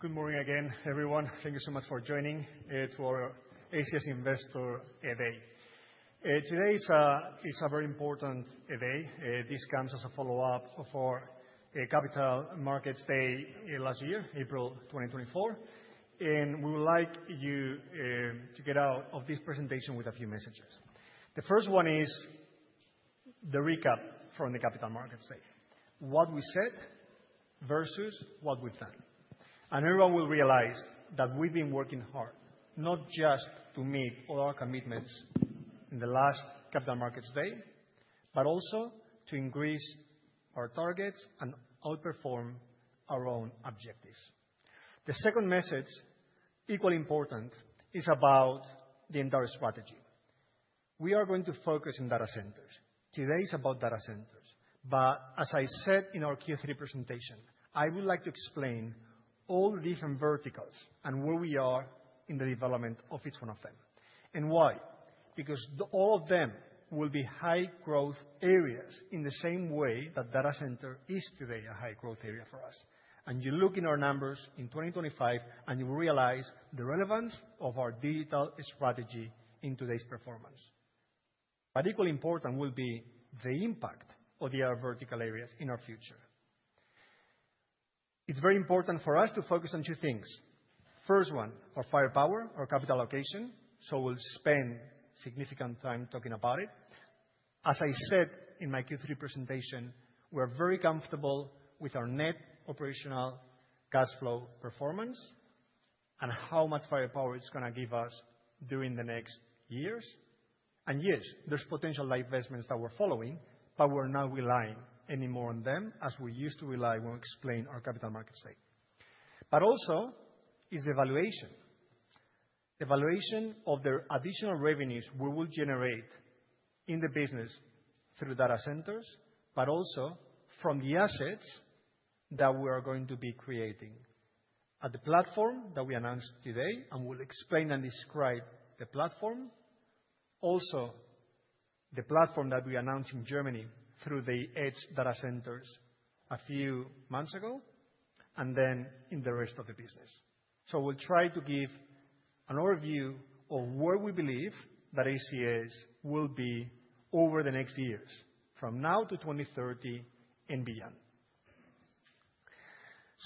Good morning again, everyone. Thank you so much for joining to our ACS Investor Day. Today is a very important day. This comes as a follow-up of our Capital Markets Day last year, April 2024. We would like you to get out of this presentation with a few messages. The first one is the recap from the Capital Markets Day: what we said versus what we've done. Everyone will realize that we've been working hard, not just to meet all our commitments in the last Capital Markets Day, but also to increase our targets and outperform our own objectives. The second message, equally important, is about the entire strategy. We are going to focus on data centers. Today is about data centers. As I said in our Q3 presentation, I would like to explain all different verticals and where we are in the development of each one of them. Why? Because all of them will be high-growth areas in the same way that data center is today a high-growth area for us. You look at our numbers in 2025, and you realize the relevance of our digital strategy in today's performance. Equally important will be the impact of the other vertical areas in our future. It's very important for us to focus on two things. First one, our firepower, our capital allocation. We'll spend significant time talking about it. As I said in my Q3 presentation, we're very comfortable with our net operational cash flow performance and how much firepower it's going to give us during the next years. Yes, there's potential investments that we're following, but we're not relying any more on them as we used to rely when we explained our Capital Markets Day. Also, it's the valuation. The valuation of the additional revenues we will generate in the business through data centers, but also from the assets that we are going to be creating at the platform that we announced today, and we'll explain and describe the platform. Also, the platform that we announced in Germany through the edge data centers a few months ago, and then in the rest of the business. We'll try to give an overview of where we believe that ACS will be over the next years, from now to 2030 and beyond.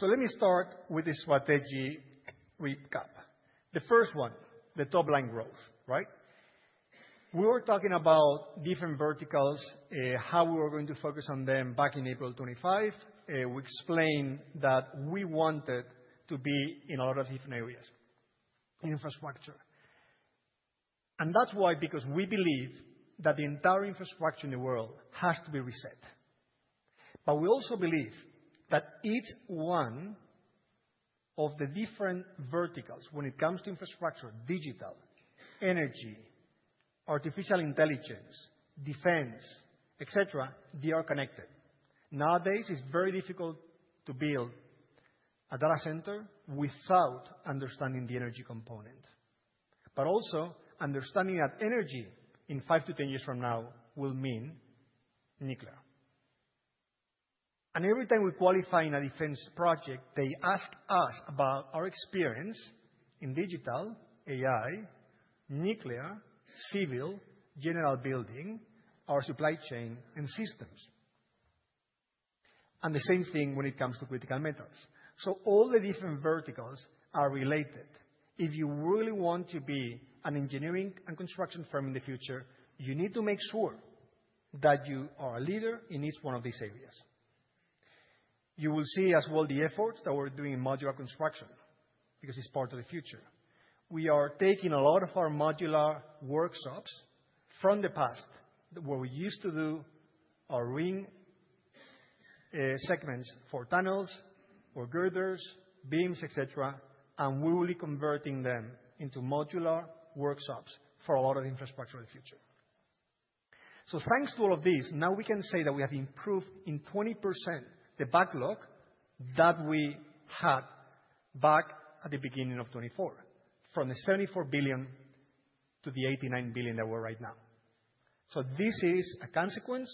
Let me start with the strategy recap. The first one, the top-line growth, right? We were talking about different verticals, how we were going to focus on them back in April 2025. We explained that we wanted to be in a lot of different areas, infrastructure. That is why, because we believe that the entire infrastructure in the world has to be reset. We also believe that each one of the different verticals, when it comes to infrastructure, digital, energy, artificial intelligence, defense, etc., they are connected. Nowadays, it is very difficult to build a data center without understanding the energy component. Also understanding that energy in five to ten years from now will mean nuclear. Every time we qualify in a defense project, they ask us about our experience in digital, AI, nuclear, civil, general building, our supply chain, and systems. The same thing when it comes to critical metals. All the different verticals are related. If you really want to be an engineering and construction firm in the future, you need to make sure that you are a leader in each one of these areas. You will see as well the efforts that we're doing in modular construction, because it's part of the future. We are taking a lot of our modular workshops from the past, where we used to do our ring segments for tunnels or girders, beams, etc., and we're really converting them into modular workshops for a lot of infrastructure in the future. Thanks to all of this, now we can say that we have improved in 20% the backlog that we had back at the beginning of 2024, from the $74 billion to the $89 billion that we're at right now. This is a consequence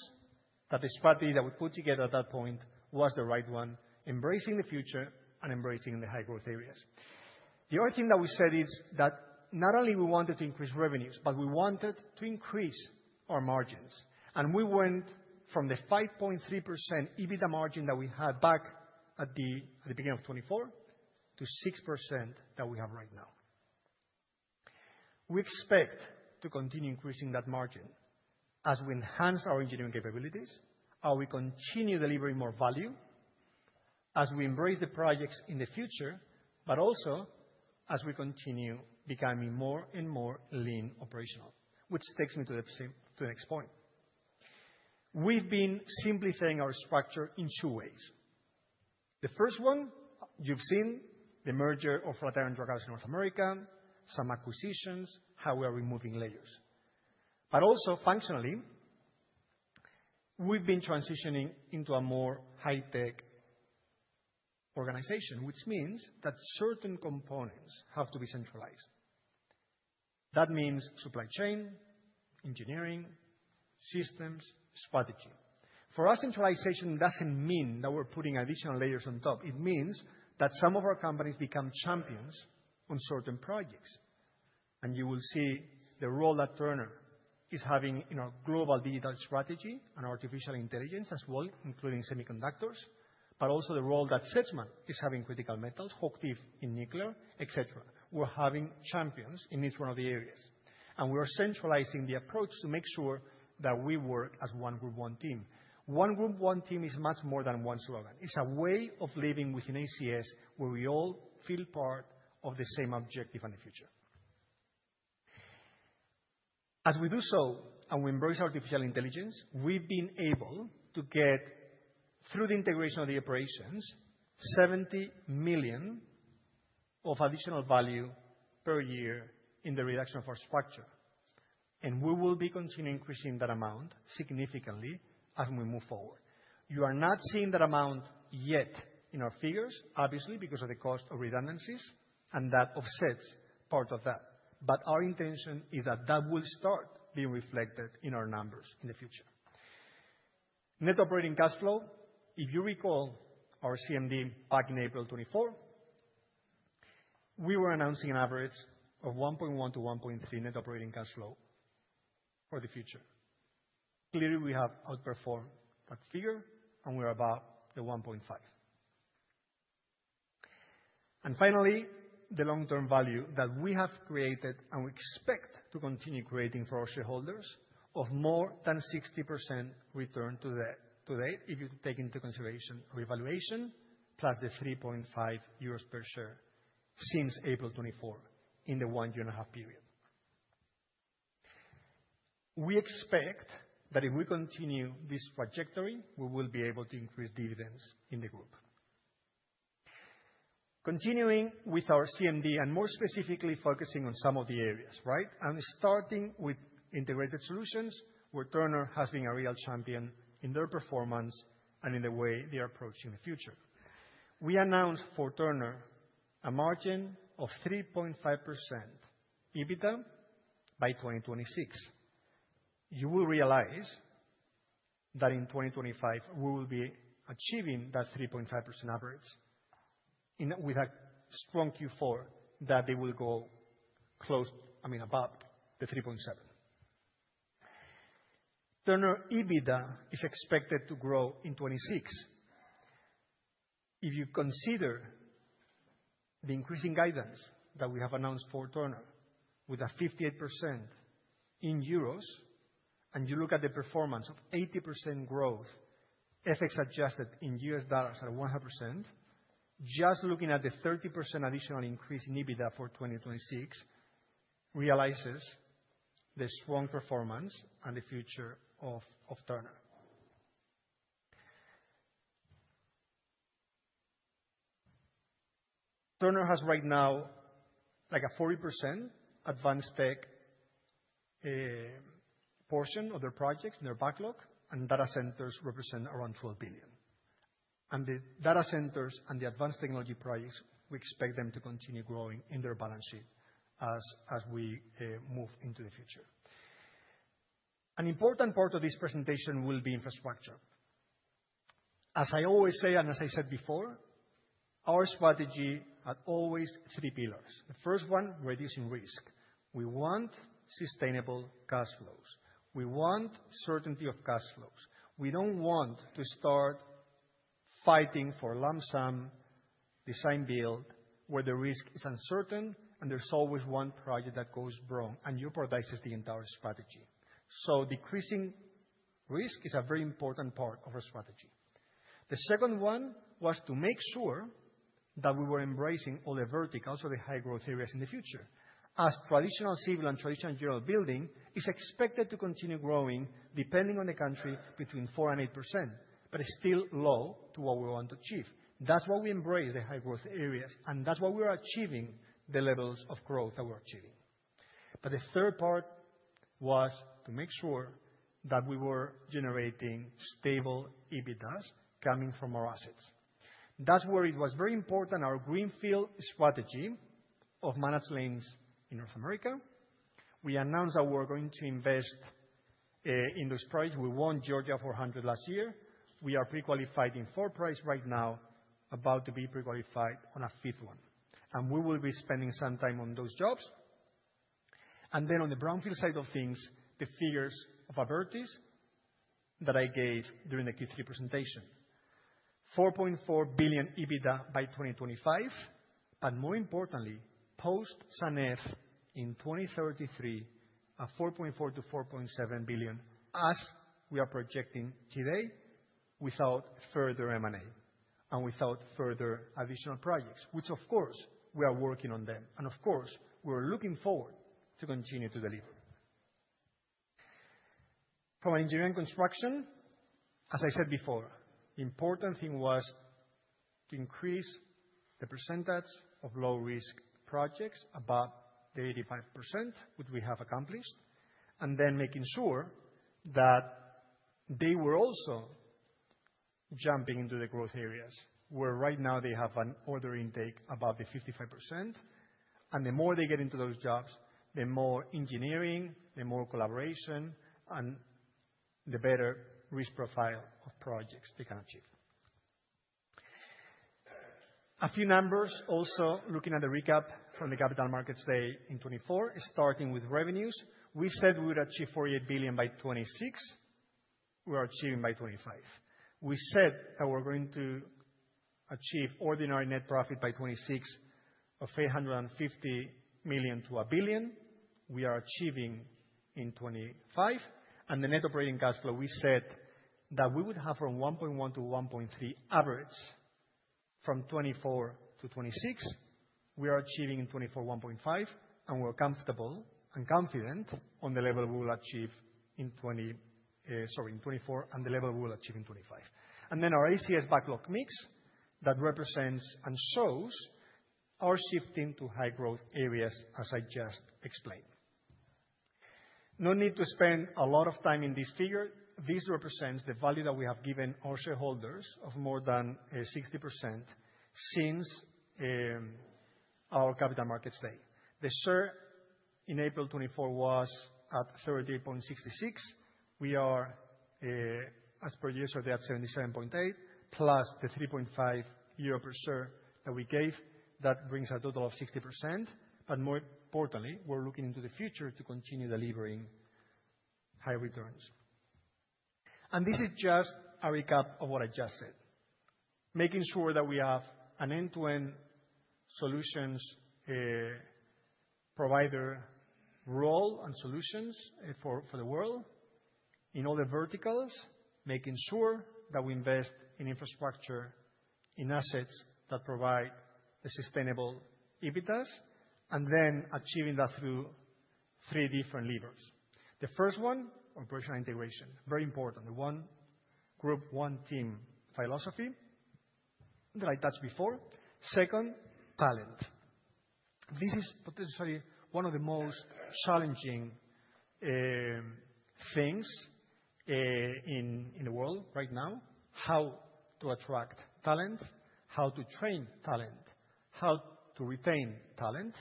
that the strategy that we put together at that point was the right one, embracing the future and embracing the high-growth areas. The other thing that we said is that not only we wanted to increase revenues, but we wanted to increase our margins. We went from the 5.3% EBITDA margin that we had back at the beginning of 2024 to 6% that we have right now. We expect to continue increasing that margin as we enhance our engineering capabilities, as we continue delivering more value, as we embrace the projects in the future, but also as we continue becoming more and more lean operational, which takes me to the next point. We have been simplifying our structure in two ways. The first one, you have seen the merger of Latera and Druckhaus in North America, some acquisitions, how we are removing layers. Also, functionally, we've been transitioning into a more high-tech organization, which means that certain components have to be centralized. That means supply chain, engineering, systems, strategy. For us, centralization doesn't mean that we're putting additional layers on top. It means that some of our companies become champions on certain projects. You will see the role that Turner is having in our global digital strategy and artificial intelligence as well, including semiconductors, but also the role that Hochtief is having in nuclear, etc. We're having champions in each one of the areas. We are centralizing the approach to make sure that we work as one group, one team. One group, one team is much more than one slogan. It's a way of living within ACS where we all feel part of the same objective and the future. As we do so, and we embrace artificial intelligence, we've been able to get, through the integration of the operations, $70 million of additional value per year in the reduction of our structure. We will be continuing increasing that amount significantly as we move forward. You are not seeing that amount yet in our figures, obviously, because of the cost of redundancies, and that offsets part of that. Our intention is that that will start being reflected in our numbers in the future. Net operating cash flow, if you recall our CMD back in April 2024, we were announcing an average of $1.1 billion-$1.3 billion net operating cash flow for the future. Clearly, we have outperformed that figure, and we are about the $1.5 billion. Finally, the long-term value that we have created and we expect to continue creating for our shareholders of more than 60% return to date if you take into consideration our evaluation plus the 3.50 euros per share since April 2024 in the one-year-and-a-half period. We expect that if we continue this trajectory, we will be able to increase dividends in the group. Continuing with our CMD and more specifically focusing on some of the areas, right? Starting with integrated solutions, where Turner has been a real champion in their performance and in the way they are approaching the future. We announced for Turner a margin of 3.5% EBITDA by 2026. You will realize that in 2025, we will be achieving that 3.5% average with a strong Q4 that they will go close, I mean, above the 3.7%. Turner EBITDA is expected to grow in 2026. If you consider the increasing guidance that we have announced for Turner with a 58% in euros, and you look at the performance of 80% growth, FX adjusted in US dollars at 100%, just looking at the 30% additional increase in EBITDA for 2026 realizes the strong performance and the future of Turner. Turner has right now like a 40% advanced tech portion of their projects in their backlog, and data centers represent around $12 billion. The data centers and the advanced technology projects, we expect them to continue growing in their balance sheet as we move into the future. An important part of this presentation will be infrastructure. As I always say, and as I said before, our strategy had always three pillars. The first one, reducing risk. We want sustainable cash flows. We want certainty of cash flows. We don't want to start fighting for lump sum design build where the risk is uncertain and there's always one project that goes wrong and jeopardizes the entire strategy. Decreasing risk is a very important part of our strategy. The second one was to make sure that we were embracing all the verticals of the high-growth areas in the future. As traditional civil and traditional general building is expected to continue growing depending on the country between 4% and 8%, but it's still low to what we want to achieve. That's why we embrace the high-growth areas, and that's why we are achieving the levels of growth that we're achieving. The third part was to make sure that we were generating stable EBITDAs coming from our assets. That's where it was very important, our greenfield strategy of managed lanes in North America. We announced that we're going to invest in those projects. We won Georgia 400 last year. We are pre-qualified in four projects right now, about to be pre-qualified on a fifth one. We will be spending some time on those jobs. On the brownfield side of things, the figures of Abertis that I gave during the Q3 presentation. $4.4 billion EBITDA by 2025, but more importantly, post-SANEF in 2033, $4.4 billion-$4.7 billion as we are projecting today without further M&A and without further additional projects, which, of course, we are working on them. We are looking forward to continue to deliver. From engineering and construction, as I said before, the important thing was to increase the percentage of low-risk projects above the 85%, which we have accomplished, and then making sure that they were also jumping into the growth areas where right now they have an order intake above the 55%. The more they get into those jobs, the more engineering, the more collaboration, and the better risk profile of projects they can achieve. A few numbers also looking at the recap from the Capital Markets Day in 2024, starting with revenues. We said we would achieve $48 billion by 2026. We are achieving by 2025. We said that we're going to achieve ordinary net profit by 2026 of $850 million-$1 billion. We are achieving in 2025. The net operating cash flow, we said that we would have from $1.1 billion-$1.3 billion average from 2024-2026. We are achieving in 2024 $1.5 billion, and we're comfortable and confident on the level we will achieve in 2024 and the level we will achieve in 2025. Our ACS backlog mix represents and shows our shifting to high-growth areas, as I just explained. No need to spend a lot of time in this figure. This represents the value that we have given our shareholders of more than 60% since our Capital Markets Day. The share in April 2024 was at $38.66. We are, as per yesterday, at $77.80, plus the 3.50 euro per share that we gave. That brings a total of 60%. More importantly, we're looking into the future to continue delivering high returns. This is just a recap of what I just said. Making sure that we have an end-to-end solutions provider role and solutions for the world in all the verticals, making sure that we invest in infrastructure, in assets that provide the sustainable EBITDAs, and then achieving that through three different levers. The first one, operational integration, very important. The one group, one team philosophy that I touched before. Second, talent. This is potentially one of the most challenging things in the world right now, how to attract talent, how to train talent, how to retain talent.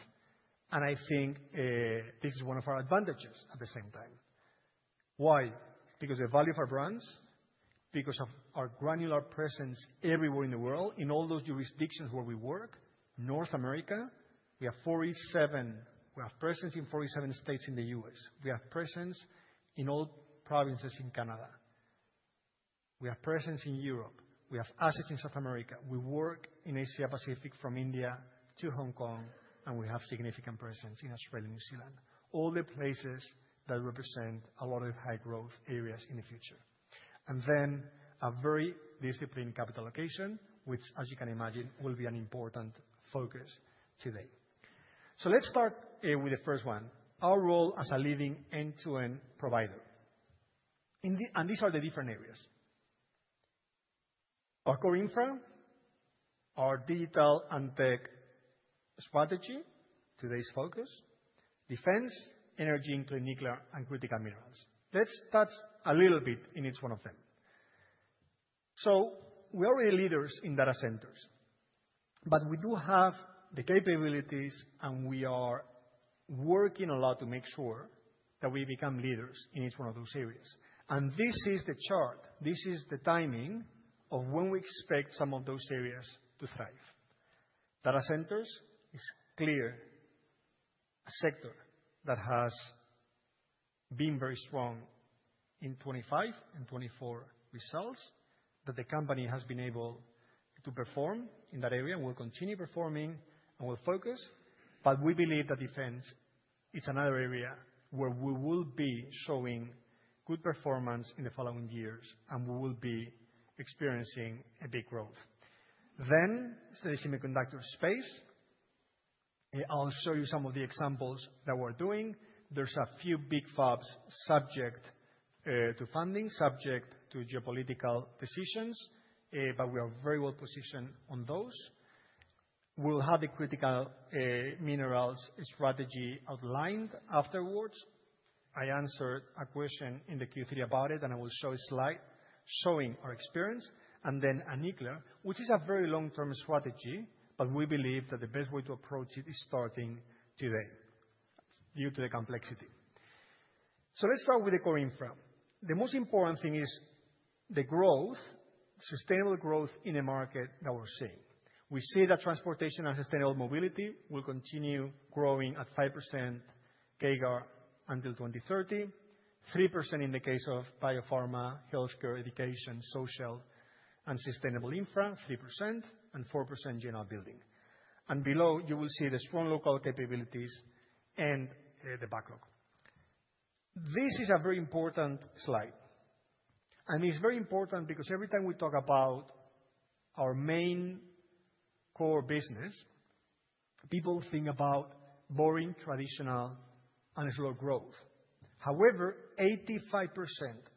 I think this is one of our advantages at the same time. Why? Because the value of our brands, because of our granular presence everywhere in the world, in all those jurisdictions where we work, North America, we have presence in 47 states in the U.S.. We have presence in all provinces in Canada. We have presence in Europe. We have assets in South America. We work in Asia-Pacific from India to Hong Kong, and we have significant presence in Australia and New Zealand, all the places that represent a lot of high-growth areas in the future. A very disciplined capital allocation, which, as you can imagine, will be an important focus today. Let's start with the first one, our role as a leading end-to-end provider. These are the different areas. Our core infra, our digital and tech strategy, today's focus, defense, energy, including nuclear and critical minerals. Let's touch a little bit in each one of them. We are already leaders in data centers, but we do have the capabilities, and we are working a lot to make sure that we become leaders in each one of those areas. This is the chart. This is the timing of when we expect some of those areas to thrive. Data centers is clear sector that has been very strong in 2025 and 2024 results that the company has been able to perform in that area and will continue performing and will focus. We believe that defense is another area where we will be showing good performance in the following years, and we will be experiencing a big growth. The semiconductor space, I'll show you some of the examples that we're doing. There's a few big fabs subject to funding, subject to geopolitical decisions, but we are very well positioned on those. We'll have the critical minerals strategy outlined afterwards. I answered a question in the Q3 about it, and I will show a slide showing our experience. A nuclear, which is a very long-term strategy, but we believe that the best way to approach it is starting today due to the complexity. Let's start with the core infra. The most important thing is the growth, sustainable growth in a market that we're seeing. We see that transportation and sustainable mobility will continue growing at 5% CAGR until 2030, 3% in the case of biopharma, healthcare, education, social, and sustainable infra, 3%, and 4% general building. Below, you will see the strong local capabilities and the backlog. This is a very important slide. It is very important because every time we talk about our main core business, people think about boring, traditional, and slow growth. However, 85%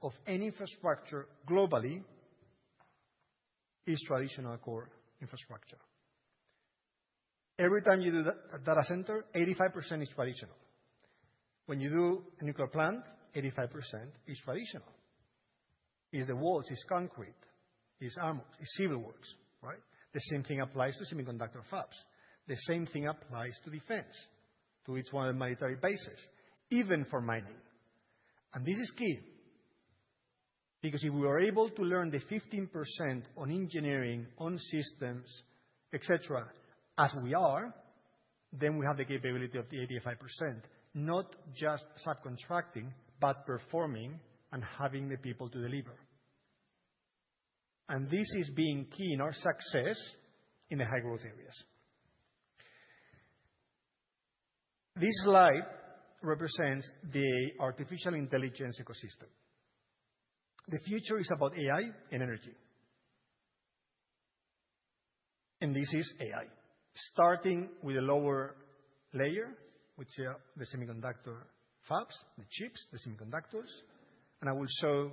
of any infrastructure globally is traditional core infrastructure. Every time you do data center, 85% is traditional. When you do a nuclear plant, 85% is traditional. It's the walls, it's concrete, it's armored, it's civil works, right? The same thing applies to semiconductor fabs. The same thing applies to defense, to each one of the military bases, even for mining. This is key because if we are able to learn the 15% on engineering, on systems, etc., as we are, then we have the capability of the 85%, not just subcontracting, but performing and having the people to deliver. This is being key in our success in the high-growth areas. This slide represents the artificial intelligence ecosystem. The future is about AI and energy. This is AI, starting with the lower layer, which are the semiconductor fabs, the chips, the semiconductors. I will show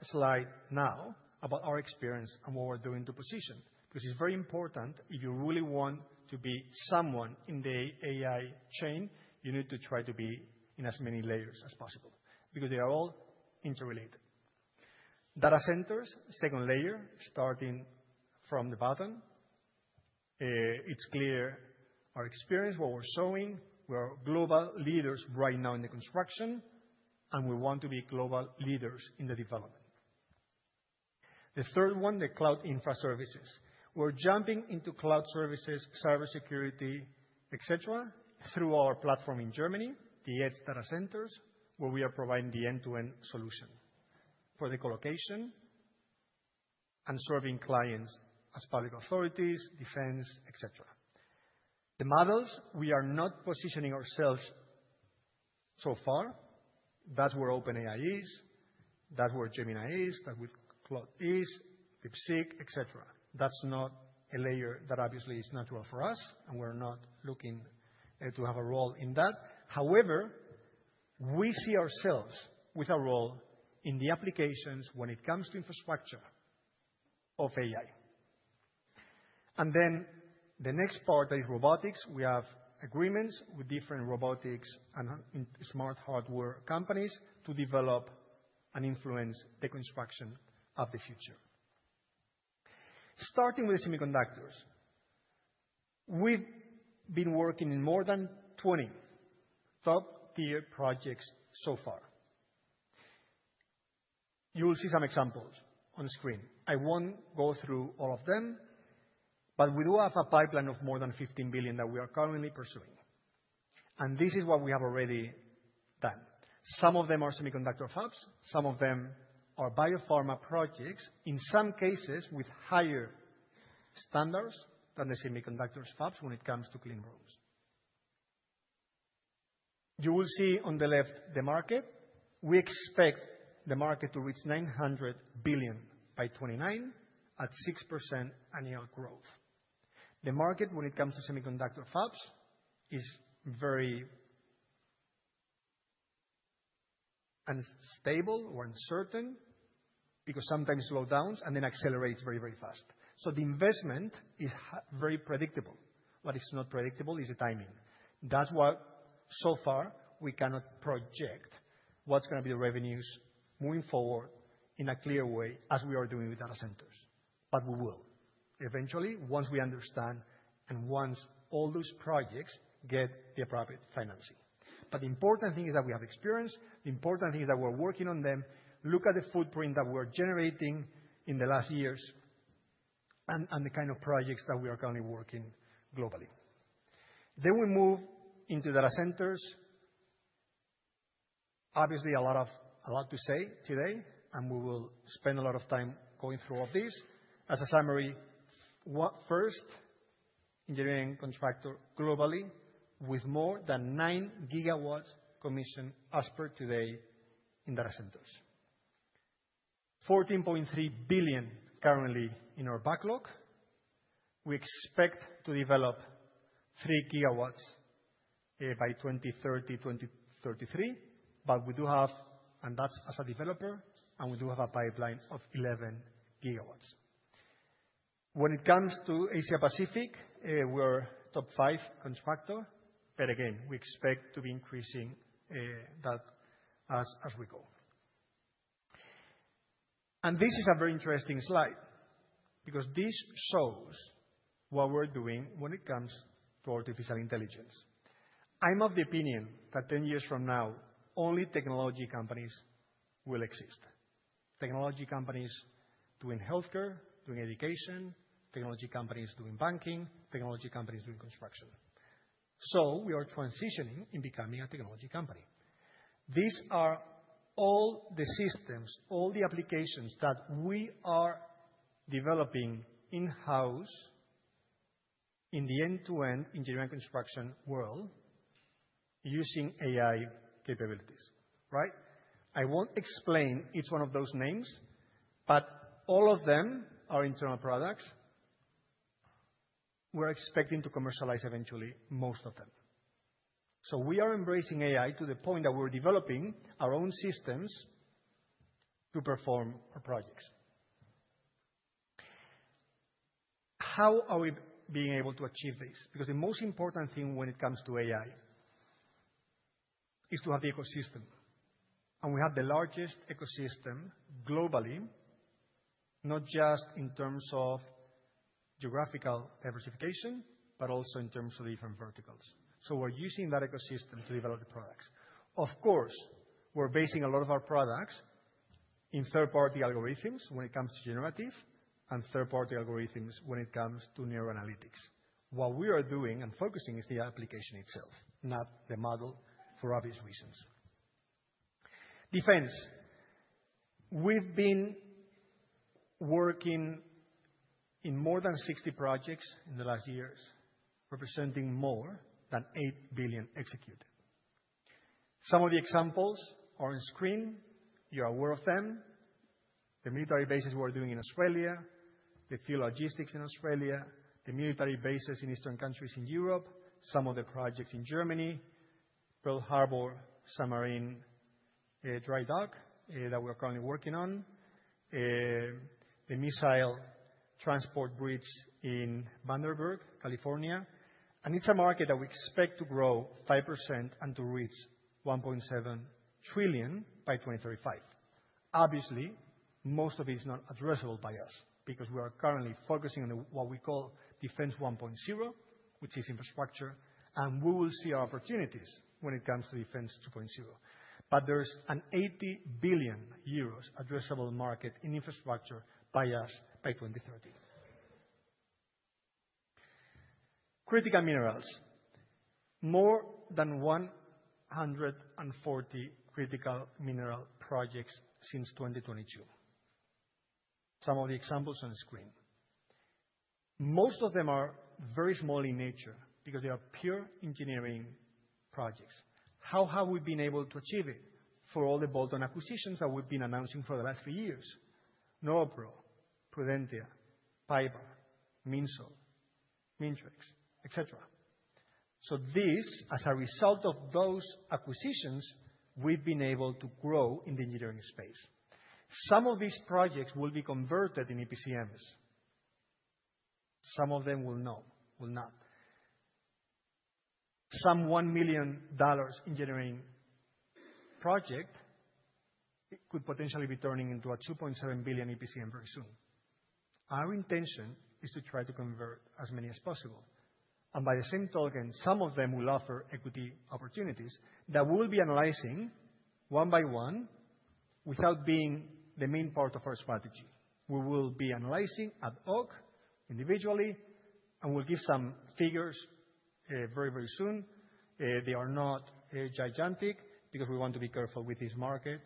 a slide now about our experience and what we're doing to position because it's very important if you really want to be someone in the AI chain, you need to try to be in as many layers as possible because they are all interrelated. Data centers, second layer, starting from the bottom. It's clear our experience, what we're showing. We are global leaders right now in the construction, and we want to be global leaders in the development. The third one, the cloud infra services. We're jumping into cloud services, cybersecurity, etc., through our platform in Germany, the Edge Data Centers, where we are providing the end-to-end solution for the colocation and serving clients as public authorities, defense, etc. The models, we are not positioning ourselves so far. That's where OpenAI is, that's where Gemini is, that's where Claude is, DeepSeek, etc. That's not a layer that obviously is natural for us, and we're not looking to have a role in that. However, we see ourselves with a role in the applications when it comes to infrastructure of AI. The next part is robotics. We have agreements with different robotics and smart hardware companies to develop and influence the construction of the future. Starting with the semiconductors, we've been working in more than 20 top-tier projects so far. You will see some examples on the screen. I won't go through all of them, but we do have a pipeline of more than $15 billion that we are currently pursuing. This is what we have already done. Some of them are semiconductor fabs. Some of them are biopharma projects, in some cases with higher standards than the semiconductor fabs when it comes to clean rooms. You will see on the left the market. We expect the market to reach $900 billion by 2029 at 6% annual growth. The market, when it comes to semiconductor fabs, is very unstable or uncertain because sometimes slowdowns and then accelerates very, very fast. So the investment is very predictable. What is not predictable is the timing. That is why so far we cannot project what is going to be the revenues moving forward in a clear way as we are doing with data centers. We will eventually, once we understand and once all those projects get the appropriate financing. The important thing is that we have experience. The important thing is that we are working on them. Look at the footprint that we are generating in the last years and the kind of projects that we are currently working globally. We move into data centers. Obviously, a lot to say today, and we will spend a lot of time going through all of these. As a summary, first, engineering and contractor globally with more than 9 GW commissioned as per today in data centers. $14.3 billion currently in our backlog. We expect to develop 3 GW by 2030, 2033, but we do have, and that's as a developer, and we do have a pipeline of 11 GW. When it comes to Asia-Pacific, we're top five contractor, but again, we expect to be increasing that as we go. This is a very interesting slide because this shows what we're doing when it comes to artificial intelligence. I'm of the opinion that 10 years from now, only technology companies will exist. Technology companies doing healthcare, doing education, technology companies doing banking, technology companies doing construction. We are transitioning in becoming a technology company. These are all the systems, all the applications that we are developing in-house in the end-to-end engineering construction world using AI capabilities, right? I won't explain. It's one of those names, but all of them are internal products. We're expecting to commercialize eventually most of them. We are embracing AI to the point that we're developing our own systems to perform our projects. How are we being able to achieve this? The most important thing when it comes to AI is to have the ecosystem. We have the largest ecosystem globally, not just in terms of geographical diversification, but also in terms of different verticals. We're using that ecosystem to develop the products. Of course, we're basing a lot of our products in third-party algorithms when it comes to generative and third-party algorithms when it comes to neuroanalytics. What we are doing and focusing is the application itself, not the model for obvious reasons. Defense. We've been working in more than 60 projects in the last years, representing more than $8 billion executed. Some of the examples are on screen. You're aware of them. The military bases we're doing in Australia, the field logistics in Australia, the military bases in Eastern countries in Europe, some of the projects in Germany, Pearl Harbor, submarine, dry dock that we're currently working on, the missile transport bridge in Vandenberg, California. It is a market that we expect to grow 5% and to reach $1.7 trillion by 2035. Obviously, most of it is not addressable by us because we are currently focusing on what we call Defense 1.0, which is infrastructure, and we will see our opportunities when it comes to Defense 2.0. There is an 80 billion euros addressable market in infrastructure by us by 2030. Critical minerals. More than 140 critical mineral projects since 2022. Some of the examples on the screen. Most of them are very small in nature because they are pure engineering projects. How have we been able to achieve it for all the bolt-on acquisitions that we have been announcing for the last few years? Novapro, Prudentia, Pipar, Minsol, Mintrix, etc. As a result of those acquisitions, we have been able to grow in the engineering space. Some of these projects will be converted in EPCMs. Some of them will not. Some $1 million engineering project could potentially be turning into a $2.7 billion EPCM very soon. Our intention is to try to convert as many as possible. By the same token, some of them will offer equity opportunities that we will be analyzing one by one without being the main part of our strategy. We will be analyzing at Oak individually, and we'll give some figures very, very soon. They are not gigantic because we want to be careful with this market.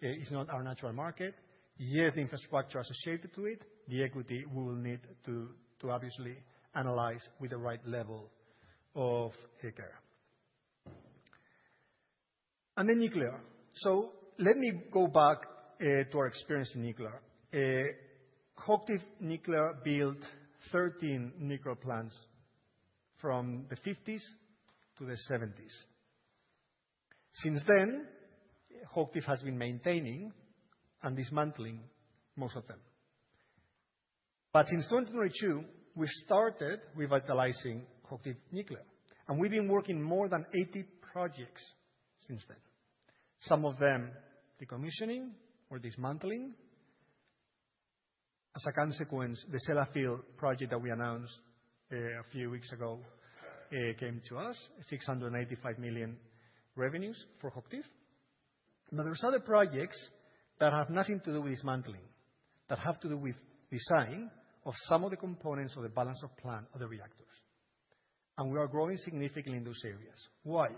It's not our natural market. Yes, the infrastructure associated to it, the equity we will need to obviously analyze with the right level of care. Then nuclear. Let me go back to our experience in nuclear. Hochtief Nuclear built 13 nuclear plants from the 1950s to the 1970s. Since then, Hochtief has been maintaining and dismantling most of them. Since 2022, we started revitalizing Hochtief Nuclear, and we've been working more than 80 projects since then. Some of them decommissioning or dismantling. As a consequence, the Sellafield project that we announced a few weeks ago came to us, $685 million revenues for Hochtief. There are other projects that have nothing to do with dismantling, that have to do with design of some of the components of the balance of plant or the reactors. We are growing significantly in those areas. Why?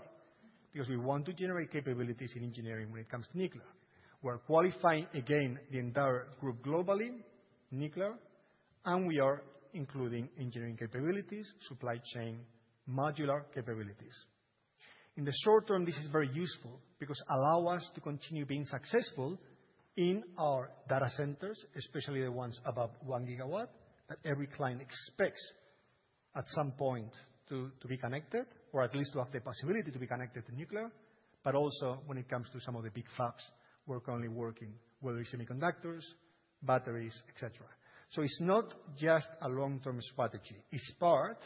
Because we want to generate capabilities in engineering when it comes to nuclear. We are qualifying again the entire group globally, nuclear, and we are including engineering capabilities, supply chain, modular capabilities. In the short term, this is very useful because it allows us to continue being successful in our data centers, especially the ones above 1 gigawatt that every client expects at some point to be connected or at least to have the possibility to be connected to nuclear. But also when it comes to some of the big fabs, we're currently working, whether it's semiconductors, batteries, etc. It's not just a long-term strategy. It is part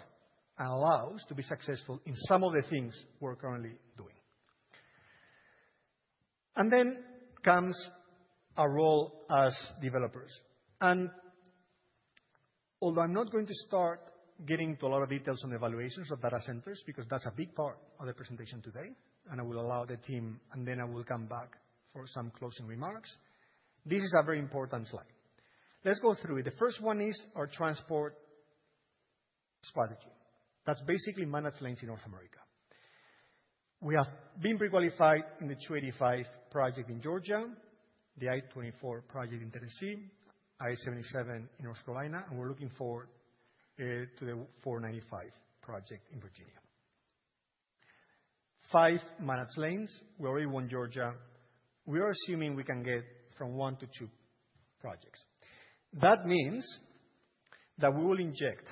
and allows to be successful in some of the things we're currently doing. Then comes our role as developers. Although I'm not going to start getting into a lot of details on the evaluations of data centers because that's a big part of the presentation today, and I will allow the team, and then I will come back for some closing remarks, this is a very important slide. Let's go through it. The first one is our transport strategy. That's basically managed lanes in North America. We have been pre-qualified in the 285 project in Georgia, the I-24 project in Tennessee, I-77 in North Carolina, and we're looking forward to the 495 project in Virginia. Five managed lanes. We already won Georgia. We are assuming we can get from one to two projects. That means that we will inject,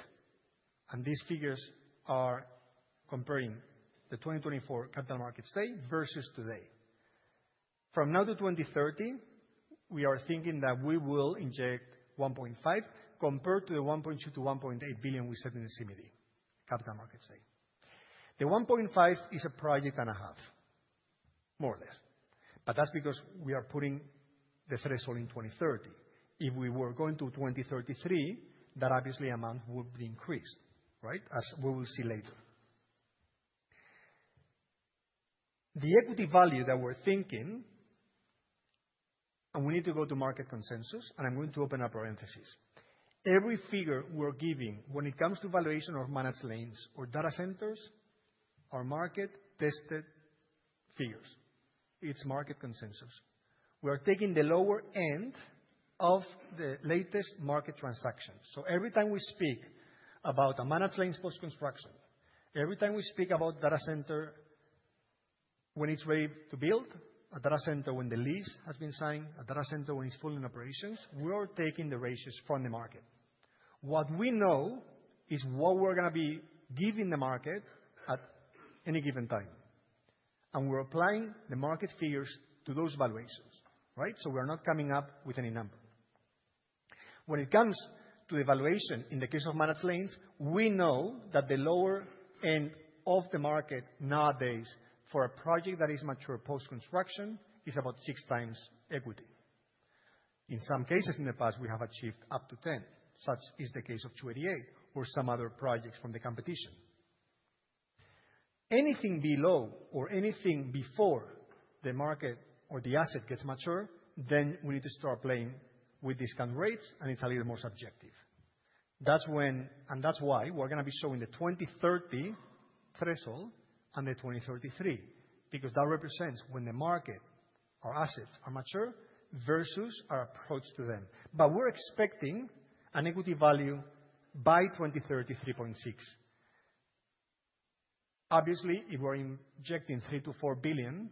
and these figures are comparing the 2024 capital markets day versus today. From now to 2030, we are thinking that we will inject $1.5 billion compared to the $1.2 billion-$1.8 billion we said in the CMD capital markets day. The $1.5 billion is a project and a half, more or less. That is because we are putting the threshold in 2030. If we were going to 2033, that obviously amount would be increased, right? As we will see later. The equity value that we are thinking, and we need to go to market consensus, and I am going to open a parenthesis. Every figure we are giving when it comes to valuation of managed lanes or data centers are market-tested figures. It is market consensus. We are taking the lower end of the latest market transactions. Every time we speak about a managed lane post-construction, every time we speak about a data center when it is ready to build, a data center when the lease has been signed, a data center when it is full in operations, we are taking the ratios from the market. What we know is what we are going to be giving the market at any given time. We are applying the market figures to those valuations, right? We are not coming up with any number. When it comes to the valuation in the case of managed lanes, we know that the lower end of the market nowadays for a project that is mature post-construction is about six times equity. In some cases in the past, we have achieved up to 10. Such is the case of 288 or some other projects from the competition. Anything below or anything before the market or the asset gets mature, then we need to start playing with discount rates, and it's a little more subjective. That's why we're going to be showing the 2030 threshold and the 2033 because that represents when the market, our assets are mature versus our approach to them. We're expecting an equity value by 2033.6. Obviously, if we're injecting $3 billion to $4 billion,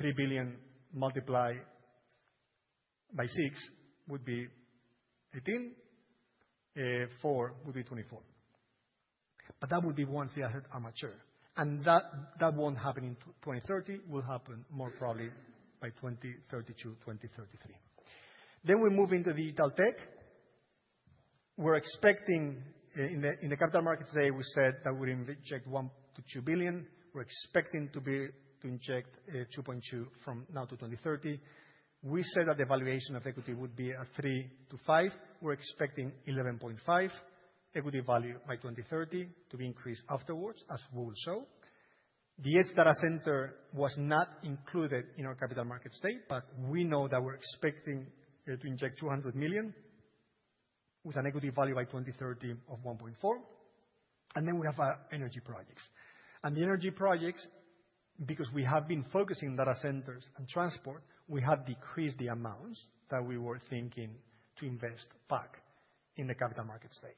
$3 billion multiplied by 6 would be 18, 4 would be 24. That would be once the assets are mature. That won't happen in 2030. It will happen more probably by 2032, 2033. We move into digital tech. We're expecting in the capital markets day, we said that we're going to inject $1 billion to $2 billion. We're expecting to inject $2.2 billion from now to 2030. We said that the valuation of equity would be $3 billion to $5 billion. We're expecting $11.5 billion equity value by 2030 to be increased afterwards, as we will show. The edge data center was not included in our capital markets day, but we know that we're expecting to inject $200 million with an equity value by 2030 of $1.4 billion. Then we have our energy projects. The energy projects, because we have been focusing on data centers and transport, we have decreased the amounts that we were thinking to invest back in the capital markets day.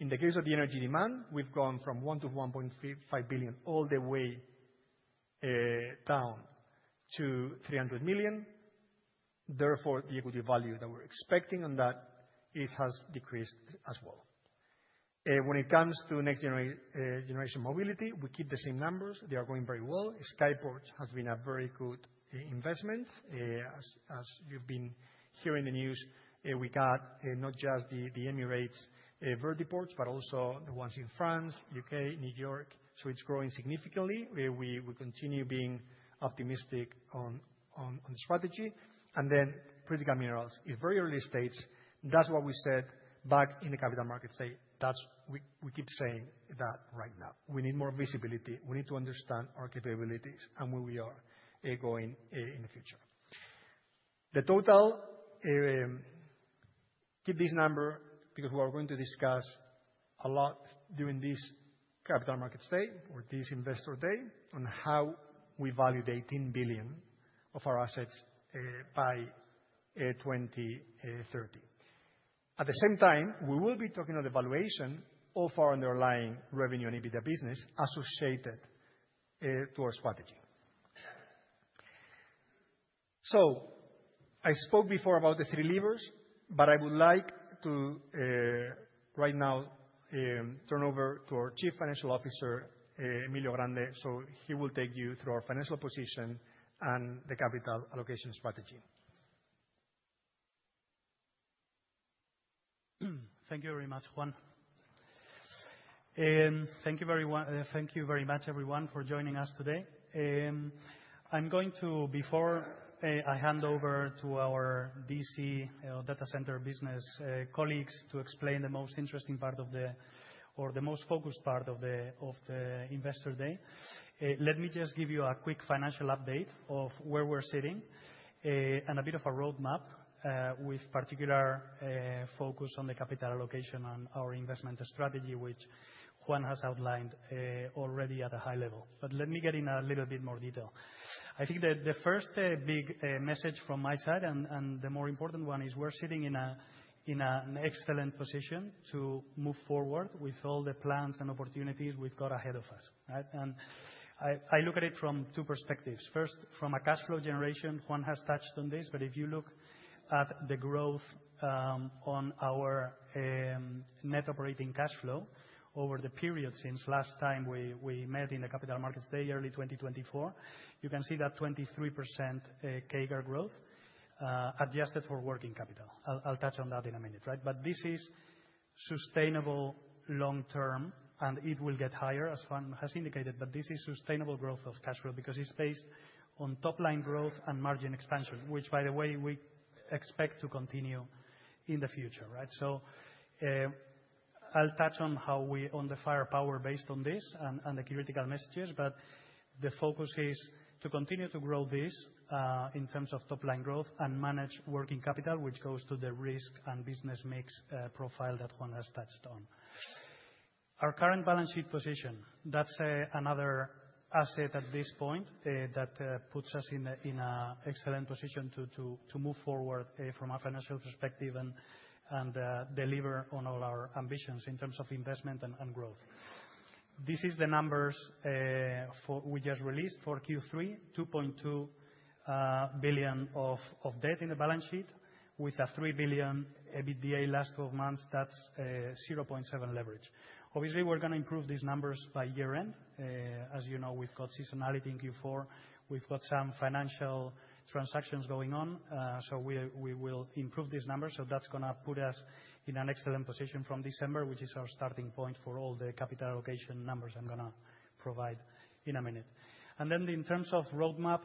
In the case of the energy demand, we've gone from $1 billion-$1.5 billion all the way down to $300 million. Therefore, the equity value that we're expecting on that has decreased as well. When it comes to next generation mobility, we keep the same numbers. They are going very well. SkyPorts has been a very good investment. As you have been hearing the news, we got not just the Emirates VertiPorts, but also the ones in France, the U.K., New York. It is growing significantly. We continue being optimistic on the strategy. Critical minerals is very early stage. That is what we said back in the capital markets day. We keep saying that right now. We need more visibility. We need to understand our capabilities and where we are going in the future. The total, keep this number because we are going to discuss a lot during this capital markets day or this investor day on how we value the $18 billion of our assets by 2030. At the same time, we will be talking on the valuation of our underlying revenue and EBITDA business associated to our strategy. I spoke before about the three levers, but I would like to right now turn over to our Chief Financial Officer, Emilio Grande, so he will take you through our financial position and the capital allocation strategy. Thank you very much, Juan. Thank you very much, everyone, for joining us today. I'm going to, before I hand over to our DC data center business colleagues to explain the most interesting part of the or the most focused part of the investor day, let me just give you a quick financial update of where we're sitting and a bit of a roadmap with particular focus on the capital allocation and our investment strategy, which Juan has outlined already at a high level. Let me get in a little bit more detail. I think the first big message from my side and the more important one is we're sitting in an excellent position to move forward with all the plans and opportunities we've got ahead of us. I look at it from two perspectives. First, from a cash flow generation, Juan has touched on this, but if you look at the growth on our net operating cash flow over the period since last time we met in the capital markets day, early 2024, you can see that 23% CAGR growth adjusted for working capital. I'll touch on that in a minute, right? This is sustainable long term, and it will get higher, as Juan has indicated, but this is sustainable growth of cash flow because it's based on top-line growth and margin expansion, which, by the way, we expect to continue in the future, right? I'll touch on how we on the firepower based on this and the critical messages, but the focus is to continue to grow this in terms of top-line growth and manage working capital, which goes to the risk and business mix profile that Juan has touched on. Our current balance sheet position, that's another asset at this point that puts us in an excellent position to move forward from a financial perspective and deliver on all our ambitions in terms of investment and growth. This is the numbers we just released for Q3, $2.2 billion of debt in the balance sheet with a $3 billion EBITDA last 12 months. That's 0.7 leverage. Obviously, we're going to improve these numbers by year-end. As you know, we've got seasonality in Q4. We've got some financial transactions going on, so we will improve these numbers. That's going to put us in an excellent position from December, which is our starting point for all the capital allocation numbers I'm going to provide in a minute. In terms of roadmap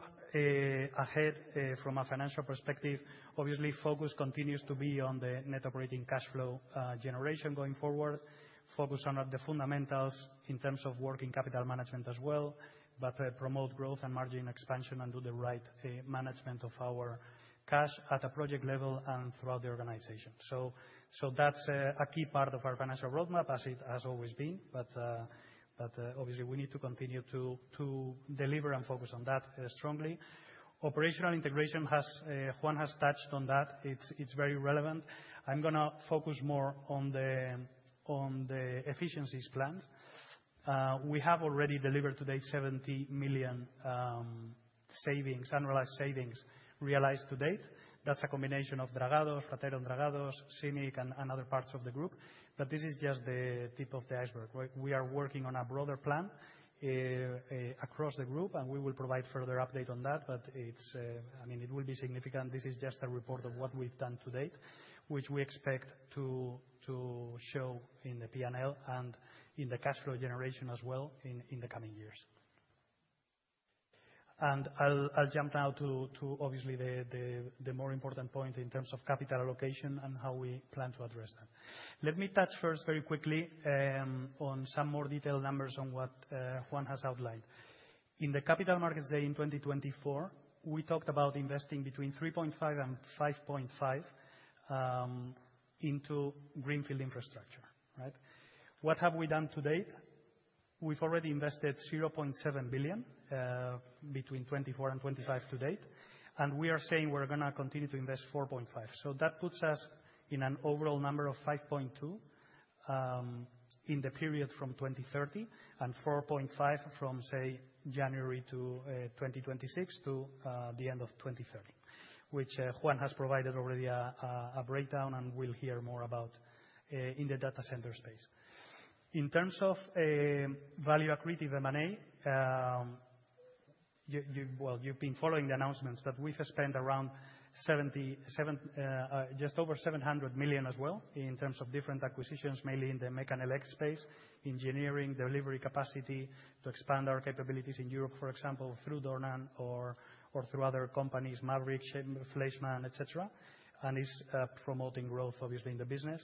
ahead from a financial perspective, obviously, focus continues to be on the net operating cash flow generation going forward, focus on the fundamentals in terms of working capital management as well, but promote growth and margin expansion and do the right management of our cash at a project level and throughout the organization. That's a key part of our financial roadmap, as it has always been, but obviously, we need to continue to deliver and focus on that strongly. Operational integration, as Juan has touched on, is very relevant. I'm going to focus more on the efficiencies plans. We have already delivered to date $70 million annualized savings realized to date. That's a combination of Dragados, Ratero Dragados, Scenic, and other parts of the group. This is just the tip of the iceberg. We are working on a broader plan across the group, and we will provide further update on that. I mean, it will be significant. This is just a report of what we've done to date, which we expect to show in the P&L and in the cash flow generation as well in the coming years. I'll jump now to, obviously, the more important point in terms of capital allocation and how we plan to address that. Let me touch first very quickly on some more detailed numbers on what Juan has outlined. In the capital markets day in 2024, we talked about investing between $3.5 billion and $5.5 billion into greenfield infrastructure, right? What have we done to date? We've already invested $700 million between 2024 and 2025 to date, and we are saying we're going to continue to invest $4.5 billion. That puts us in an overall number of $5.2 billion in the period from 2024 to 2030 and $4.5 billion from, say, January 2026 to the end of 2030, which Juan has provided already a breakdown and we'll hear more about in the data center space. In terms of value accretive M&A, you have been following the announcements, but we have spent around just over $700 million as well in terms of different acquisitions, mainly in the mech and elec space, engineering, delivery capacity to expand our capabilities in Europe, for example, through Dornan or through other companies, Maverick, Schliessman, etc., and is promoting growth, obviously, in the business.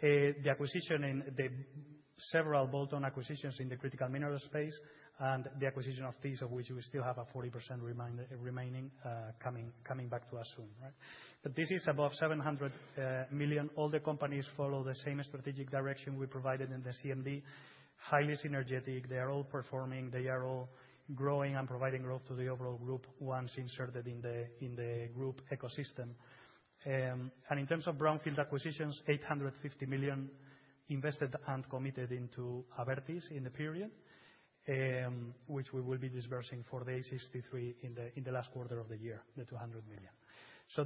The acquisition in the several bolt-on acquisitions in the critical mineral space and the acquisition of these, of which we still have a 40% remaining coming back to us soon, right? This is above $700 million. All the companies follow the same strategic direction we provided in the CMD. Highly synergetic. They are all performing. They are all growing and providing growth to the overall group once inserted in the group ecosystem. In terms of brownfield acquisitions, $850 million invested and committed into Abertis in the period, which we will be disbursing for the A63 in the last quarter of the year, the $200 million.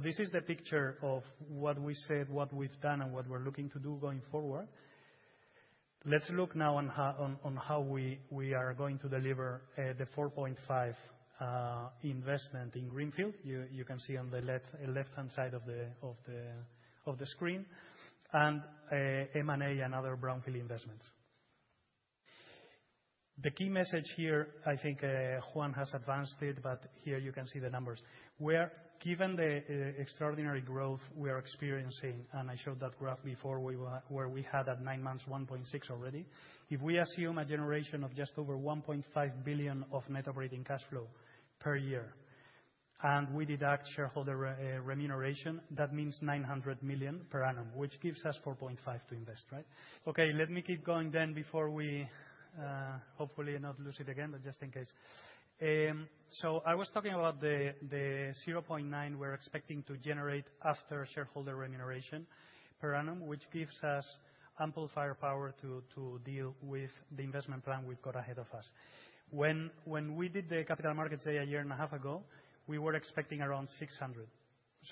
This is the picture of what we said, what we've done, and what we're looking to do going forward. Let's look now on how we are going to deliver the $4.5 billion investment in greenfield. You can see on the left-hand side of the screen. M&A and other brownfield investments. The key message here, I think Juan has advanced it, but here you can see the numbers. Given the extraordinary growth we are experiencing, and I showed that graph before where we had at nine months $1.6 already, if we assume a generation of just over $1.5 billion of net operating cash flow per year and we deduct shareholder remuneration, that means $900 million per annum, which gives us $4.5 to invest, right? Okay, let me keep going then before we hopefully not lose it again, but just in case. I was talking about the $0.9 we're expecting to generate after shareholder remuneration per annum, which gives us ample firepower to deal with the investment plan we've got ahead of us. When we did the capital markets day a year and a half ago, we were expecting around $600.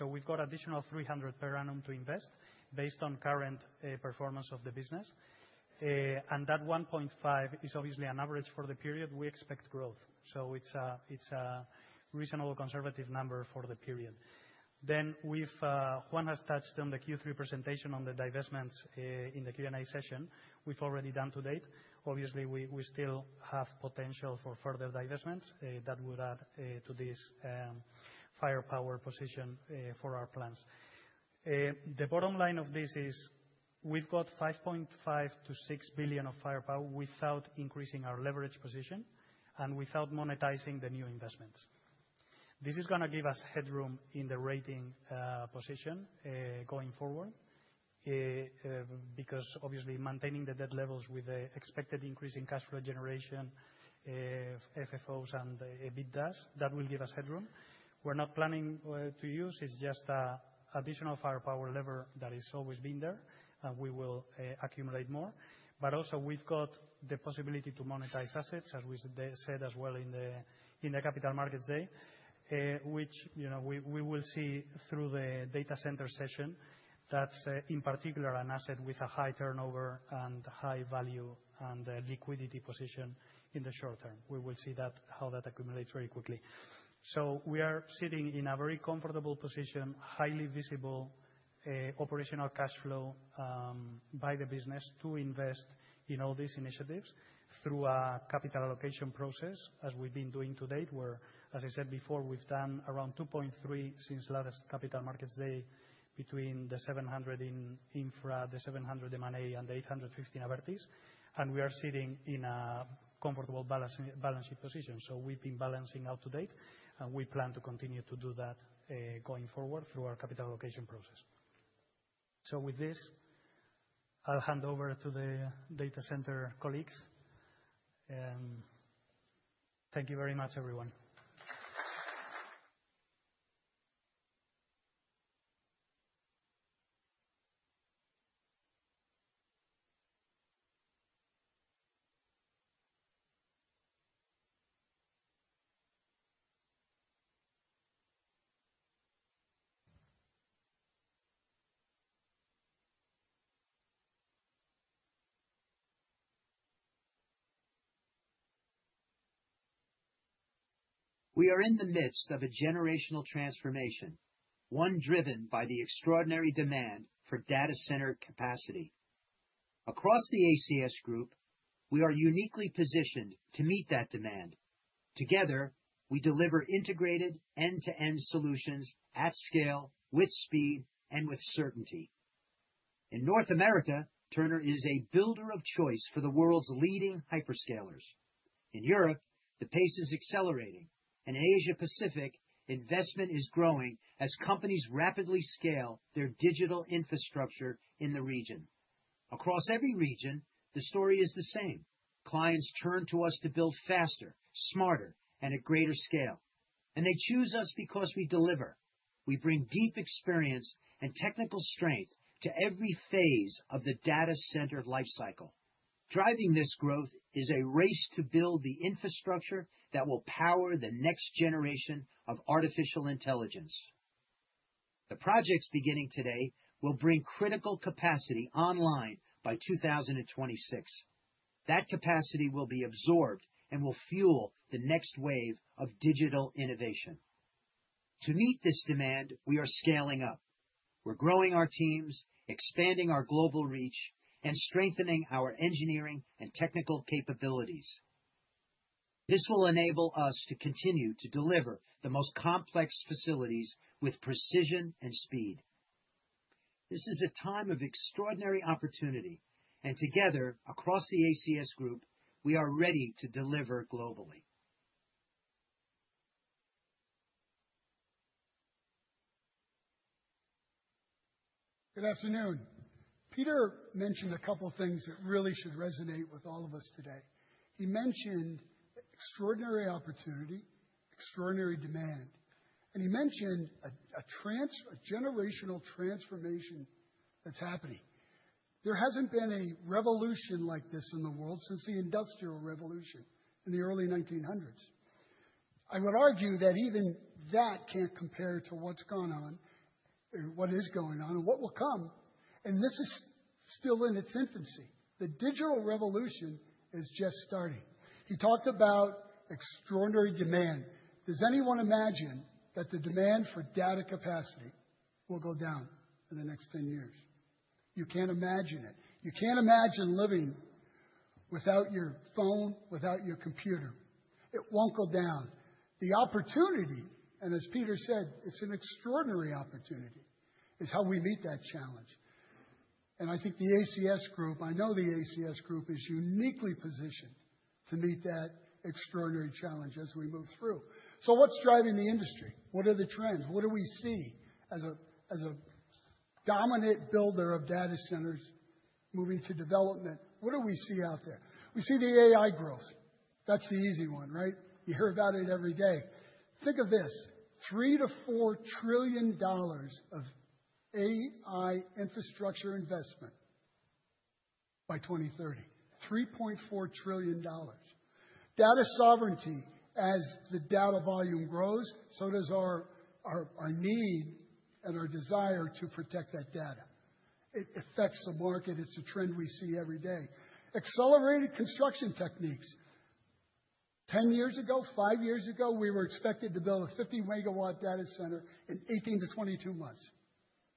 We've got additional $300 per annum to invest based on current performance of the business. That $1.5 is obviously an average for the period. We expect growth. It is a reasonable conservative number for the period. Juan has touched on the Q3 presentation on the divestments in the Q&A session we have already done to date. Obviously, we still have potential for further divestments that would add to this firepower position for our plans. The bottom line of this is we have got $5.5 billion-$6 billion of firepower without increasing our leverage position and without monetizing the new investments. This is going to give us headroom in the rating position going forward because, obviously, maintaining the debt levels with the expected increase in cash flow generation, FFOs, and EBITDAs, that will give us headroom. We are not planning to use it. It is just an additional firepower lever that has always been there, and we will accumulate more. Also, we've got the possibility to monetize assets, as we said as well in the capital markets day, which we will see through the data center session. That's, in particular, an asset with a high turnover and high value and liquidity position in the short term. We will see how that accumulates very quickly. We are sitting in a very comfortable position, highly visible operational cash flow by the business to invest in all these initiatives through a capital allocation process, as we've been doing to date, where, as I said before, we've done around $2.3 billion since last capital markets day between the $700 million in infra, the $700 million M&A, and the $850 million in Abertis. We are sitting in a comfortable balance sheet position. We've been balancing out to date, and we plan to continue to do that going forward through our capital allocation process. With this, I'll hand over to the data center colleagues. Thank you very much, everyone. We are in the midst of a generational transformation, one driven by the extraordinary demand for data center capacity. Across the ACS Group, we are uniquely positioned to meet that demand. Together, we deliver integrated end-to-end solutions at scale, with speed, and with certainty. In North America, Turner is a builder of choice for the world's leading hyperscalers. In Europe, the pace is accelerating, and in Asia-Pacific, investment is growing as companies rapidly scale their digital infrastructure in the region. Across every region, the story is the same. Clients turn to us to build faster, smarter, and at greater scale. They choose us because we deliver. We bring deep experience and technical strength to every phase of the data center lifecycle. Driving this growth is a race to build the infrastructure that will power the next generation of artificial intelligence. The projects beginning today will bring critical capacity online by 2026. That capacity will be absorbed and will fuel the next wave of digital innovation. To meet this demand, we are scaling up. We're growing our teams, expanding our global reach, and strengthening our engineering and technical capabilities. This will enable us to continue to deliver the most complex facilities with precision and speed. This is a time of extraordinary opportunity, and together, across the ACS Group, we are ready to deliver globally. Good afternoon. Peter mentioned a couple of things that really should resonate with all of us today. He mentioned extraordinary opportunity, extraordinary demand, and he mentioned a generational transformation that's happening. There hasn't been a revolution like this in the world since the Industrial Revolution in the early 1900s. I would argue that even that can't compare to what's gone on, what is going on, and what will come. This is still in its infancy. The digital revolution is just starting. He talked about extraordinary demand. Does anyone imagine that the demand for data capacity will go down in the next 10 years? You can't imagine it. You can't imagine living without your phone, without your computer. It won't go down. The opportunity, and as Peter said, it's an extraordinary opportunity, is how we meet that challenge. I think the ACS Group, I know the ACS Group is uniquely positioned to meet that extraordinary challenge as we move through. What is driving the industry? What are the trends? What do we see as a dominant builder of data centers moving to development? What do we see out there? We see the AI growth. That's the easy one, right? You hear about it every day. Think of this: $3 trillion-$4 trillion of AI infrastructure investment by 2030. $3.4 trillion. Data sovereignty, as the data volume grows, so does our need and our desire to protect that data. It affects the market. It's a trend we see every day. Accelerated construction techniques. Ten years ago, five years ago, we were expected to build a 50 MW data center in 18 months-22 months.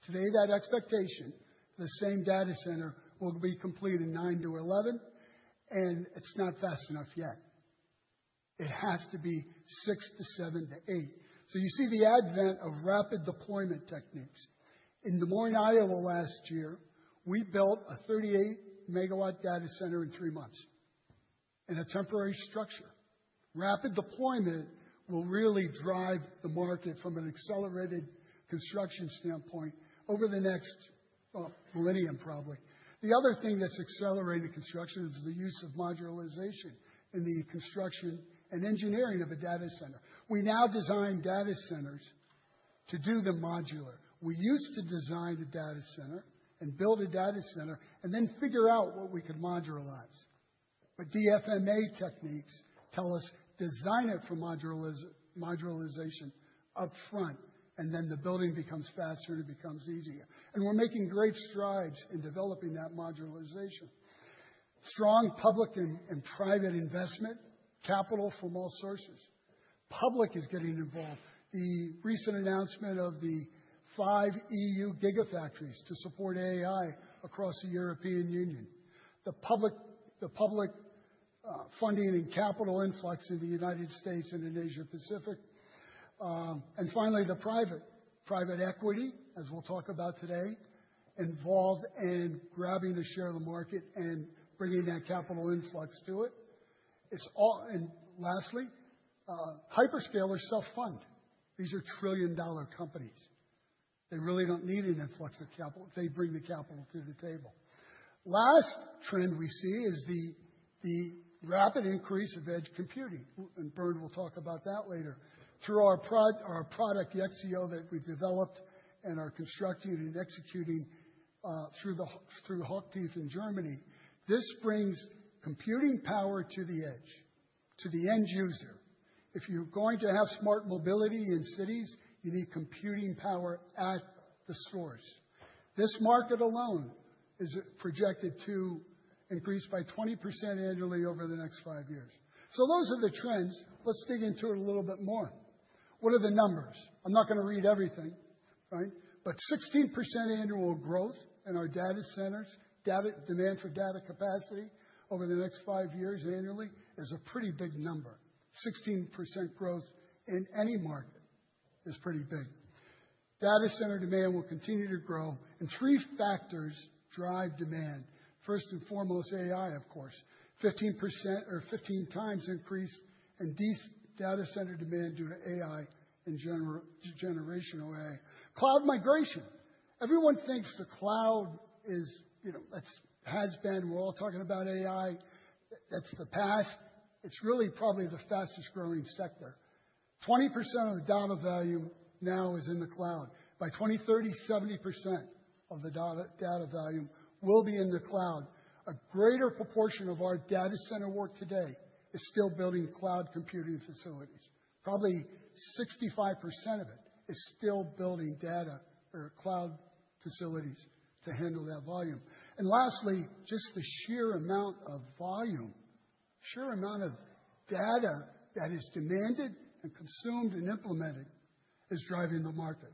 Today, that expectation, the same data center will be complete in 9-11, and it's not fast enough yet. It has to be 6-7-8. You see the advent of rapid deployment techniques. In Des Moines, Iowa, last year, we built a 38-MW data center in three months in a temporary structure. Rapid deployment will really drive the market from an accelerated construction standpoint over the next millennium, probably. The other thing that's accelerating construction is the use of modularization in the construction and engineering of a data center. We now design data centers to do the modular. We used to design a data center and build a data center and then figure out what we could modularize. DFMA techniques tell us, "Design it for modularization upfront," and then the building becomes faster and it becomes easier. We're making great strides in developing that modularization. Strong public and private investment, capital from all sources. Public is getting involved. The recent announcement of the five EU Gigafactories to support AI across the European Union. The public funding and capital influx in the United States and in Asia-Pacific. Finally, the private equity, as we'll talk about today, involved in grabbing a share of the market and bringing that capital influx to it. Lastly, hyperscalers self-fund. These are trillion-dollar companies. They really do not need an influx of capital. They bring the capital to the table. Last trend we see is the rapid increase of edge computing, and Byrne will talk about that later. Through our product, the XCO that we've developed and are constructing and executing through Hochtief in Germany, this brings computing power to the edge, to the end user. If you're going to have smart mobility in cities, you need computing power at the source. This market alone is projected to increase by 20% annually over the next five years. Those are the trends. Let's dig into it a little bit more. What are the numbers? I'm not going to read everything, right? But 16% annual growth in our data centers, demand for data capacity over the next five years annually is a pretty big number. 16% growth in any market is pretty big. Data center demand will continue to grow. And three factors drive demand. First and foremost, AI, of course. 15 x increase in data center demand due to AI and generational AI. Cloud migration. Everyone thinks the cloud has been, we're all talking about AI. That's the past. It's really probably the fastest growing sector. 20% of the data value now is in the cloud. By 2030, 70% of the data value will be in the cloud. A greater proportion of our data center work today is still building cloud computing facilities. Probably 65% of it is still building data or cloud facilities to handle that volume. Lastly, just the sheer amount of volume, sheer amount of data that is demanded and consumed and implemented is driving the market.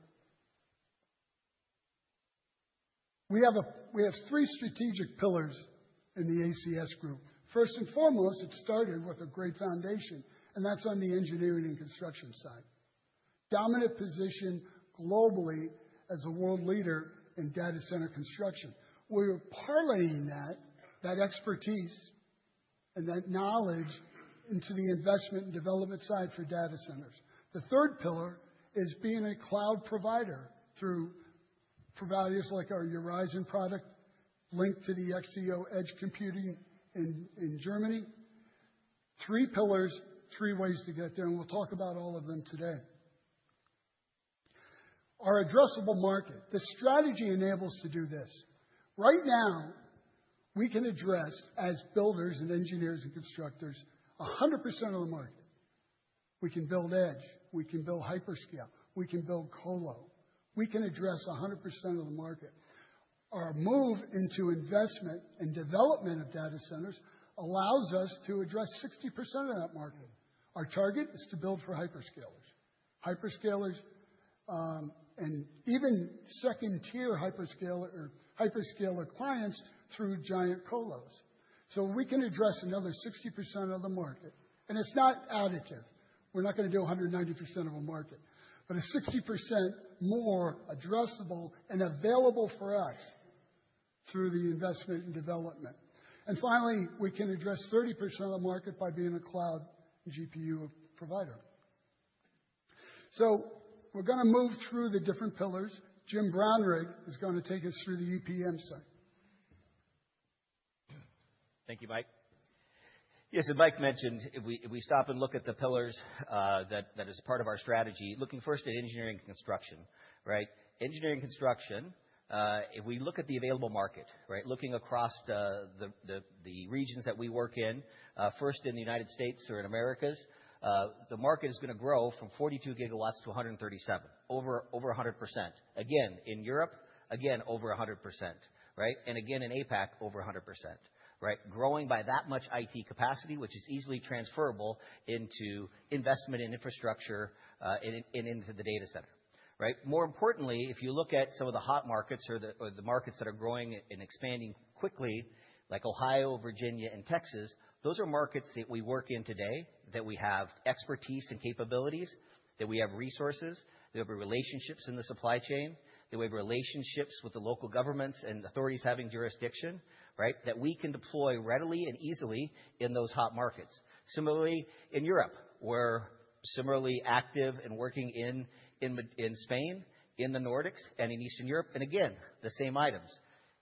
We have three strategic pillars in the ACS Group. First and foremost, it started with a great foundation, and that is on the engineering and construction side. Dominant position globally as a world leader in data center construction. We are parlaying that expertise and that knowledge into the investment and development side for data centers. The third pillar is being a cloud provider through providers like our Urizon product linked to the XCO edge computing in Germany. Three pillars, three ways to get there, and we will talk about all of them today. Our addressable market, the strategy enables us to do this. Right now, we can address, as builders and engineers and constructors, 100% of the market. We can build edge. We can build hyperscale. We can build colo. We can address 100% of the market. Our move into investment and development of data centers allows us to address 60% of that market. Our target is to build for hyperscalers, hyperscalers, and even second-tier hyperscaler clients through giant colos. We can address another 60% of the market. It is not additive. We are not going to do 190% of a market, but it is 60% more addressable and available for us through the investment and development. Finally, we can address 30% of the market by being a cloud GPU provider. We are going to move through the different pillars. Jim Brownrigg is going to take us through the EPM side. Thank you, Mike. Yes, and Mike mentioned, if we stop and look at the pillars that are part of our strategy, looking first at engineering and construction, right? Engineering and construction, if we look at the available market, right, looking across the regions that we work in, first in the United States or in Americas, the market is going to grow from 42 GW-137 GW, over 100%. Again, in Europe, again, over 100%, right? And again, in APAC, over 100%, right? Growing by that much IT capacity, which is easily transferable into investment in infrastructure and into the data center, right? More importantly, if you look at some of the hot markets or the markets that are growing and expanding quickly, like Ohio, Virginia, and Texas, those are markets that we work in today that we have expertise and capabilities, that we have resources, that we have relationships in the supply chain, that we have relationships with the local governments and authorities having jurisdiction, right, that we can deploy readily and easily in those hot markets. Similarly, in Europe, we're similarly active and working in Spain, in the Nordics, and in Eastern Europe. Again, the same items.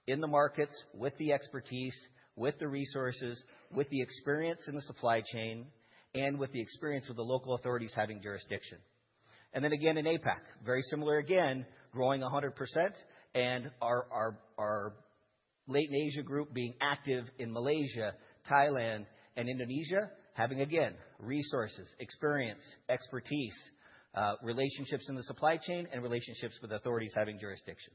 In the markets, with the expertise, with the resources, with the experience in the supply chain, and with the experience with the local authorities having jurisdiction. Then again, in APAC, very similar again, growing 100%, and our late in Asia group being active in Malaysia, Thailand, and Indonesia, having again, resources, experience, expertise, relationships in the supply chain, and relationships with authorities having jurisdiction.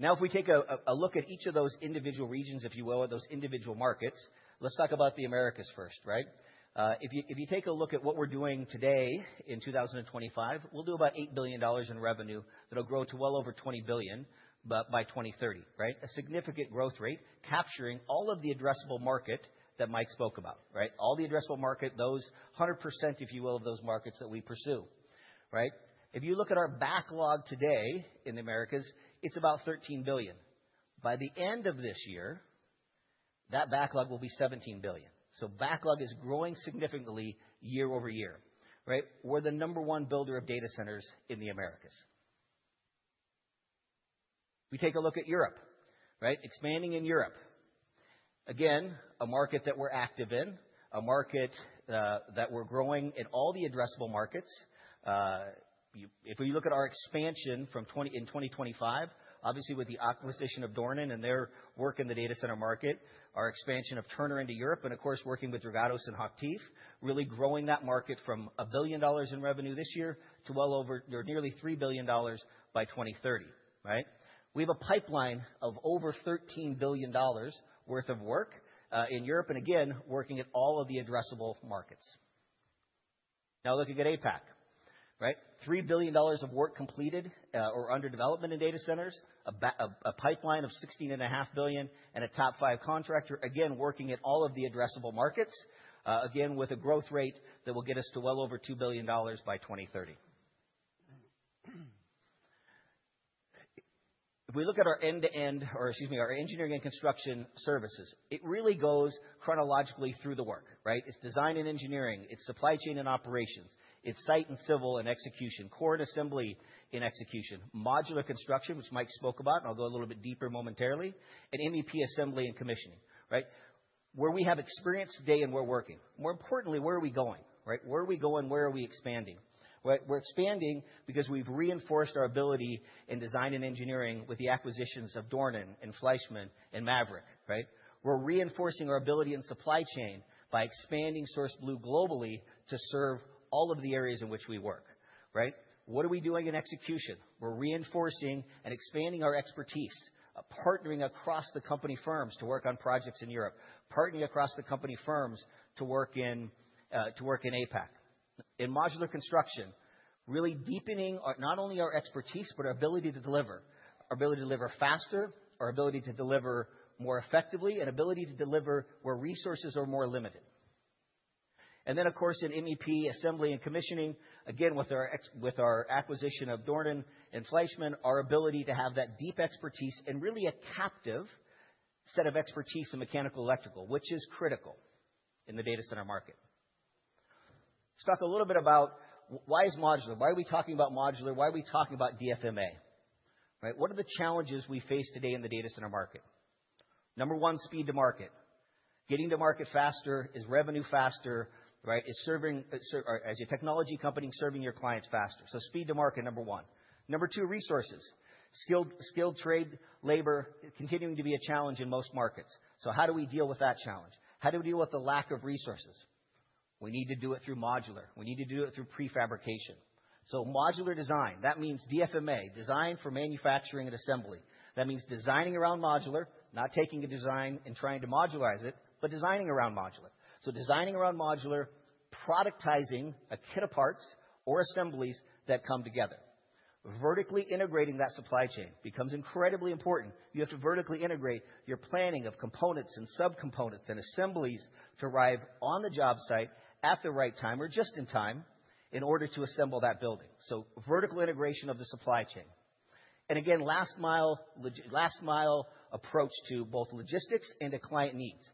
Now, if we take a look at each of those individual regions, if you will, or those individual markets, let's talk about the Americas first, right? If you take a look at what we're doing today in 2025, we'll do about $8 billion in revenue that will grow to well over $20 billion by 2030, right? A significant growth rate capturing all of the addressable market that Mike spoke about, right? All the addressable market, those 100%, if you will, of those markets that we pursue, right? If you look at our backlog today in the Americas, it's about $13 billion. By the end of this year, that backlog will be $17 billion. Backlog is growing significantly year over year, right? We're the number one builder of data centers in the Americas. We take a look at Europe, right? Expanding in Europe. Again, a market that we're active in, a market that we're growing in all the addressable markets. If we look at our expansion in 2025, obviously with the acquisition of Dornan and their work in the data center market, our expansion of Turner into Europe, and of course, working with Dragados and Hochtief, really growing that market from $1 billion in revenue this year to well over, or nearly $3 billion by 2030, right? We have a pipeline of over $13 billion worth of work in Europe, and again, working at all of the addressable markets. Now looking at APAC, right? $3 billion of work completed or under development in data centers, a pipeline of $16.5 billion, and a top five contractor, again, working at all of the addressable markets, again, with a growth rate that will get us to well over $2 billion by 2030. If we look at our end-to-end, or excuse me, our engineering and construction services, it really goes chronologically through the work, right? It's design and engineering. It's supply chain and operations. It's site and civil and execution, core and assembly and execution, modular construction, which Mike spoke about, and I'll go a little bit deeper momentarily, and MEP assembly and commissioning, right? Where we have experience today and we're working. More importantly, where are we going, right? Where are we going? Where are we expanding? We're expanding because we've reinforced our ability in design and engineering with the acquisitions of Dornan and Fleischmann and Maverick, right? We're reinforcing our ability in supply chain by expanding SourceBlue globally to serve all of the areas in which we work, right? What are we doing in execution? We're reinforcing and expanding our expertise, partnering across the company firms to work on projects in Europe, partnering across the company firms to work in APAC. In modular construction, really deepening not only our expertise, but our ability to deliver, our ability to deliver faster, our ability to deliver more effectively, and ability to deliver where resources are more limited. In MEP assembly and commissioning, again, with our acquisition of Dornan and Fleischmann, our ability to have that deep expertise and really a captive set of expertise in mechanical electrical, which is critical in the data center market. Let's talk a little bit about why is modular? Why are we talking about modular? Why are we talking about DFMA? Right? What are the challenges we face today in the data center market? Number one, speed to market. Getting to market faster is revenue faster, right? As a technology company, serving your clients faster. Speed to market, number one. Number two, resources. Skilled trade, labor, continuing to be a challenge in most markets. How do we deal with that challenge? How do we deal with the lack of resources? We need to do it through modular. We need to do it through prefabrication. Modular design, that means DFMA, design for manufacturing and assembly. That means designing around modular, not taking a design and trying to modularize it, but designing around modular. Designing around modular, productizing a kit of parts or assemblies that come together. Vertically integrating that supply chain becomes incredibly important. You have to vertically integrate your planning of components and subcomponents and assemblies to arrive on the job site at the right time or just in time in order to assemble that building. Vertical integration of the supply chain. Again, last-mile approach to both logistics and to client needs.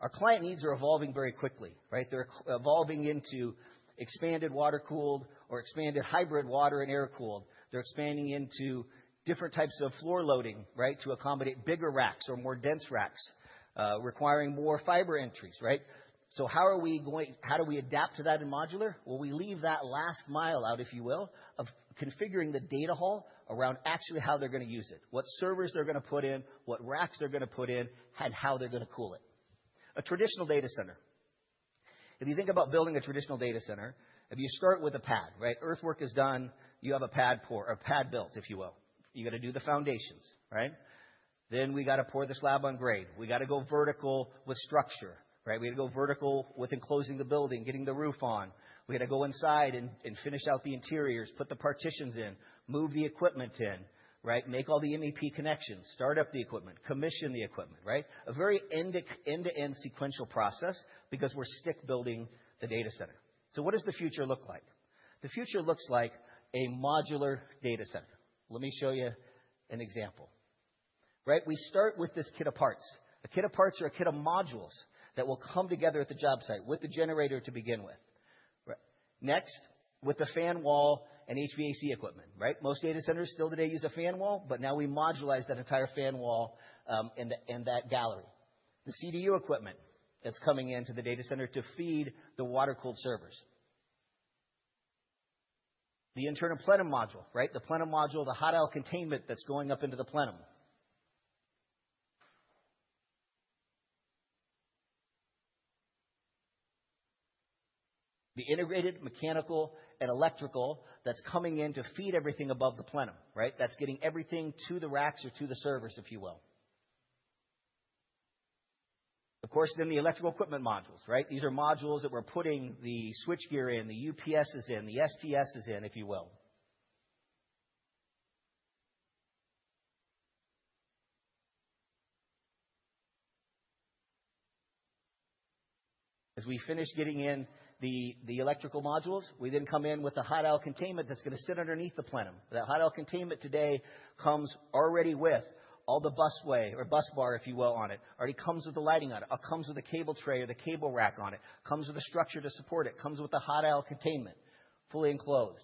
Our client needs are evolving very quickly, right? They're evolving into expanded water-cooled or expanded hybrid water and air-cooled. They're expanding into different types of floor loading, right, to accommodate bigger racks or more dense racks, requiring more fiber entries, right? How are we going? How do we adapt to that in modular? We leave that last mile out, if you will, of configuring the data hall around actually how they're going to use it, what servers they're going to put in, what racks they're going to put in, and how they're going to cool it. A traditional data center. If you think about building a traditional data center, if you start with a pad, right? Earthwork is done. You have a pad or a pad built, if you will. You got to do the foundations, right? We got to pour the slab on grade. We got to go vertical with structure, right? We had to go vertical with enclosing the building, getting the roof on. We had to go inside and finish out the interiors, put the partitions in, move the equipment in, right? Make all the MEP connections, start up the equipment, commission the equipment, right? A very end-to-end sequential process because we're stick building the data center. What does the future look like? The future looks like a modular data center. Let me show you an example, right? We start with this kit of parts. A kit of parts or a kit of modules that will come together at the job site with the generator to begin with. Next, with the fan wall and HVAC equipment, right? Most data centers still today use a fan wall, but now we modularize that entire fan wall and that gallery. The CDU equipment that's coming into the data center to feed the water-cooled servers. The internal plenum module, right? The plenum module, the hot oil containment that's going up into the plenum. The integrated mechanical and electrical that's coming in to feed everything above the plenum, right? That's getting everything to the racks or to the servers, if you will. Of course, then the electrical equipment modules, right? These are modules that we're putting the switchgear in, the UPS is in, the STS is in, if you will. As we finish getting in the electrical modules, we then come in with the hot oil containment that's going to sit underneath the plenum. That hot oil containment today comes already with all the busway or bus bar, if you will, on it. Already comes with the lighting on it. It comes with a cable tray or the cable rack on it. Comes with the structure to support it. Comes with the hot oil containment fully enclosed.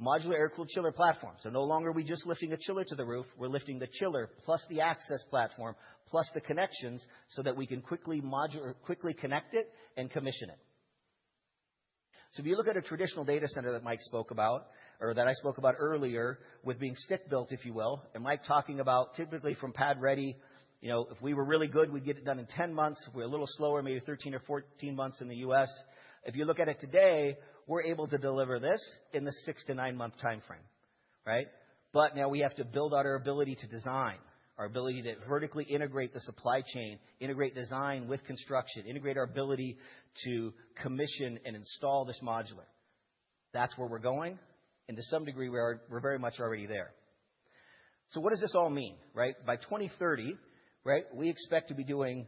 Modular air-cooled chiller platform. No longer are we just lifting a chiller to the roof. We're lifting the chiller plus the access platform plus the connections so that we can quickly connect it and commission it. If you look at a traditional data center that Mike spoke about or that I spoke about earlier with being stick built, if you will, and Mike talking about typically from pad ready, you know, if we were really good, we'd get it done in 10 months. If we're a little slower, maybe 13 months or 14 months in the U.S. If you look at it today, we're able to deliver this in the six to nine-month timeframe, right? Now we have to build out our ability to design, our ability to vertically integrate the supply chain, integrate design with construction, integrate our ability to commission and install this modular. That's where we're going. To some degree, we're very much already there. What does this all mean, right? By 2030, right, we expect to be doing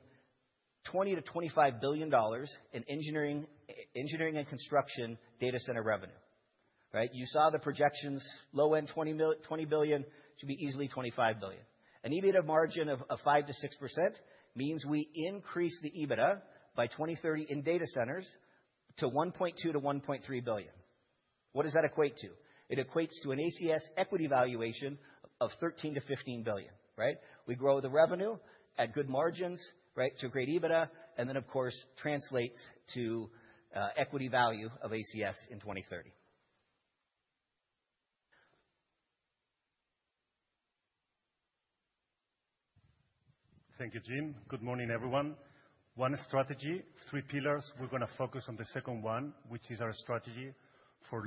$20 billion-$25 billion in engineering and construction data center revenue, right? You saw the projections, low-end $20 billion should be easily $25 billion. An EBITDA margin of 5%-6% means we increase the EBITDA by 2030 in data centers to $1.2 billion-$1.3 billion. What does that equate to? It equates to an ACS equity valuation of $13 billion-$15 billion, right? We grow the revenue at good margins, right, to create EBITDA, and then, of course, translates to equity value of ACS in 2030. Thank you, Jim. Good morning, everyone. One strategy, three pillars. We're going to focus on the second one, which is our strategy for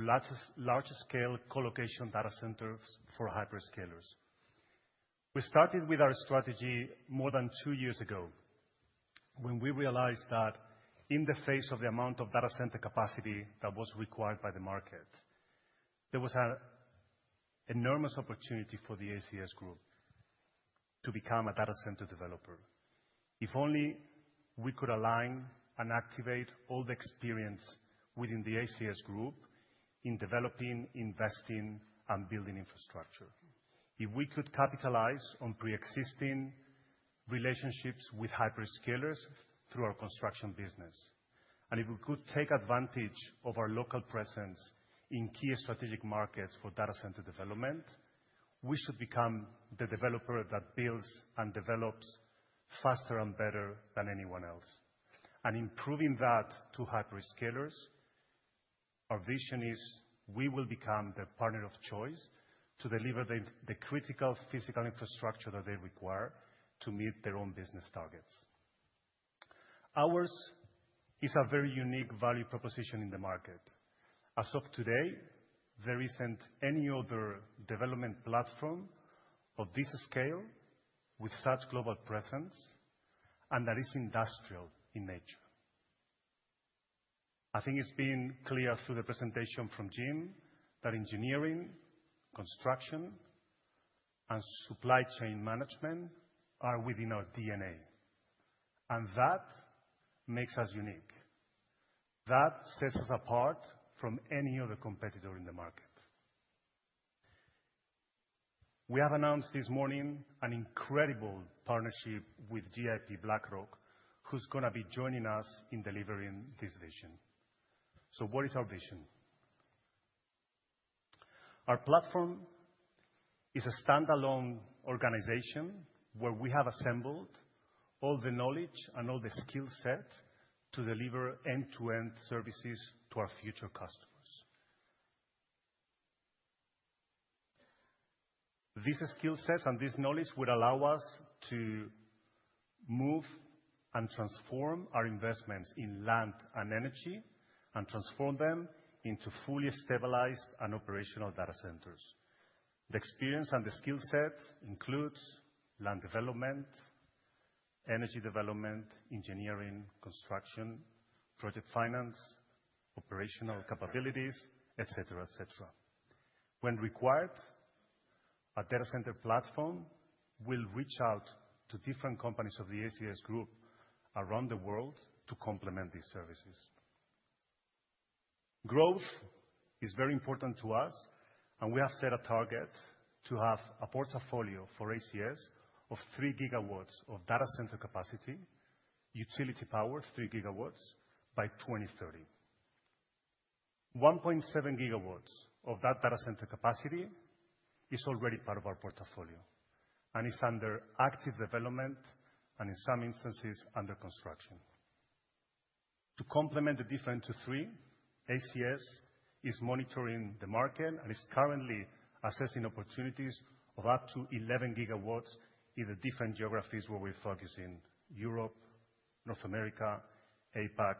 large-scale colocation data centers for hyperscalers. We started with our strategy more than two years ago when we realized that in the face of the amount of data center capacity that was required by the market, there was an enormous opportunity for the ACS Group to become a data center developer. If only we could align and activate all the experience within the ACS Group in developing, investing, and building infrastructure. If we could capitalize on pre-existing relationships with hyperscalers through our construction business, and if we could take advantage of our local presence in key strategic markets for data center development, we should become the developer that builds and develops faster and better than anyone else. In proving that to hyperscalers, our vision is we will become the partner of choice to deliver the critical physical infrastructure that they require to meet their own business targets. Ours is a very unique value proposition in the market. As of today, there is not any other development platform of this scale with such global presence, and that is industrial in nature. I think it has been clear through the presentation from Jim that engineering, construction, and supply chain management are within our DNA, and that makes us unique. That sets us apart from any other competitor in the market. We have announced this morning an incredible partnership with GIP BlackRock, who is going to be joining us in delivering this vision. What is our vision? Our platform is a standalone organization where we have assembled all the knowledge and all the skill set to deliver end-to-end services to our future customers. These skill sets and this knowledge would allow us to move and transform our investments in land and energy and transform them into fully stabilized and operational data centers. The experience and the skill set includes land development, energy development, engineering, construction, project finance, operational capabilities, etc., etc. When required, a data center platform will reach out to different companies of the ACS Group around the world to complement these services. Growth is very important to us, and we have set a target to have a portfolio for ACS of 3 GW of data center capacity, utility power, 3 GW by 2030. 1.7 GW of that data center capacity is already part of our portfolio, and it's under active development and in some instances under construction. To complement the different to three, ACS is monitoring the market and is currently assessing opportunities of up to 11 gigawatts in the different geographies where we're focusing: Europe, North America, APAC,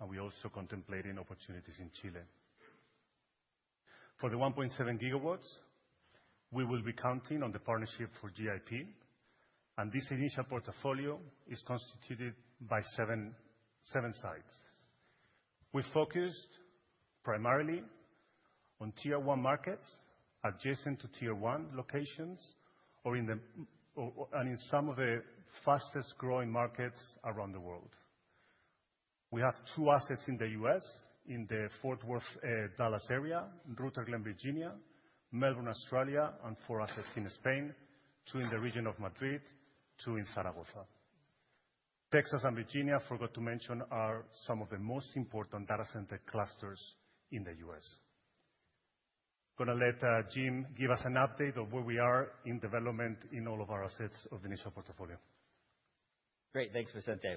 and we're also contemplating opportunities in Chile. For the 1.7 GW, we will be counting on the partnership for GIP, and this initial portfolio is constituted by seven sites. We focused primarily on tier one markets adjacent to tier one locations and in some of the fastest growing markets around the world. We have two assets in the US in the Fort Worth-Dallas area, Ruterglem, Virginia, Melbourne, Australia, and four assets in Spain, two in the region of Madrid, two in Zaragoza. Texas and Virginia, forgot to mention, are some of the most important data center clusters in the US. I'm going to let Jim give us an update of where we are in development in all of our assets of the initial portfolio. Great. Thanks, Vicente.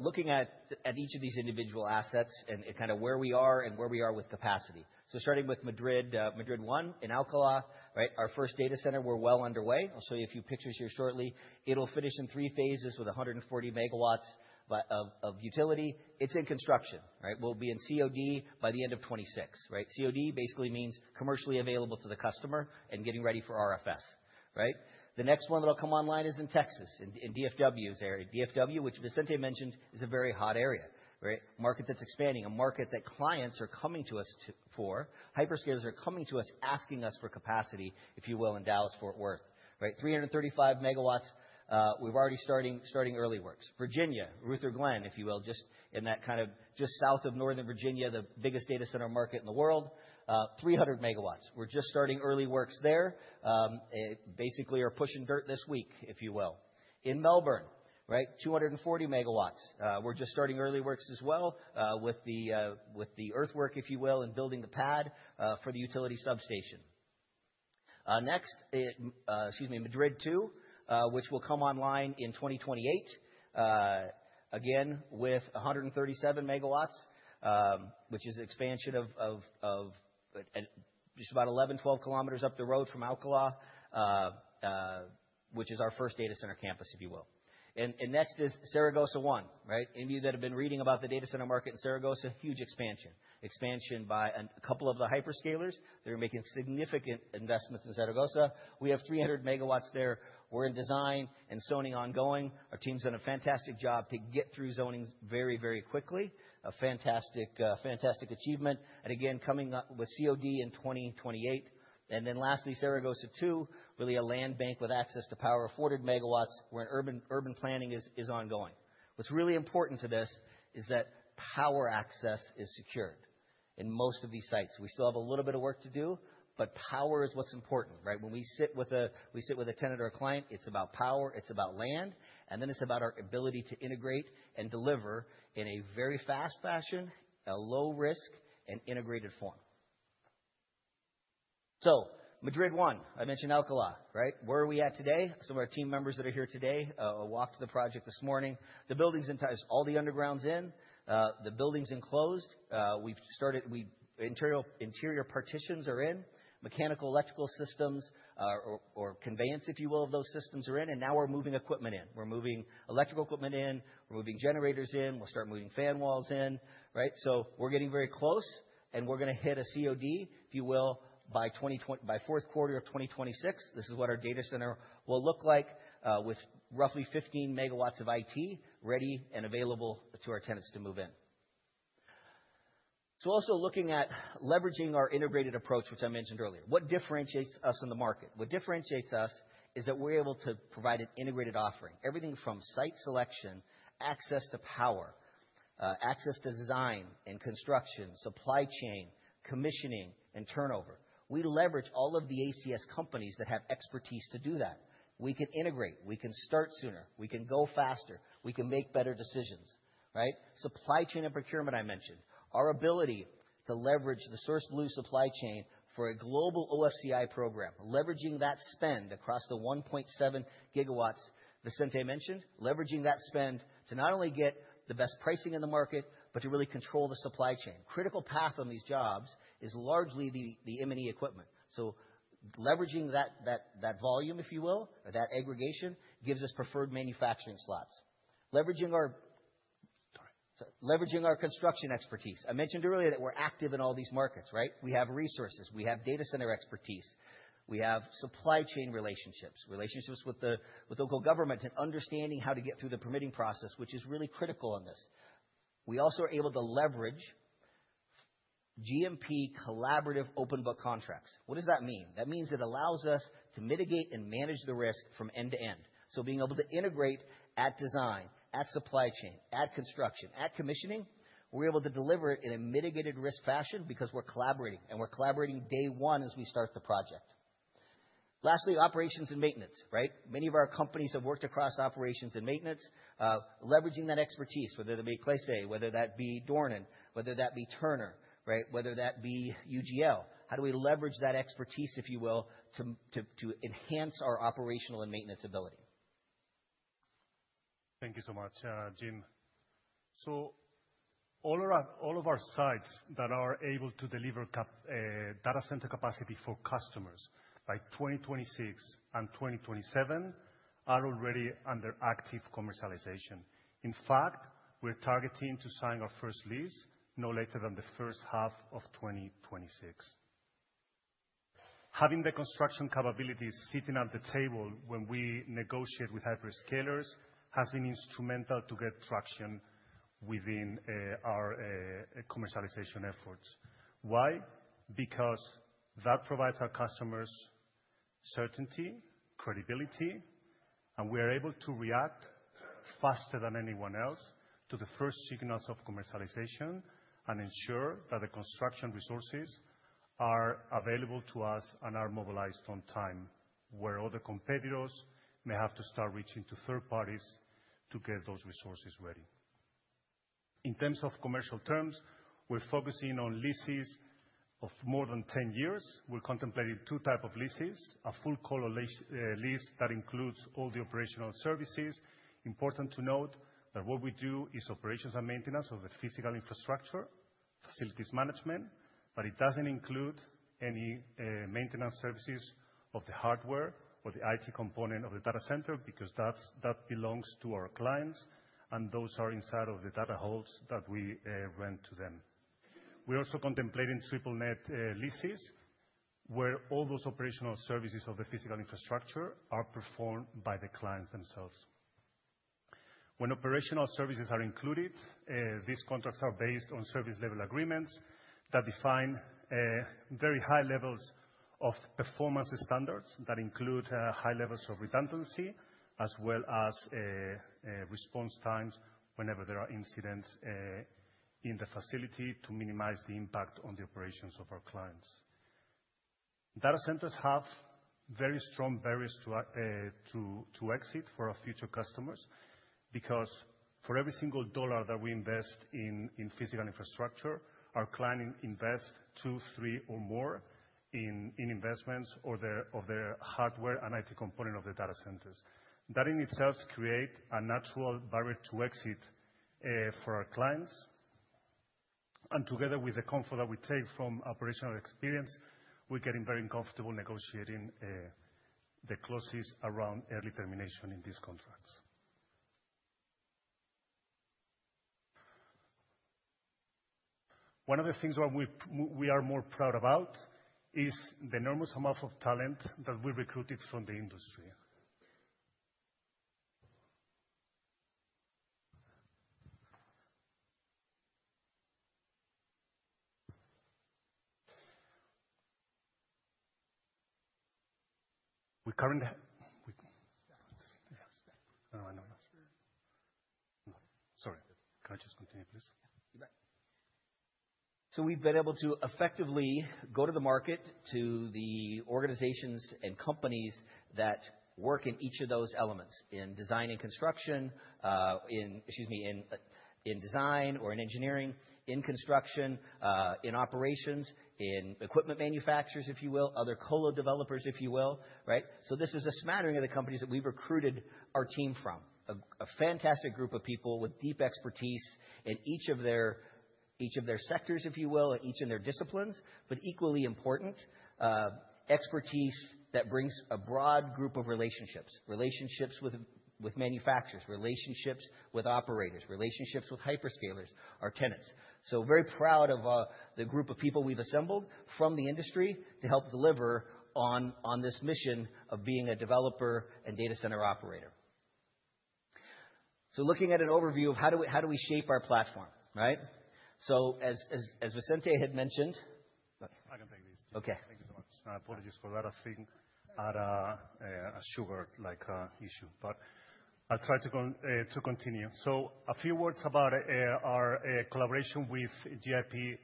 Looking at each of these individual assets and kind of where we are and where we are with capacity. Starting with Madrid, Madrid One, in Alcalá, right? Our first data center, we're well underway. I'll show you a few pictures here shortly. It'll finish in three phases with 140 megawatts of utility. It's in construction, right? We'll be in COD by the end of 2026, right? COD basically means commercially available to the customer and getting ready for RFS, right? The next one that'll come online is in Texas, in DFW's area. DFW, which Vicente mentioned, is a very hot area, right? Market that's expanding, a market that clients are coming to us for. Hyperscalers are coming to us asking us for capacity, if you will, in Dallas-Fort Worth, right? 335 MW. We've already started early works. Virginia, Ruterglem, if you will, just in that kind of just south of Northern Virginia, the biggest data center market in the world, 300 MW. We're just starting early works there. Basically, we're pushing dirt this week, if you will. In Melbourne, right? 240 MW. We're just starting early works as well with the earthwork, if you will, and building the pad for the utility substation. Next, excuse me, Madrid Two, which will come online in 2028, again with 137 MW, which is an expansion of just about 11 km-12 km up the road from Alcalá, which is our first data center campus, if you will. Next is Zaragoza One, right? Any of you that have been reading about the data center market in Zaragoza, huge expansion. Expansion by a couple of the hyperscalers. They're making significant investments in Zaragoza. We have 300 MW there. We're in design and zoning ongoing. Our team's done a fantastic job to get through zoning very, very quickly. A fantastic achievement. Again, coming up with COD in 2028. Lastly, Zaragoza Two, really a land bank with access to power, 400 MW, where urban planning is ongoing. What's really important to this is that power access is secured in most of these sites. We still have a little bit of work to do, but power is what's important, right? When we sit with a tenant or a client, it's about power, it's about land, and then it's about our ability to integrate and deliver in a very fast fashion, a low-risk and integrated form. Madrid One, I mentioned Alcalá, right? Where are we at today? Some of our team members that are here today walked to the project this morning. The building's in, has all the undergrounds in, the building's enclosed. We've started, interior partitions are in, mechanical electrical systems or conveyance, if you will, of those systems are in, and now we're moving equipment in. We're moving electrical equipment in, we're moving generators in, we'll start moving fan walls in, right? We're getting very close, and we're going to hit a COD, if you will, by fourth quarter of 2026. This is what our data center will look like with roughly 15 MW of IT ready and available to our tenants to move in. Also looking at leveraging our integrated approach, which I mentioned earlier. What differentiates us in the market? What differentiates us is that we're able to provide an integrated offering. Everything from site selection, access to power, access to design and construction, supply chain, commissioning, and turnover. We leverage all of the ACS companies that have expertise to do that. We can integrate, we can start sooner, we can go faster, we can make better decisions, right? Supply chain and procurement I mentioned. Our ability to leverage the SourceBlue supply chain for a global OFCI program, leveraging that spend across the 1.7 GW Vicente mentioned, leveraging that spend to not only get the best pricing in the market, but to really control the supply chain. Critical path on these jobs is largely the M&E equipment. Leveraging that volume, if you will, or that aggregation gives us preferred manufacturing slots. Leveraging our construction expertise. I mentioned earlier that we're active in all these markets, right? We have resources, we have data center expertise, we have supply chain relationships, relationships with the local government and understanding how to get through the permitting process, which is really critical on this. We also are able to leverage GMP collaborative open book contracts. What does that mean? That means it allows us to mitigate and manage the risk from end to end. Being able to integrate at design, at supply chain, at construction, at commissioning, we're able to deliver it in a mitigated risk fashion because we're collaborating, and we're collaborating day one as we start the project. Lastly, operations and maintenance, right? Many of our companies have worked across operations and maintenance, leveraging that expertise, whether that be Clece, whether that be Dornan, whether that be Turner, right? Whether that be UGL, how do we leverage that expertise, if you will, to enhance our operational and maintenance ability? Thank you so much, Jim. All of our sites that are able to deliver data center capacity for customers by 2026 and 2027 are already under active commercialization. In fact, we're targeting to sign our first lease no later than the first half of 2026. Having the construction capabilities sitting at the table when we negotiate with hyperscalers has been instrumental to get traction within our commercialization efforts. Why? Because that provides our customers certainty, credibility, and we are able to react faster than anyone else to the first signals of commercialization and ensure that the construction resources are available to us and are mobilized on time where other competitors may have to start reaching to third parties to get those resources ready. In terms of commercial terms, we're focusing on leases of more than 10 years. We're contemplating two types of leases, a full-collar lease that includes all the operational services. Important to note that what we do is operations and maintenance of the physical infrastructure, facilities management, but it does not include any maintenance services of the hardware or the IT component of the data center because that belongs to our clients and those are inside of the data halls that we rent to them. We are also contemplating triple-net leases where all those operational services of the physical infrastructure are performed by the clients themselves. When operational services are included, these contracts are based on service-level agreements that define very high levels of performance standards that include high levels of redundancy as well as response times whenever there are incidents in the facility to minimize the impact on the operations of our clients. Data centers have very strong barriers to exit for our future customers because for every single dollar that we invest in physical infrastructure, our client invests two, three, or more in investments of the hardware and IT component of the data centers. That in itself creates a natural barrier to exit for our clients. Together with the comfort that we take from operational experience, we're getting very comfortable negotiating the clauses around early termination in these contracts. One of the things that we are more proud about is the enormous amount of talent that we recruited from the industry. We currently—sorry, can I just continue, please? Yeah, you bet. We have been able to effectively go to the market to the organizations and companies that work in each of those elements, in design and construction, excuse me, in design or in engineering, in construction, in operations, in equipment manufacturers, if you will, other colo developers, if you will, right? This is a smattering of the companies that we have recruited our team from, a fantastic group of people with deep expertise in each of their sectors, if you will, each in their disciplines, but equally important expertise that brings a broad group of relationships, relationships with manufacturers, relationships with operators, relationships with hyperscalers, our tenants. I am very proud of the group of people we have assembled from the industry to help deliver on this mission of being a developer and data center operator. Looking at an overview of how do we shape our platform, right? As Vicente had mentioned— I can take these. Okay. Thank you so much. Apologies for a lot of things are a sugar-like issue, but I'll try to continue. A few words about our collaboration with GIP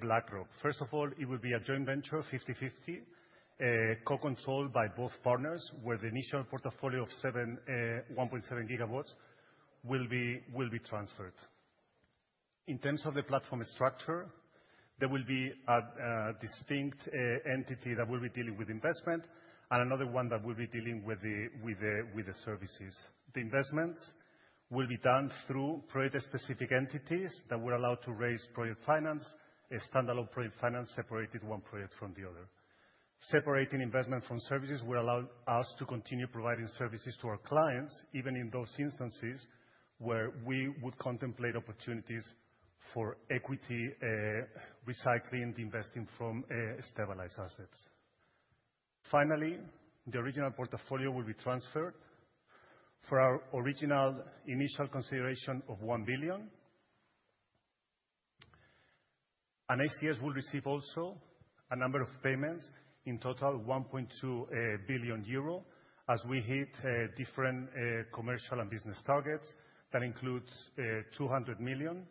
BlackRock. First of all, it will be a joint venture, 50/50, co-controlled by both partners, where the initial portfolio of 1.7 GW will be transferred. In terms of the platform structure, there will be a distinct entity that will be dealing with investment and another one that will be dealing with the services. The investments will be done through project-specific entities that will allow us to raise project finance, standalone project finance, separated one project from the other. Separating investment from services will allow us to continue providing services to our clients, even in those instances where we would contemplate opportunities for equity recycling, the investing from stabilized assets. Finally, the original portfolio will be transferred for our original initial consideration of $1 billion. ACS will receive also a number of payments in total, 1.2 billion euro, as we hit different commercial and business targets that include 200 million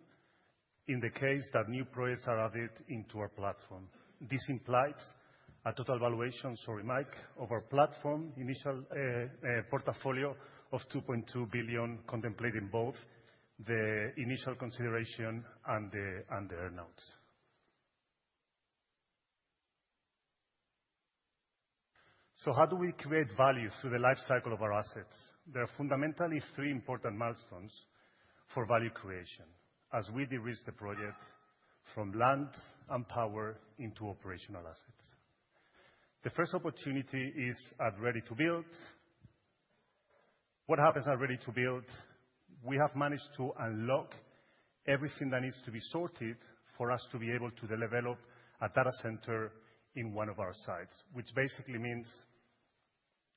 in the case that new projects are added into our platform. This implies a total valuation, sorry, Mike, of our platform, initial portfolio of 2.2 billion, contemplating both the initial consideration and the earnouts. How do we create value through the lifecycle of our assets? There are fundamentally three important milestones for value creation as we derisk the project from land and power into operational assets. The first opportunity is at ready to build. What happens at ready to build? We have managed to unlock everything that needs to be sorted for us to be able to develop a data center in one of our sites, which basically means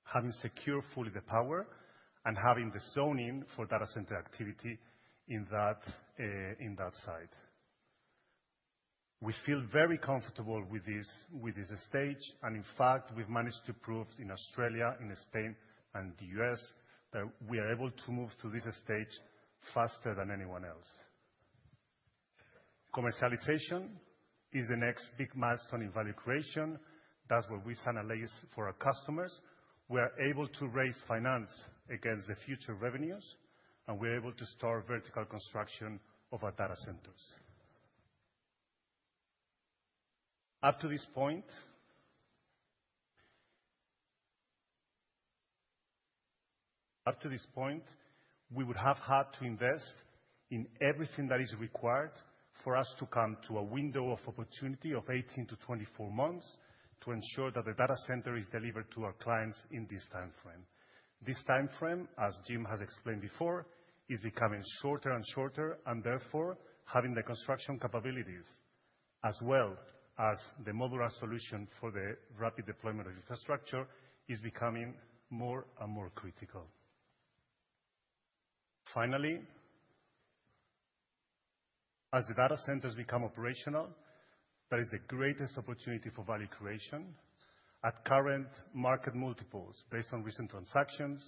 having secured fully the power and having the zoning for data center activity in that site. We feel very comfortable with this stage, and in fact, we've managed to prove in Australia, in Spain, and the US that we are able to move through this stage faster than anyone else. Commercialization is the next big milestone in value creation. That's where we sign a lease for our customers. We are able to raise finance against the future revenues, and we're able to start vertical construction of our data centers. Up to this point, we would have had to invest in everything that is required for us to come to a window of opportunity of 18months-24 months to ensure that the data center is delivered to our clients in this timeframe. This timeframe, as Jim has explained before, is becoming shorter and shorter, and therefore, having the construction capabilities, as well as the modular solution for the rapid deployment of infrastructure, is becoming more and more critical. Finally, as the data centers become operational, there is the greatest opportunity for value creation. At current market multiples based on recent transactions,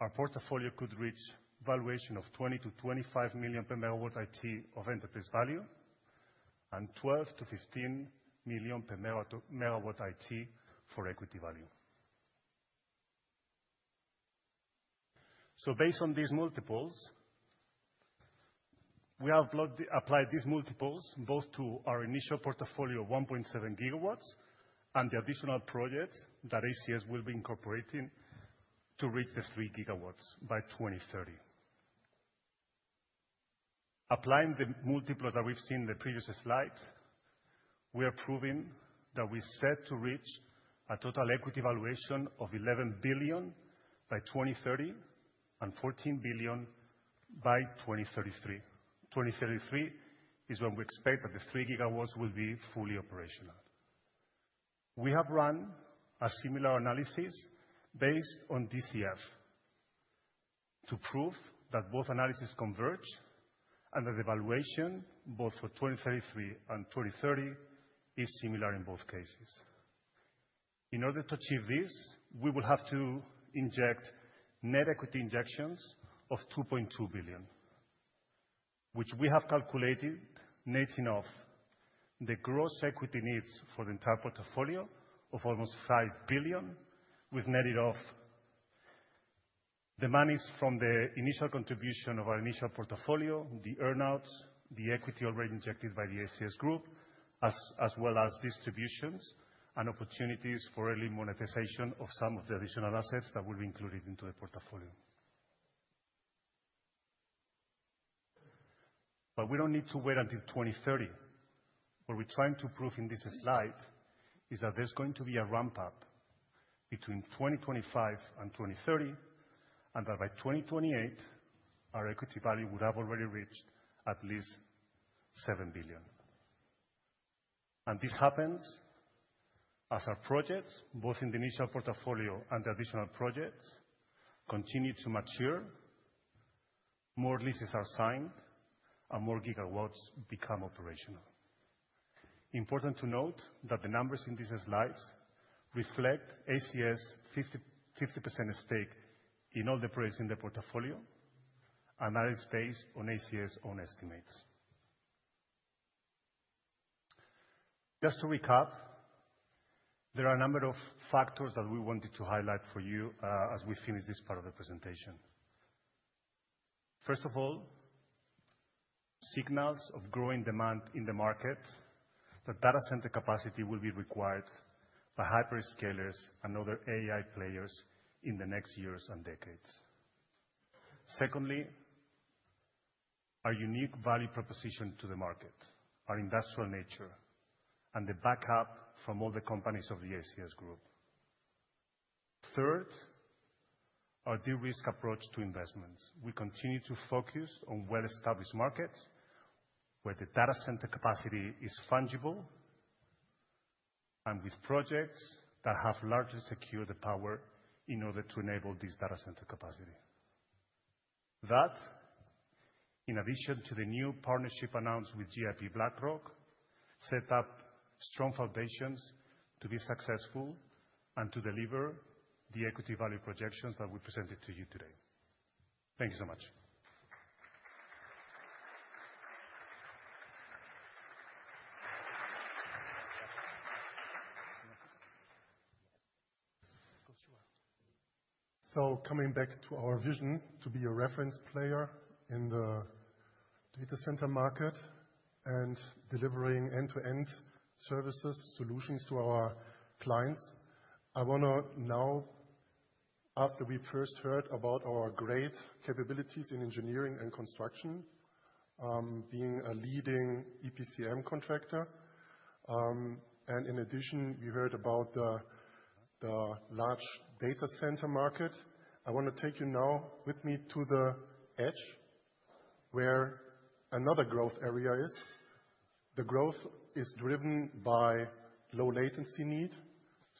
our portfolio could reach valuation of $20 million-$25 million per megawatt IT of enterprise value and $12 million-$15 million per megawatt IT for equity value. Based on these multiples, we have applied these multiples both to our initial portfolio of 1.7 GW and the additional projects that ACS will be incorporating to reach the 3 GW by 2030. Applying the multiples that we've seen in the previous slides, we are proving that we set to reach a total equity valuation of $11 billion by 2030 and $14 billion by 2033. 2033 is when we expect that the 3 gigawatts will be fully operational. We have run a similar analysis based on DCF to prove that both analysis converge and that the valuation both for 2033 and 2030 is similar in both cases. In order to achieve this, we will have to inject net equity injections of $2.2 billion, which we have calculated netting off the gross equity needs for the entire portfolio of almost $5 billion, with netted off the money from the initial contribution of our initial portfolio, the earnouts, the equity already injected by the ACS Group, as well as distributions and opportunities for early monetization of some of the additional assets that will be included into the portfolio. We do not need to wait until 2030. What we are trying to prove in this slide is that there is going to be a ramp-up between 2025 and 2030, and that by 2028, our equity value would have already reached at least $7 billion. This happens as our projects, both in the initial portfolio and the additional projects, continue to mature, more leases are signed, and more gigawatts become operational. Important to note that the numbers in these slides reflect ACS' 50% stake in all the projects in the portfolio, and that is based on ACS' own estimates. Just to recap, there are a number of factors that we wanted to highlight for you as we finish this part of the presentation. First of all, signals of growing demand in the market that data center capacity will be required by hyperscalers and other AI players in the next years and decades. Secondly, our unique value proposition to the market, our industrial nature, and the backup from all the companies of the ACS Group. Third, our de-risk approach to investments. We continue to focus on well-established markets where the data center capacity is fungible and with projects that have largely secured the power in order to enable this data center capacity. That, in addition to the new partnership announced with GIP BlackRock, set up strong foundations to be successful and to deliver the equity value projections that we presented to you today. Thank you so much. Coming back to our vision to be a reference player in the data center market and delivering end-to-end services, solutions to our clients, I want to now, after we first heard about our great capabilities in engineering and construction, being a leading EPCM contractor, and in addition, we heard about the large data center market, I want to take you now with me to the edge, where another growth area is. The growth is driven by low-latency need.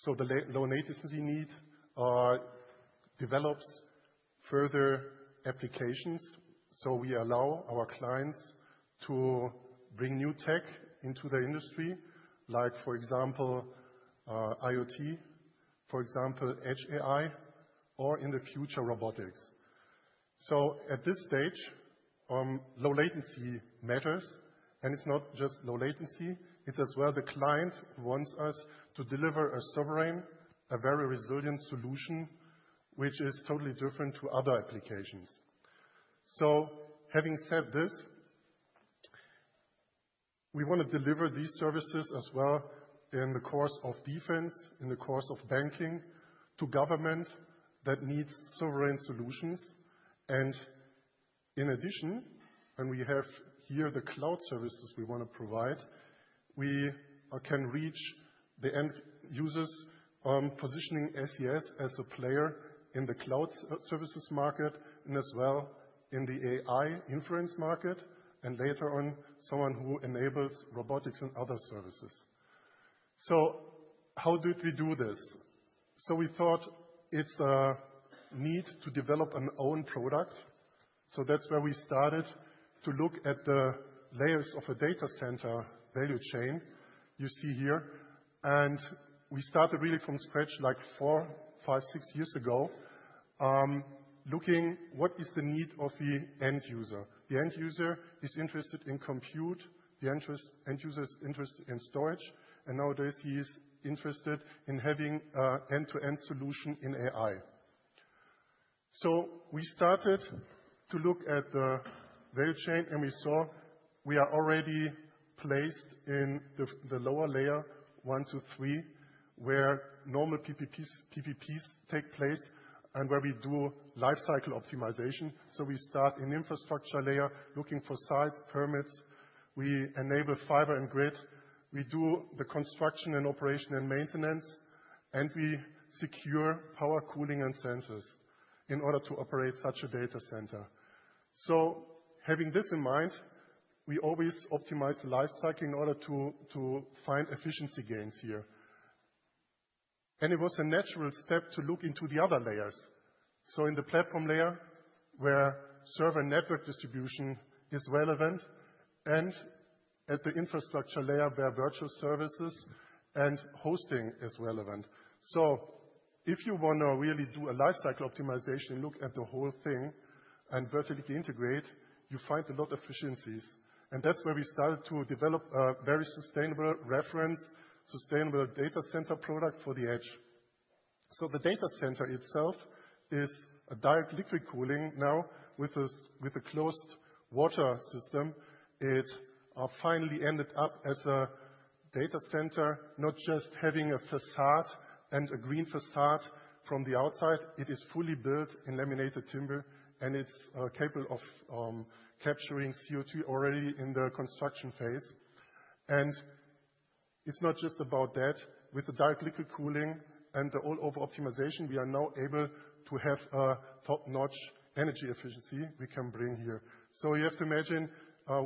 The low-latency need develops further applications. We allow our clients to bring new tech into the industry, like, for example, IoT, for example, edge AI, or in the future, robotics. At this stage, low-latency matters, and it's not just low-latency, it's as well the client wants us to deliver a sovereign, a very resilient solution, which is totally different to other applications. Having said this, we want to deliver these services as well in the course of defense, in the course of banking to government that needs sovereign solutions. In addition, when we have here the cloud services we want to provide, we can reach the end users, positioning ACS as a player in the cloud services market and as well in the AI inference market, and later on, someone who enables robotics and other services. How did we do this? We thought it's a need to develop an own product. That's where we started to look at the layers of a data center value chain you see here. We started really from scratch like four, five, six years ago, looking at what is the need of the end user. The end user is interested in compute, the end user is interested in storage, and nowadays, he is interested in having an end-to-end solution in AI. We started to look at the value chain, and we saw we are already placed in the lower layer, one to three, where normal PPPs take place and where we do lifecycle optimization. We start in the infrastructure layer, looking for sites, permits. We enable fiber and grid. We do the construction and operation and maintenance, and we secure power, cooling, and sensors in order to operate such a data center. Having this in mind, we always optimize the lifecycle in order to find efficiency gains here. It was a natural step to look into the other layers. In the platform layer, where server network distribution is relevant, and at the infrastructure layer, where virtual services and hosting is relevant. If you want to really do a lifecycle optimization and look at the whole thing and vertically integrate, you find a lot of efficiencies. That is where we started to develop a very sustainable reference, sustainable data center product for the edge. The data center itself is a direct liquid cooling now with a closed water system. It finally ended up as a data center, not just having a facade and a green facade from the outside. It is fully built in laminated timber, and it is capable of capturing CO2 already in the construction phase. It is not just about that. With the direct liquid cooling and the all-over optimization, we are now able to have a top-notch energy efficiency we can bring here. You have to imagine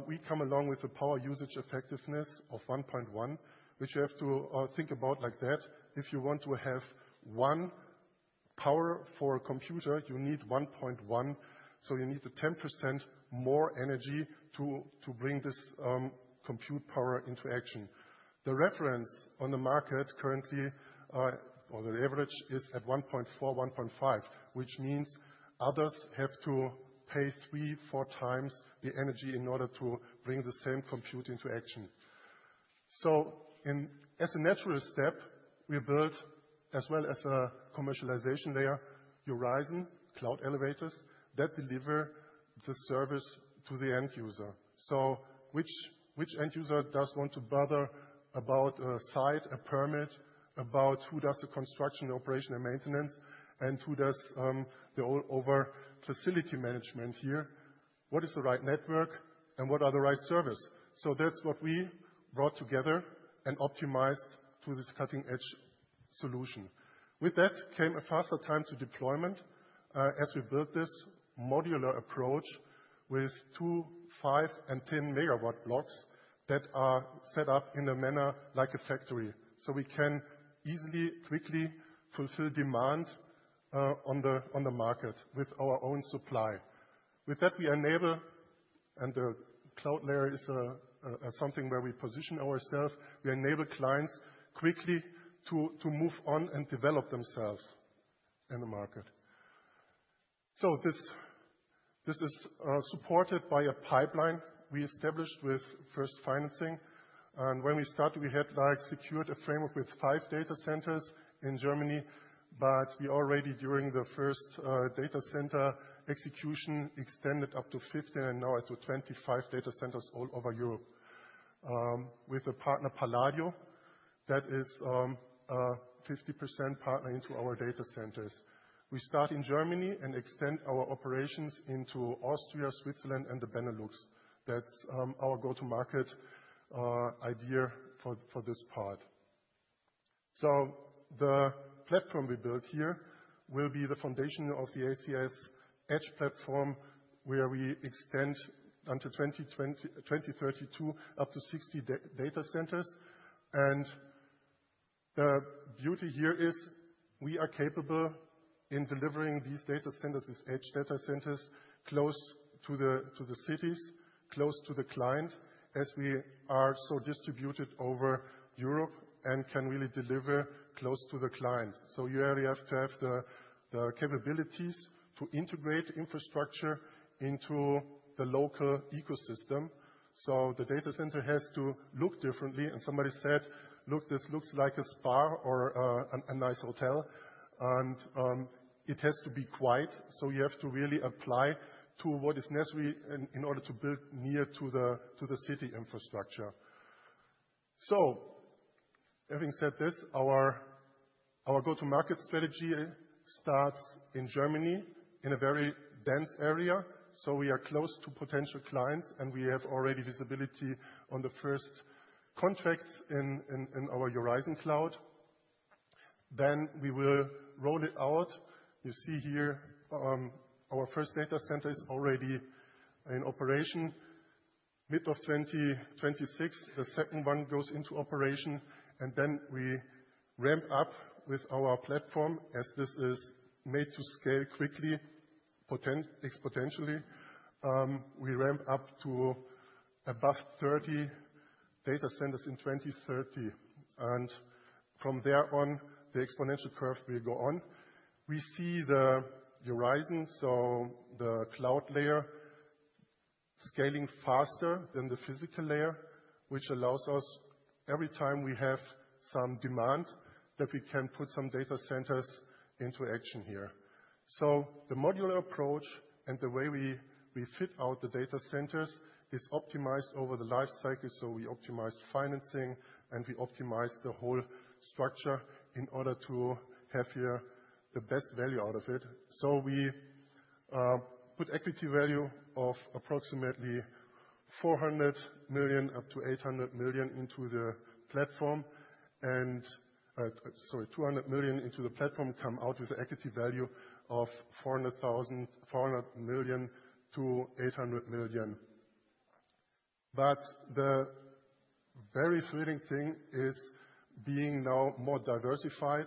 we come along with the power usage effectiveness of 1.1, which you have to think about like that. If you want to have one power for a computer, you need 1.1. You need the 10% more energy to bring this compute power into action. The reference on the market currently, or the average, is at 1.4-1.5, which means others have to pay three, four times the energy in order to bring the same compute into action. As a natural step, we built, as well as a commercialization layer, Urizon Cloud Elevators that deliver the service to the end user. Which end user does want to bother about a site, a permit, about who does the construction, the operation, and maintenance, and who does the all-over facility management here? What is the right network, and what are the right service? That is what we brought together and optimized to this cutting-edge solution. With that came a faster time to deployment as we built this modular approach with two, five, and 10-MW blocks that are set up in a manner like a factory. We can easily, quickly fulfill demand on the market with our own supply. With that, we enable, and the cloud layer is something where we position ourselves. We enable clients quickly to move on and develop themselves in the market. This is supported by a pipeline we established with first financing. When we started, we had secured a framework with five data centers in Germany, but we already, during the first data center execution, extended up to 15 and now up to 25 data centers all over Europe with a partner, Palladio, that is a 50% partner into our data centers. We start in Germany and extend our operations into Austria, Switzerland, and the Benelux. That is our go-to-market idea for this part. The platform we built here will be the foundation of the ACS edge platform, where we extend until 2032 up to 60 data centers. The beauty here is we are capable in delivering these data centers, these edge data centers, close to the cities, close to the client, as we are so distributed over Europe and can really deliver close to the clients. You have to have the capabilities to integrate infrastructure into the local ecosystem. The data center has to look differently. Somebody said, "Look, this looks like a spa or a nice hotel." It has to be quiet. You have to really apply to what is necessary in order to build near to the city infrastructure. Having said this, our go-to-market strategy starts in Germany in a very dense area. We are close to potential clients, and we have already visibility on the first contracts in our Urizon Cloud. Then we will roll it out. You see here our first data center is already in operation. Mid of 2026, the second one goes into operation. We ramp up with our platform as this is made to scale quickly, exponentially. We ramp up to above 30 data centers in 2030. From there on, the exponential curve will go on. We see the Urizon, so the cloud layer, scaling faster than the physical layer, which allows us, every time we have some demand, to put some data centers into action here. The modular approach and the way we fit out the data centers is optimized over the lifecycle. We optimized financing, and we optimized the whole structure in order to have here the best value out of it. We put equity value of approximately $400 million up to $800 million into the platform, and sorry, $200 million into the platform, come out with an equity value of $400 million-$800 million. The very thrilling thing is being now more diversified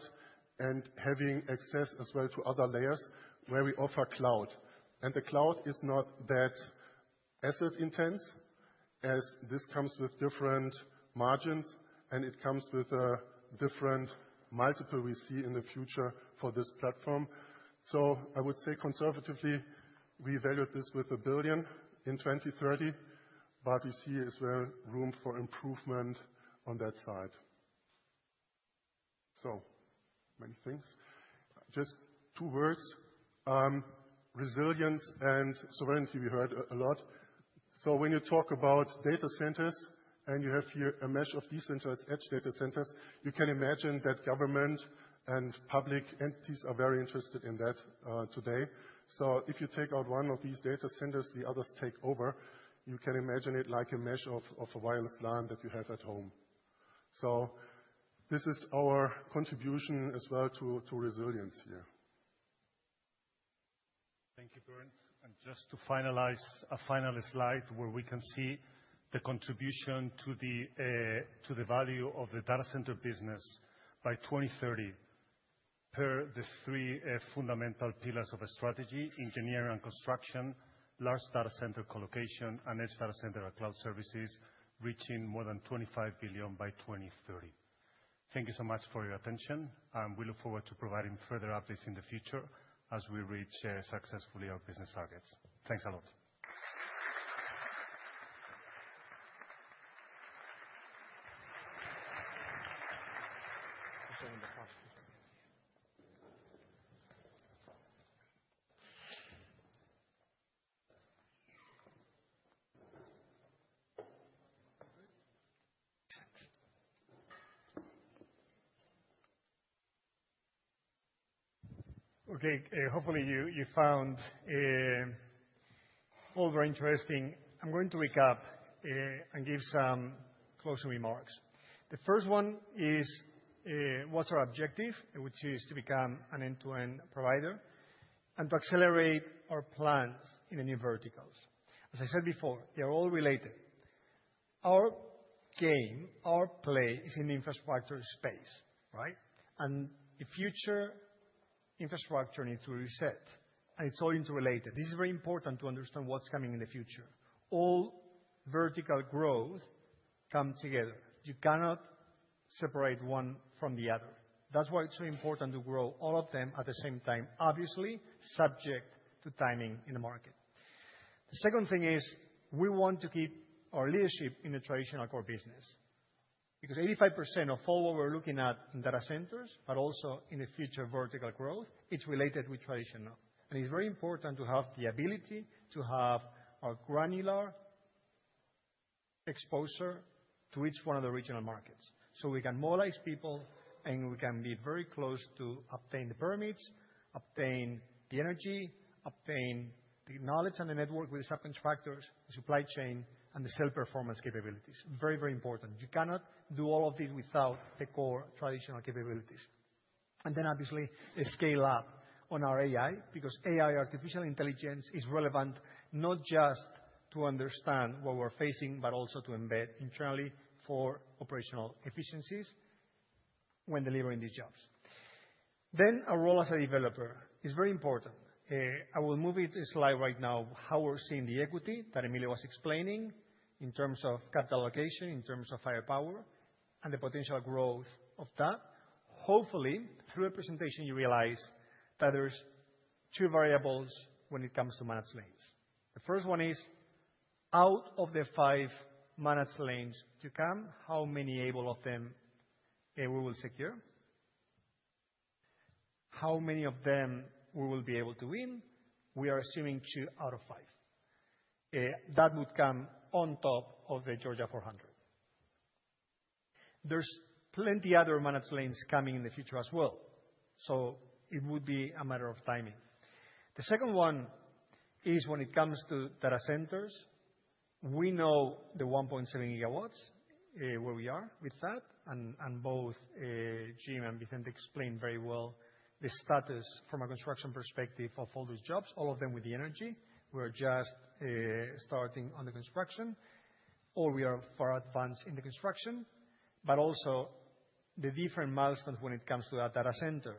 and having access as well to other layers where we offer cloud. The cloud is not that asset-intense as this comes with different margins, and it comes with different multiples we see in the future for this platform. I would say conservatively, we valued this with $1 billion in 2030, but we see as well room for improvement on that side. So many things. Just two words: resilience and sovereignty. We heard a lot. When you talk about data centers and you have here a mesh of these centers, edge data centers, you can imagine that government and public entities are very interested in that today. If you take out one of these data centers, the others take over. You can imagine it like a mesh of a wireless LAN that you have at home. This is our contribution as well to resilience here. Thank you, Burns. Just to finalize, a final slide where we can see the contribution to the value of the data center business by 2030 per the three fundamental pillars of a strategy: engineering and construction, large data center colocation, and edge data center or cloud services reaching more than $25 billion by 2030. Thank you so much for your attention. We look forward to providing further updates in the future as we reach successfully our business targets. Thanks a lot. Okay. Hopefully, you found all very interesting. I'm going to recap and give some closing remarks. The first one is what's our objective, which is to become an end-to-end provider and to accelerate our plans in the new verticals. As I said before, they are all related. Our game, our play is in the infrastructure space, right? The future infrastructure needs to reset, and it's all interrelated. This is very important to understand what's coming in the future. All vertical growth comes together. You cannot separate one from the other. That's why it's so important to grow all of them at the same time, obviously subject to timing in the market. The second thing is we want to keep our leadership in the traditional core business because 85% of all what we're looking at in data centers, but also in the future vertical growth, it's related with traditional. It is very important to have the ability to have our granular exposure to each one of the regional markets so we can mobilize people, and we can be very close to obtain the permits, obtain the energy, obtain the knowledge and the network with the subcontractors, the supply chain, and the sale performance capabilities. Very, very important. You cannot do all of these without the core traditional capabilities. Obviously, scale up on our AI because AI, artificial intelligence, is relevant not just to understand what we're facing, but also to embed internally for operational efficiencies when delivering these jobs. Our role as a developer is very important. I will move it to the slide right now of how we're seeing the equity that Emilio was explaining in terms of capital allocation, in terms of higher power, and the potential growth of that. Hopefully, through a presentation, you realize that there's two variables when it comes to managed lanes. The first one is out of the five managed lanes to come, how many of them we will secure, how many of them we will be able to win. We are assuming two out of five. That would come on top of the Georgia 400. There's plenty of other managed lanes coming in the future as well. It would be a matter of timing. The second one is when it comes to data centers. We know the 1.7 gigawatts where we are with that. Both Jim and Bethany explained very well the status from a construction perspective of all those jobs, all of them with the energy. We're just starting on the construction, or we are far advanced in the construction, but also the different milestones when it comes to that data center.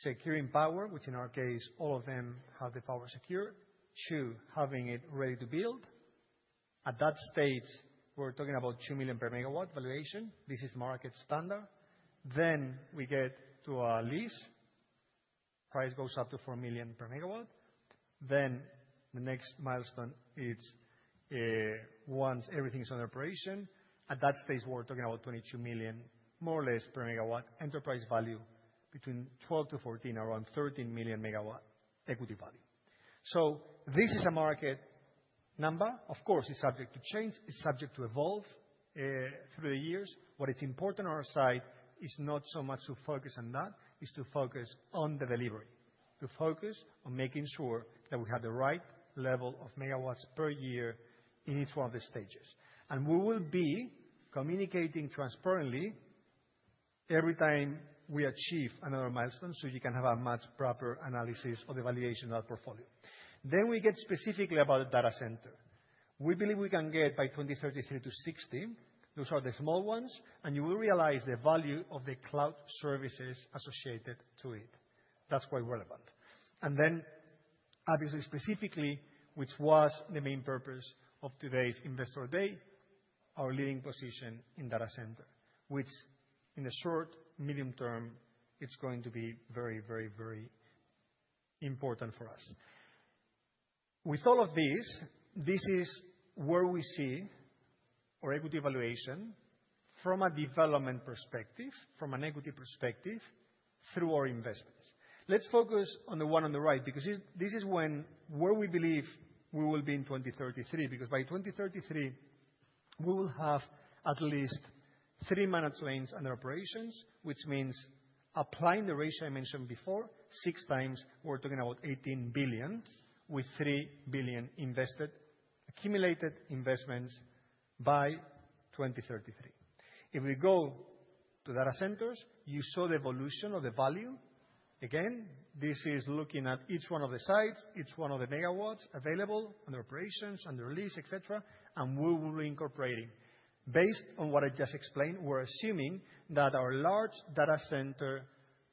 Securing power, which in our case, all of them have the power secured, to having it ready to build. At that stage, we're talking about $2 million per megawatt valuation. This is market standard. We get to a lease. Price goes up to $4 million per megawatt. The next milestone is once everything is under operation. At that stage, we're talking about $22 million, more or less, per megawatt enterprise value, between $12 million-$14 million, around $13 million per megawatt equity value. This is a market number. Of course, it's subject to change. It's subject to evolve through the years. What is important on our side is not so much to focus on that; it's to focus on the delivery, to focus on making sure that we have the right level of megawatts per year in each one of the stages. We will be communicating transparently every time we achieve another milestone so you can have a much proper analysis of the valuation of our portfolio. We get specifically about the data center. We believe we can get by 2033 to 60. Those are the small ones. You will realize the value of the cloud services associated to it. That's quite relevant. Obviously, specifically, which was the main purpose of today's Investor Day, our leading position in data center, which in the short, medium term, it's going to be very, very, very important for us. With all of this, this is where we see our equity valuation from a development perspective, from an equity perspective, through our investments. Let's focus on the one on the right because this is where we believe we will be in 2033 because by 2033, we will have at least three managed lanes under operations, which means applying the ratio I mentioned before, six times we're talking about $18 billion with $3 billion invested, accumulated investments by 2033. If we go to data centers, you saw the evolution of the value. Again, this is looking at each one of the sites, each one of the megawatts available under operations, under lease, etc., and we will be incorporating. Based on what I just explained, we're assuming that our large data center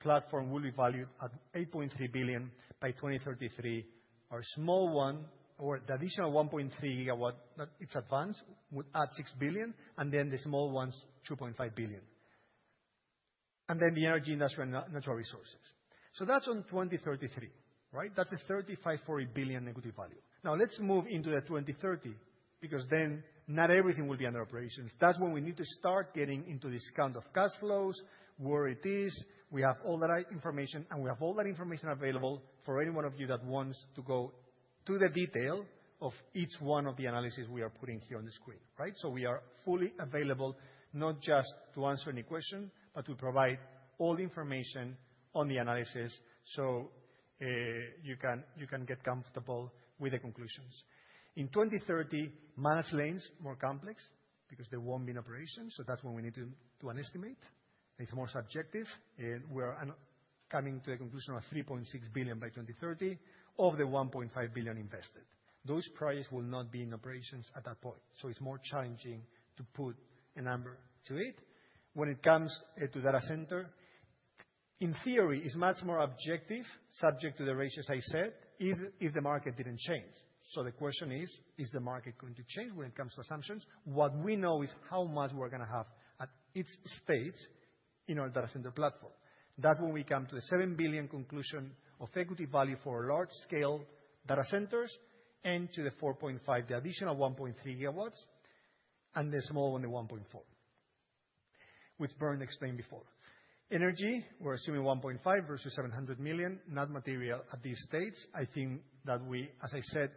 platform will be valued at $8.3 billion by 2033. Our small one, or the additional 1.3 gigawatt that it's advanced, would add $6 billion, and then the small ones, $2.5 billion. And then the energy industry and natural resources. So that's on 2033, right? That's a $35 billion-$40 billion equity value. Now, let's move into the 2030 because then not everything will be under operations. That's when we need to start getting into this kind of cash flows, where it is. We have all that information, and we have all that information available for any one of you that wants to go to the detail of each one of the analyses we are putting here on the screen, right? So we are fully available not just to answer any question, but to provide all information on the analysis so you can get comfortable with the conclusions. In 2030, managed lanes are more complex because they won't be in operation. That's when we need to do an estimate. It's more subjective. We are coming to the conclusion of $3.6 billion by 2030 of the $1.5 billion invested. Those prices will not be in operations at that point. It's more challenging to put a number to it. When it comes to data center, in theory, it's much more objective, subject to the ratios I said, if the market didn't change. The question is, is the market going to change when it comes to assumptions? What we know is how much we're going to have at each stage in our data center platform. That's when we come to the $7 billion conclusion of equity value for large-scale data centers and to the $4.5 billion, the additional 1.3 GW, and the small one, the $1.4 billion, which Burns explained before. Energy, we're assuming $1.5 billion versus $700 million, not material at these stages. I think that we, as I said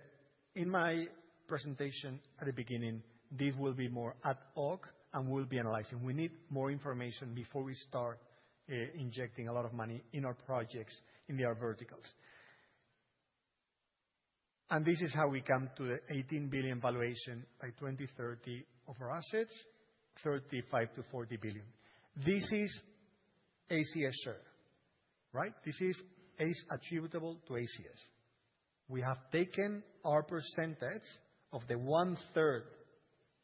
in my presentation at the beginning, this will be more ad hoc, and we'll be analyzing. We need more information before we start injecting a lot of money in our projects, in our verticals. This is how we come to the $18 billion valuation by 2030 of our assets, $35 billion-$40 billion. This is ACS share, right? This is attributable to ACS. We have taken our percentage of the one-third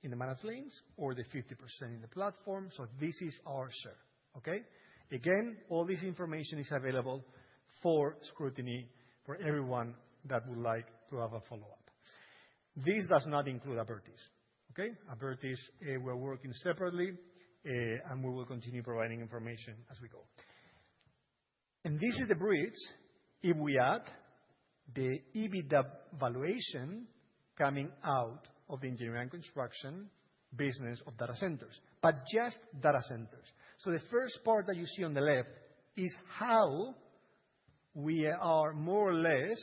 in the managed lanes or the 50% in the platform. This is our share, okay? Again, all this information is available for scrutiny for everyone that would like to have a follow-up. This does not include Abertis, okay? Abertis, we're working separately, and we will continue providing information as we go. This is the bridge if we add the EBITDA valuation coming out of the engineering and construction business of data centers, but just data centers. The first part that you see on the left is how we are more or less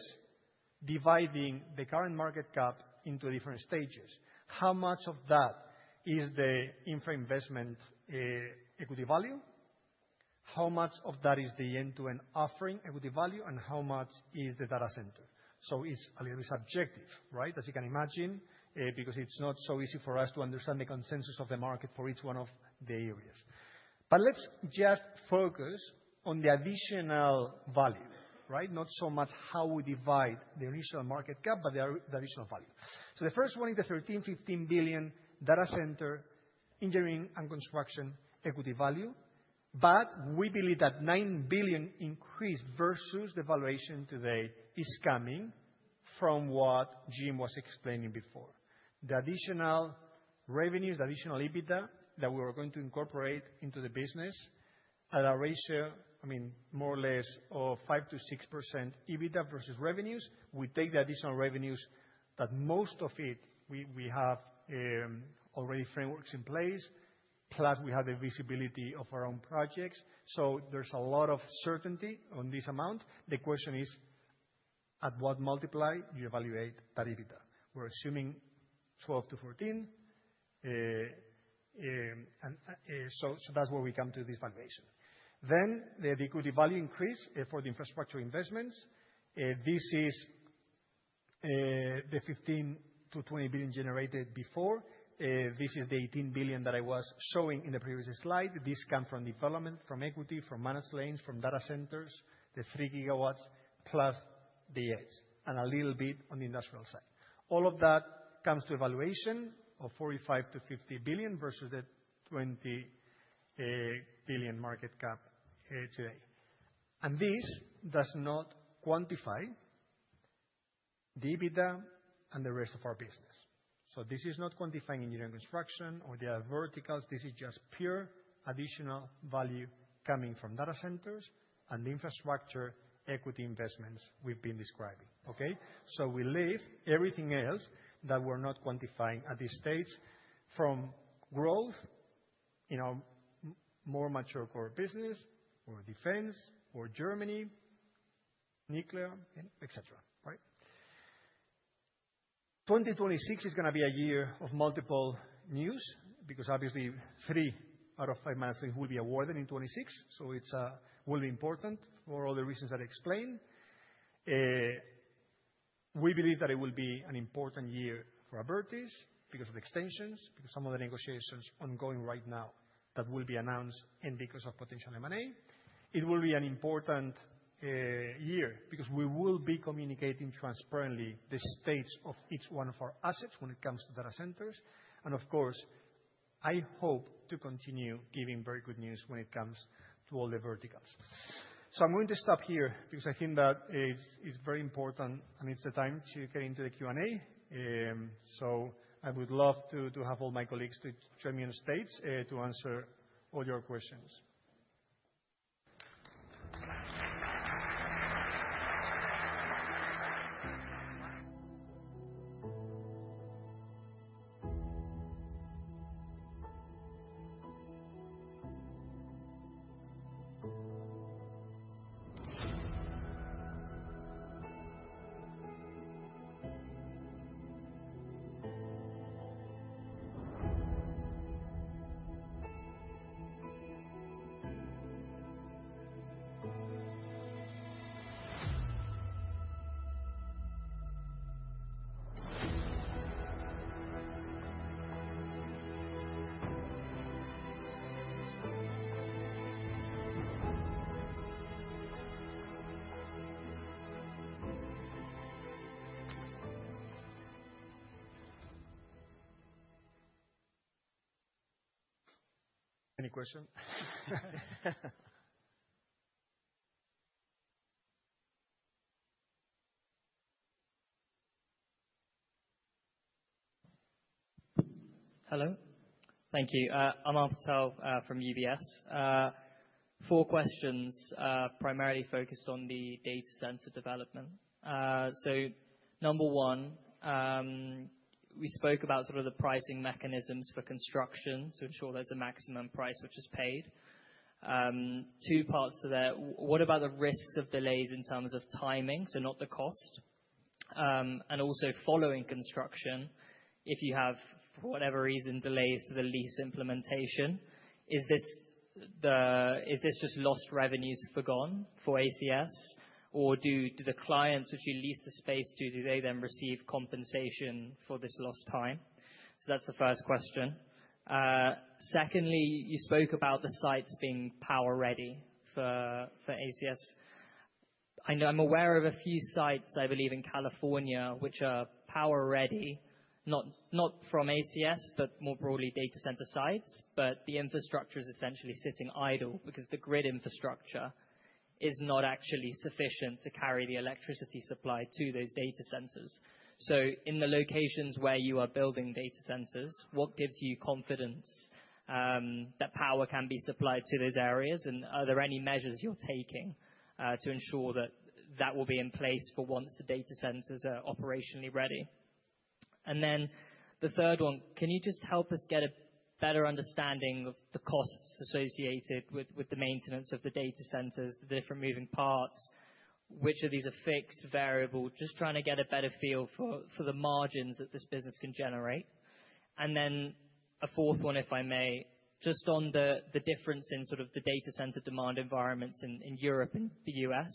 dividing the current market cap into different stages. How much of that is the infra investment equity value? How much of that is the end-to-end offering equity value, and how much is the data center? It is a little bit subjective, right, as you can imagine, because it is not so easy for us to understand the consensus of the market for each one of the areas. Let us just focus on the additional value, right? Not so much how we divide the initial market cap, but the additional value. The first one is the $13 billion-$15 billion data center engineering and construction equity value. We believe that $9 billion increase versus the valuation today is coming from what Jim was explaining before. The additional revenues, the additional EBITDA that we are going to incorporate into the business at a ratio, I mean, more or less of 5%-6% EBITDA versus revenues. We take the additional revenues that most of it we have already frameworks in place, plus we have the visibility of our own projects. There is a lot of certainty on this amount. The question is, at what multiple you evaluate that EBITDA? We are assuming 12-14. That is where we come to this valuation. The equity value increase for the infrastructure investments. This is the $15 billion-$20 billion generated before. This is the $18 billion that I was showing in the previous slide. This comes from development, from equity, from managed lanes, from data centers, the 3 GW, plus the edge, and a little bit on the industrial side. All of that comes to a valuation of $45 billion-$50 billion versus the $20 billion market cap today. This does not quantify the EBITDA and the rest of our business. This is not quantifying engineering construction or the other verticals. This is just pure additional value coming from data centers and the infrastructure equity investments we have been describing, okay? We leave everything else that we are not quantifying at these stages from growth in our more mature core business or defense or Germany, nuclear, etc., right? 2026 is going to be a year of multiple news because, obviously, three out of five managed lanes will be awarded in 2026. It will be important for all the reasons that I explained. We believe that it will be an important year for Abertis because of the extensions, because some of the negotiations are ongoing right now that will be announced, and because of potential M&A. It will be an important year because we will be communicating transparently the states of each one of our assets when it comes to data centers. Of course, I hope to continue giving very good news when it comes to all the verticals. I am going to stop here because I think that it is very important, and it is the time to get into the Q&A. I would love to have all my colleagues join me in the states to answer all your questions. Any question? Hello? Thank you. I am Arpitell from UBS. Four questions primarily focused on the data center development. Number one, we spoke about sort of the pricing mechanisms for construction to ensure there's a maximum price which is paid. Two parts to that. What about the risks of delays in terms of timing, so not the cost? Also, following construction, if you have, for whatever reason, delays to the lease implementation, is this just lost revenues forgone for ACS? Or do the clients which you lease the space to, do they then receive compensation for this lost time? That's the first question. Secondly, you spoke about the sites being power-ready for ACS. I'm aware of a few sites, I believe, in California which are power-ready, not from ACS, but more broadly data center sites. The infrastructure is essentially sitting idle because the grid infrastructure is not actually sufficient to carry the electricity supply to those data centers. In the locations where you are building data centers, what gives you confidence that power can be supplied to those areas? Are there any measures you are taking to ensure that that will be in place for once the data centers are operationally ready? The third one, can you just help us get a better understanding of the costs associated with the maintenance of the data centers, the different moving parts? Which of these are fixed, variable? Just trying to get a better feel for the margins that this business can generate. A fourth one, if I may, just on the difference in sort of the data center demand environments in Europe and the U.S..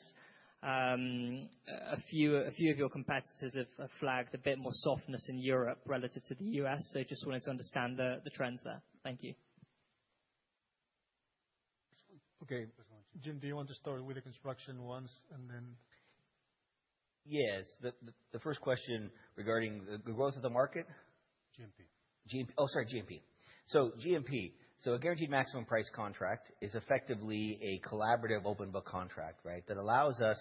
A few of your competitors have flagged a bit more softness in Europe relative to the U.S., so just wanted to understand the trends there. Thank you. Okay. Jim, do you want to start with the construction ones and then? Yes. The first question regarding the growth of the market? GMP. Oh, sorry, GMP. So GMP, so a guaranteed maximum price contract is effectively a collaborative open book contract, right, that allows us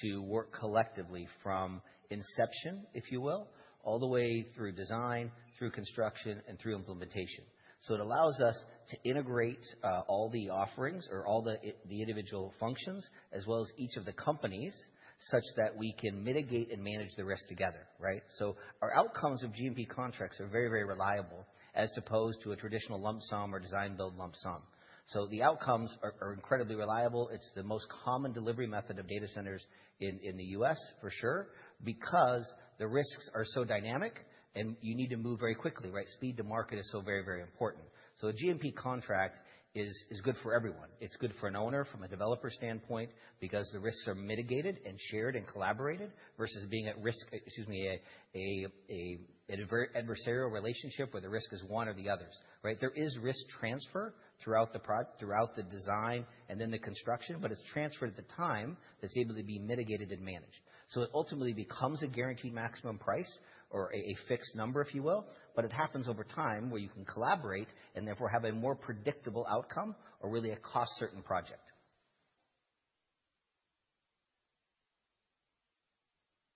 to work collectively from inception, if you will, all the way through design, through construction, and through implementation. It allows us to integrate all the offerings or all the individual functions as well as each of the companies such that we can mitigate and manage the rest together, right? Our outcomes of GMP contracts are very, very reliable as opposed to a traditional lump sum or design-build lump sum. The outcomes are incredibly reliable. It's the most common delivery method of data centers in the U.S., for sure, because the risks are so dynamic and you need to move very quickly, right? Speed to market is so very, very important. A GMP contract is good for everyone. It's good for an owner from a developer standpoint because the risks are mitigated and shared and collaborated versus being at risk, excuse me, an adversarial relationship where the risk is one or the other's, right? There is risk transfer throughout the design and then the construction, but it's transferred at the time that's able to be mitigated and managed. It ultimately becomes a guaranteed maximum price or a fixed number, if you will, but it happens over time where you can collaborate and therefore have a more predictable outcome or really a cost-certain project.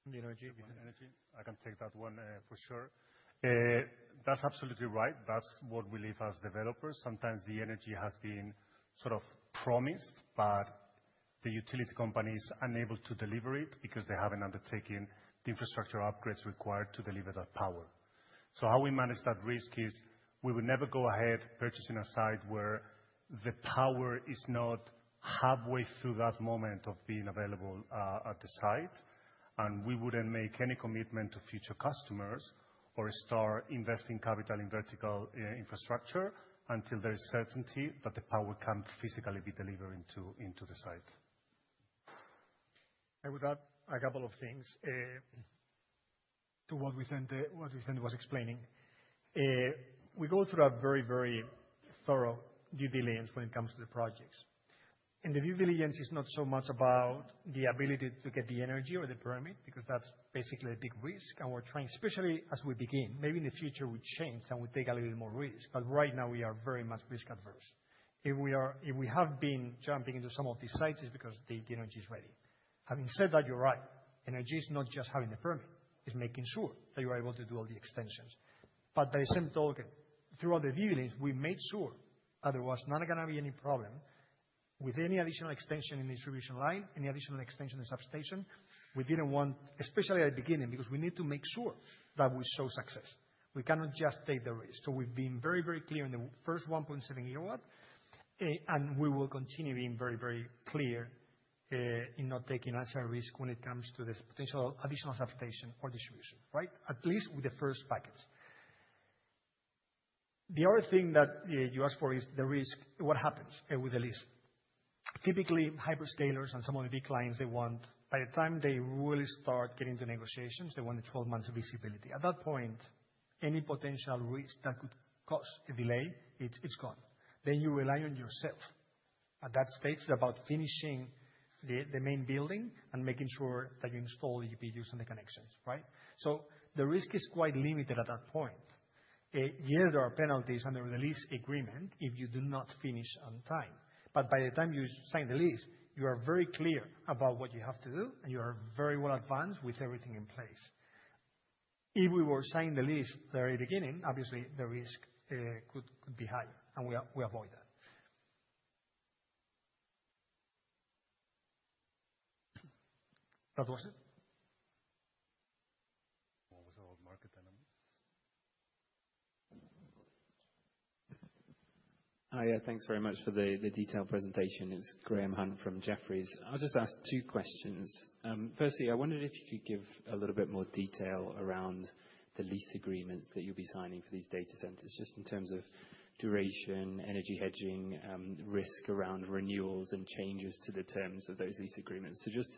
The energy. I can take that one for sure. That's absolutely right. That's what we live as developers. Sometimes the energy has been sort of promised, but the utility company is unable to deliver it because they have not undertaken the infrastructure upgrades required to deliver that power. How we manage that risk is we would never go ahead purchasing a site where the power is not halfway through that moment of being available at the site. We would not make any commitment to future customers or start investing capital in vertical infrastructure until there is certainty that the power can physically be delivered into the site. I would add a couple of things to what Vicente was explaining. We go through a very, very thorough due diligence when it comes to the projects. The due diligence is not so much about the ability to get the energy or the permit because that is basically a big risk. We are trying, especially as we begin, maybe in the future we change and we take a little more risk. Right now, we are very much risk-averse. If we have been jumping into some of these sites, it's because the energy is ready. Having said that, you're right. Energy is not just having the permit. It's making sure that you're able to do all the extensions. By the same token, throughout the due diligence, we made sure that there was not going to be any problem with any additional extension in the distribution line, any additional extension in substation. We did not want, especially at the beginning, because we need to make sure that we show success. We cannot just take the risk. We have been very, very clear in the first 1.7 GW, and we will continue being very, very clear in not taking uncertain risk when it comes to this potential additional substation or distribution, right? At least with the first packets. The other thing that you asked for is the risk, what happens with the list? Typically, hyperscalers and some of the big clients, they want, by the time they really start getting into negotiations, they want the 12 months of visibility. At that point, any potential risk that could cause a delay, it is gone. You rely on yourself at that stage about finishing the main building and making sure that you install the EPDUs and the connections, right? The risk is quite limited at that point. Yes, there are penalties under the lease agreement if you do not finish on time. By the time you sign the lease, you are very clear about what you have to do, and you are very well advanced with everything in place. If we were signing the lease at the very beginning, obviously, the risk could be higher, and we avoid that. That was it. What was our market enemy? Hiya. Thanks very much for the detailed presentation. It's Graham Hunt from Jefferies. I'll just ask two questions. Firstly, I wondered if you could give a little bit more detail around the lease agreements that you'll be signing for these data centers, just in terms of duration, energy hedging, risk around renewals, and changes to the terms of those lease agreements. Just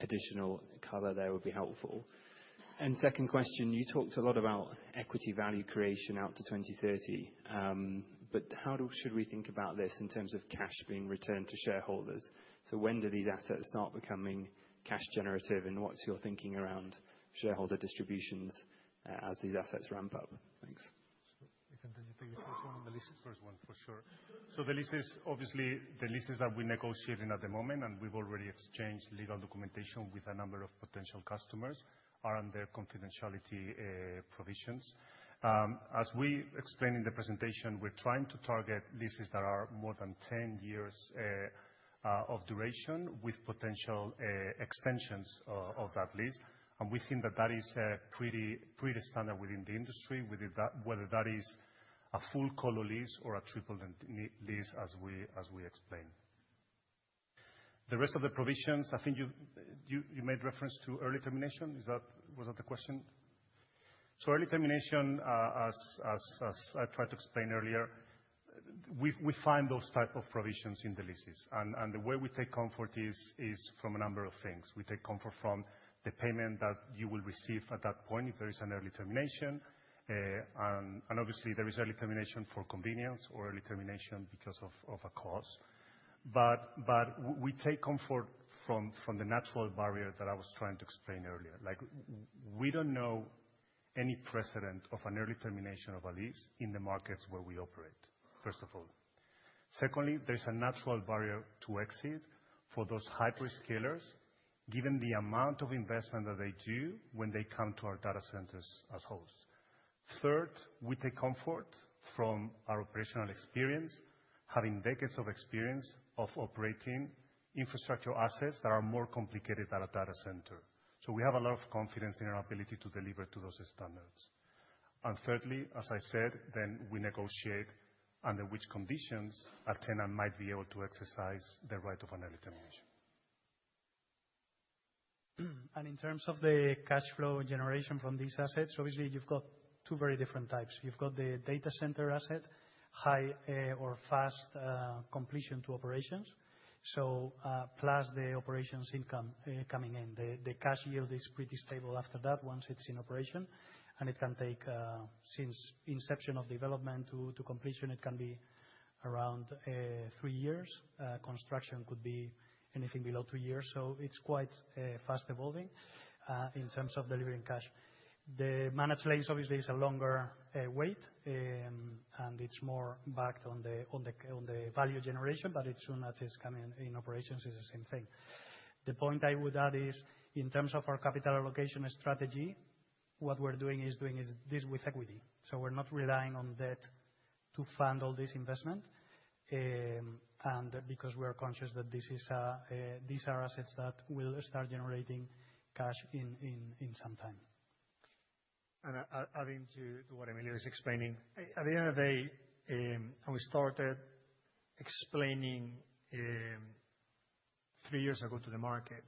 additional color there would be helpful. Second question, you talked a lot about equity value creation out to 2030. How should we think about this in terms of cash being returned to shareholders? When do these assets start becoming cash generative? What's your thinking around shareholder distributions as these assets ramp up? Thanks. Vicente, you take the first one on the list. First one, for sure. The lease is obviously the leases that we're negotiating at the moment, and we've already exchanged legal documentation with a number of potential customers around their confidentiality provisions. As we explained in the presentation, we're trying to target leases that are more than 10 years of duration with potential extensions of that lease. We think that that is pretty standard within the industry, whether that is a full colo lease or a triple lease, as we explained. The rest of the provisions, I think you made reference to early termination. Was that the question? Early termination, as I tried to explain earlier, we find those types of provisions in the leases. The way we take comfort is from a number of things. We take comfort from the payment that you will receive at that point if there is an early termination. Obviously, there is early termination for convenience or early termination because of a cost. We take comfort from the natural barrier that I was trying to explain earlier. We do not know any precedent of an early termination of a lease in the markets where we operate, first of all. Secondly, there is a natural barrier to exit for those hyperscalers, given the amount of investment that they do when they come to our data centers as hosts. Third, we take comfort from our operational experience, having decades of experience of operating infrastructure assets that are more complicated than a data center. We have a lot of confidence in our ability to deliver to those standards. Thirdly, as I said, we negotiate under which conditions a tenant might be able to exercise the right of an early termination. In terms of the cash flow generation from these assets, obviously, you have got two very different types. You have got the data center asset, high or fast completion to operations, plus the operations income coming in. The cash yield is pretty stable after that once it is in operation. It can take, since inception of development to completion, it can be around three years. Construction could be anything below two years. It is quite fast evolving in terms of delivering cash. The managed lease, obviously, is a longer wait, and it's more backed on the value generation, but as soon as it's coming in operations, it's the same thing. The point I would add is, in terms of our capital allocation strategy, what we're doing is doing this with equity. So we're not relying on debt to fund all this investment because we are conscious that these are assets that will start generating cash in some time. Adding to what Emilio is explaining, at the end of the day, and we started explaining three years ago to the market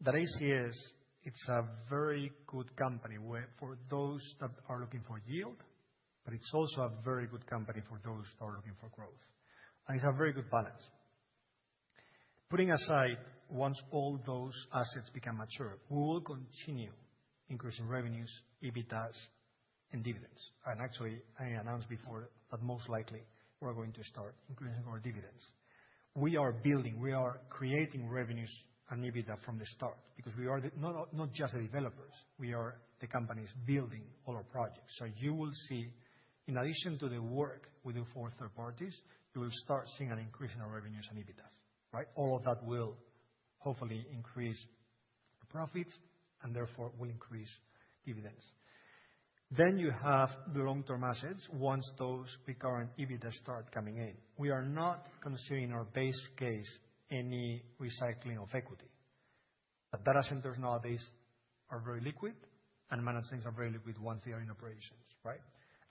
that ACS, it's a very good company for those that are looking for yield, but it's also a very good company for those that are looking for growth. It's a very good balance. Putting aside, once all those assets become mature, we will continue increasing revenues, EBITDA, and dividends. Actually, I announced before that most likely we're going to start increasing our dividends. We are building, we are creating revenues and EBITDA from the start because we are not just the developers. We are the companies building all our projects. You will see, in addition to the work we do for third parties, you will start seeing an increase in our revenues and EBITDA, right? All of that will hopefully increase the profits and therefore will increase dividends. You have the long-term assets once those recurrent EBITDA start coming in. We are not considering in our base case any recycling of equity. The data centers nowadays are very liquid, and managed lanes are very liquid once they are in operations, right?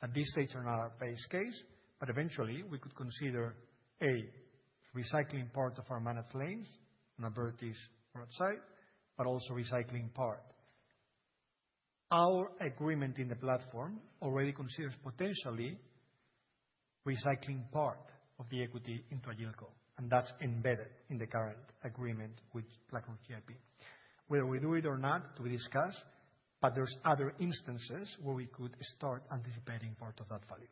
At this stage, they are not our base case, but eventually, we could consider recycling part of our managed lanes on Abertis or outside, but also recycling part. Our agreement in the platform already considers potentially recycling part of the equity into a yield curve. And that's embedded in the current agreement with BlackRock GIP. Whether we do it or not, we discuss, but there's other instances where we could start anticipating part of that value.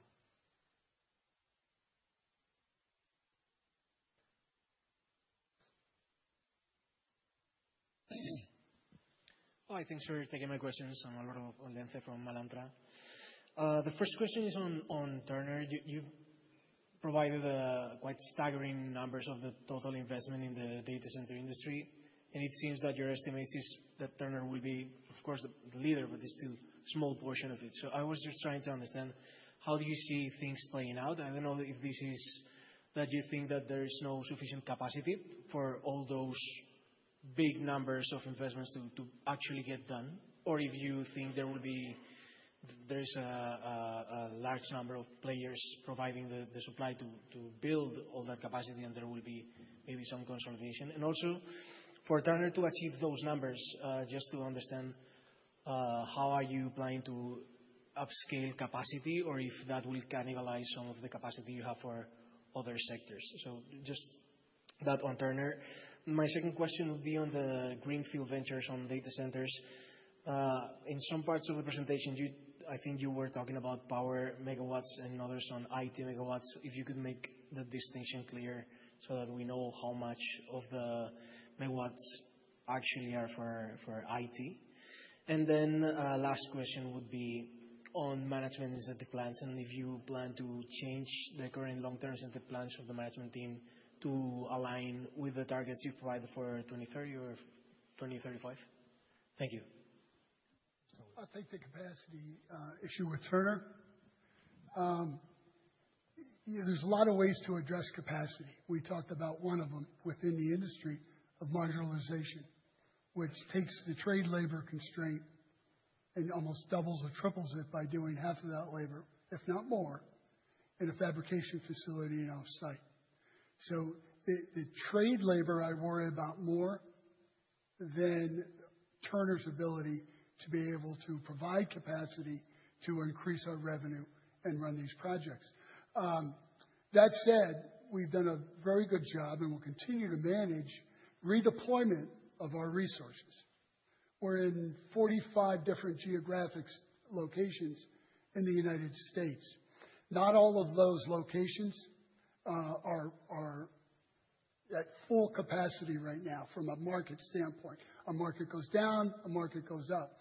Hi. Thanks for taking my questions. I'm Alberto Valencia from Malantra. The first question is on Turner. You provided quite staggering numbers of the total investment in the data center industry. It seems that your estimate is that Turner will be, of course, the leader, but it's still a small portion of it. I was just trying to understand how do you see things playing out? I don't know if this is that you think that there is no sufficient capacity for all those big numbers of investments to actually get done, or if you think there will be a large number of players providing the supply to build all that capacity and there will be maybe some consolidation. Also, for Turner to achieve those numbers, just to understand how are you planning to upscale capacity or if that will cannibalize some of the capacity you have for other sectors. Just that on Turner. My second question would be on the Greenfield ventures on data centers. In some parts of the presentation, I think you were talking about power, megawatts, and others on IT megawatts. If you could make the distinction clear so that we know how much of the megawatts actually are for IT. The last question would be on management and the plans. If you plan to change the current long-term and the plans of the management team to align with the targets you provided for 2030 or 2035? Thank you. I'll take the capacity issue with Turner. There are a lot of ways to address capacity. We talked about one of them within the industry of marginalization, which takes the trade labor constraint and almost doubles or triples it by doing half of that labor, if not more, in a fabrication facility and off-site. The trade labor I worry about more than Turner's ability to be able to provide capacity to increase our revenue and run these projects. That said, we've done a very good job and will continue to manage redeployment of our resources. We're in 45 different geographic locations in the United States. Not all of those locations are at full capacity right now from a market standpoint. A market goes down, a market goes up.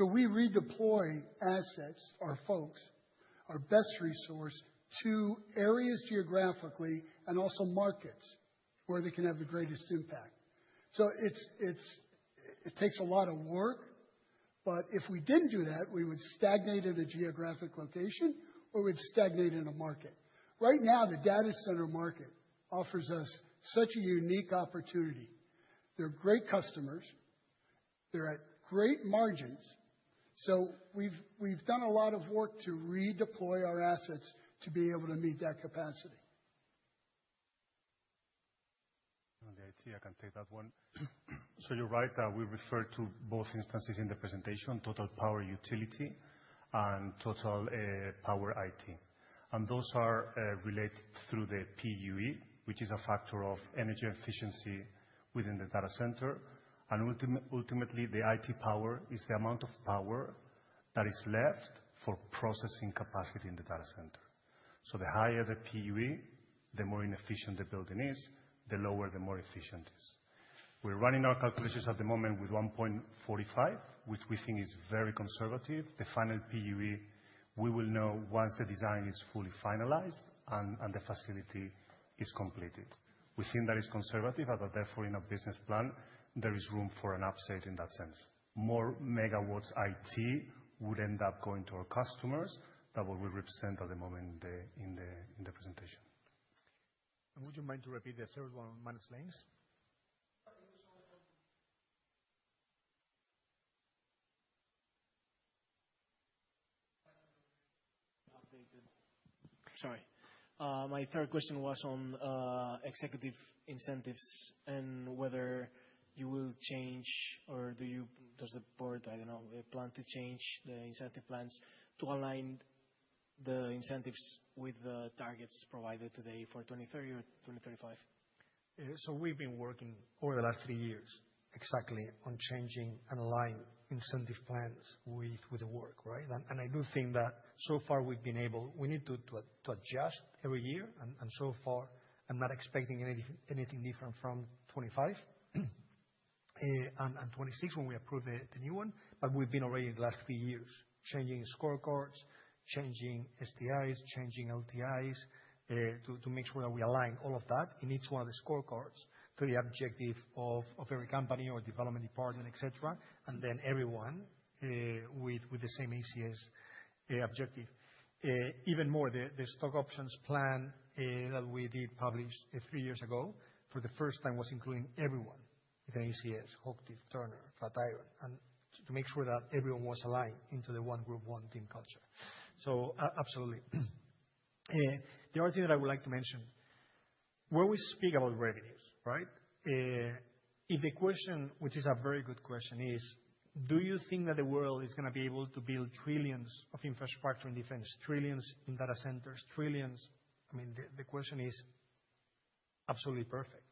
We redeploy assets, our folks, our best resource to areas geographically and also markets where they can have the greatest impact. It takes a lot of work, but if we did not do that, we would stagnate in a geographic location or we would stagnate in a market. Right now, the data center market offers us such a unique opportunity. They are great customers. They are at great margins. We have done a lot of work to redeploy our assets to be able to meet that capacity. The IT, I can take that one. You are right that we refer to both instances in the presentation, total power utility and total power IT. Those are related through the PUE, which is a factor of energy efficiency within the data center. Ultimately, the IT power is the amount of power that is left for processing capacity in the data center. The higher the PUE, the more inefficient the building is; the lower, the more efficient it is. We're running our calculations at the moment with 1.45, which we think is very conservative. The final PUE, we will know once the design is fully finalized and the facility is completed. We think that is conservative, but therefore, in a business plan, there is room for an upside in that sense. More megawatts IT would end up going to our customers that we represent at the moment in the presentation. Would you mind to repeat the third one on managed lanes? Sorry. My third question was on executive incentives and whether you will change or does the board, I do not know, plan to change the incentive plans to align the incentives with the targets provided today for 2030 or 2035? We have been working over the last three years exactly on changing and aligned incentive plans with the work, right? I do think that so far we have been able, we need to adjust every year. I am not expecting anything different from 2025 and 2026 when we approve the new one. We have been already in the last three years changing scorecards, changing STIs, changing LTIs to make sure that we align all of that in each one of the scorecards to the objective of every company or development department, etc., and then everyone with the same ACS objective. Even more, the stock options plan that we did publish three years ago for the first time was including everyone within ACS, Hochtief, Turner, Flatiron, and to make sure that everyone was aligned into the one group, one team culture. Absolutely. The other thing that I would like to mention, when we speak about revenues, right? If the question, which is a very good question, is, do you think that the world is going to be able to build trillions of infrastructure in defense, trillions in data centers, trillions? I mean, the question is absolutely perfect.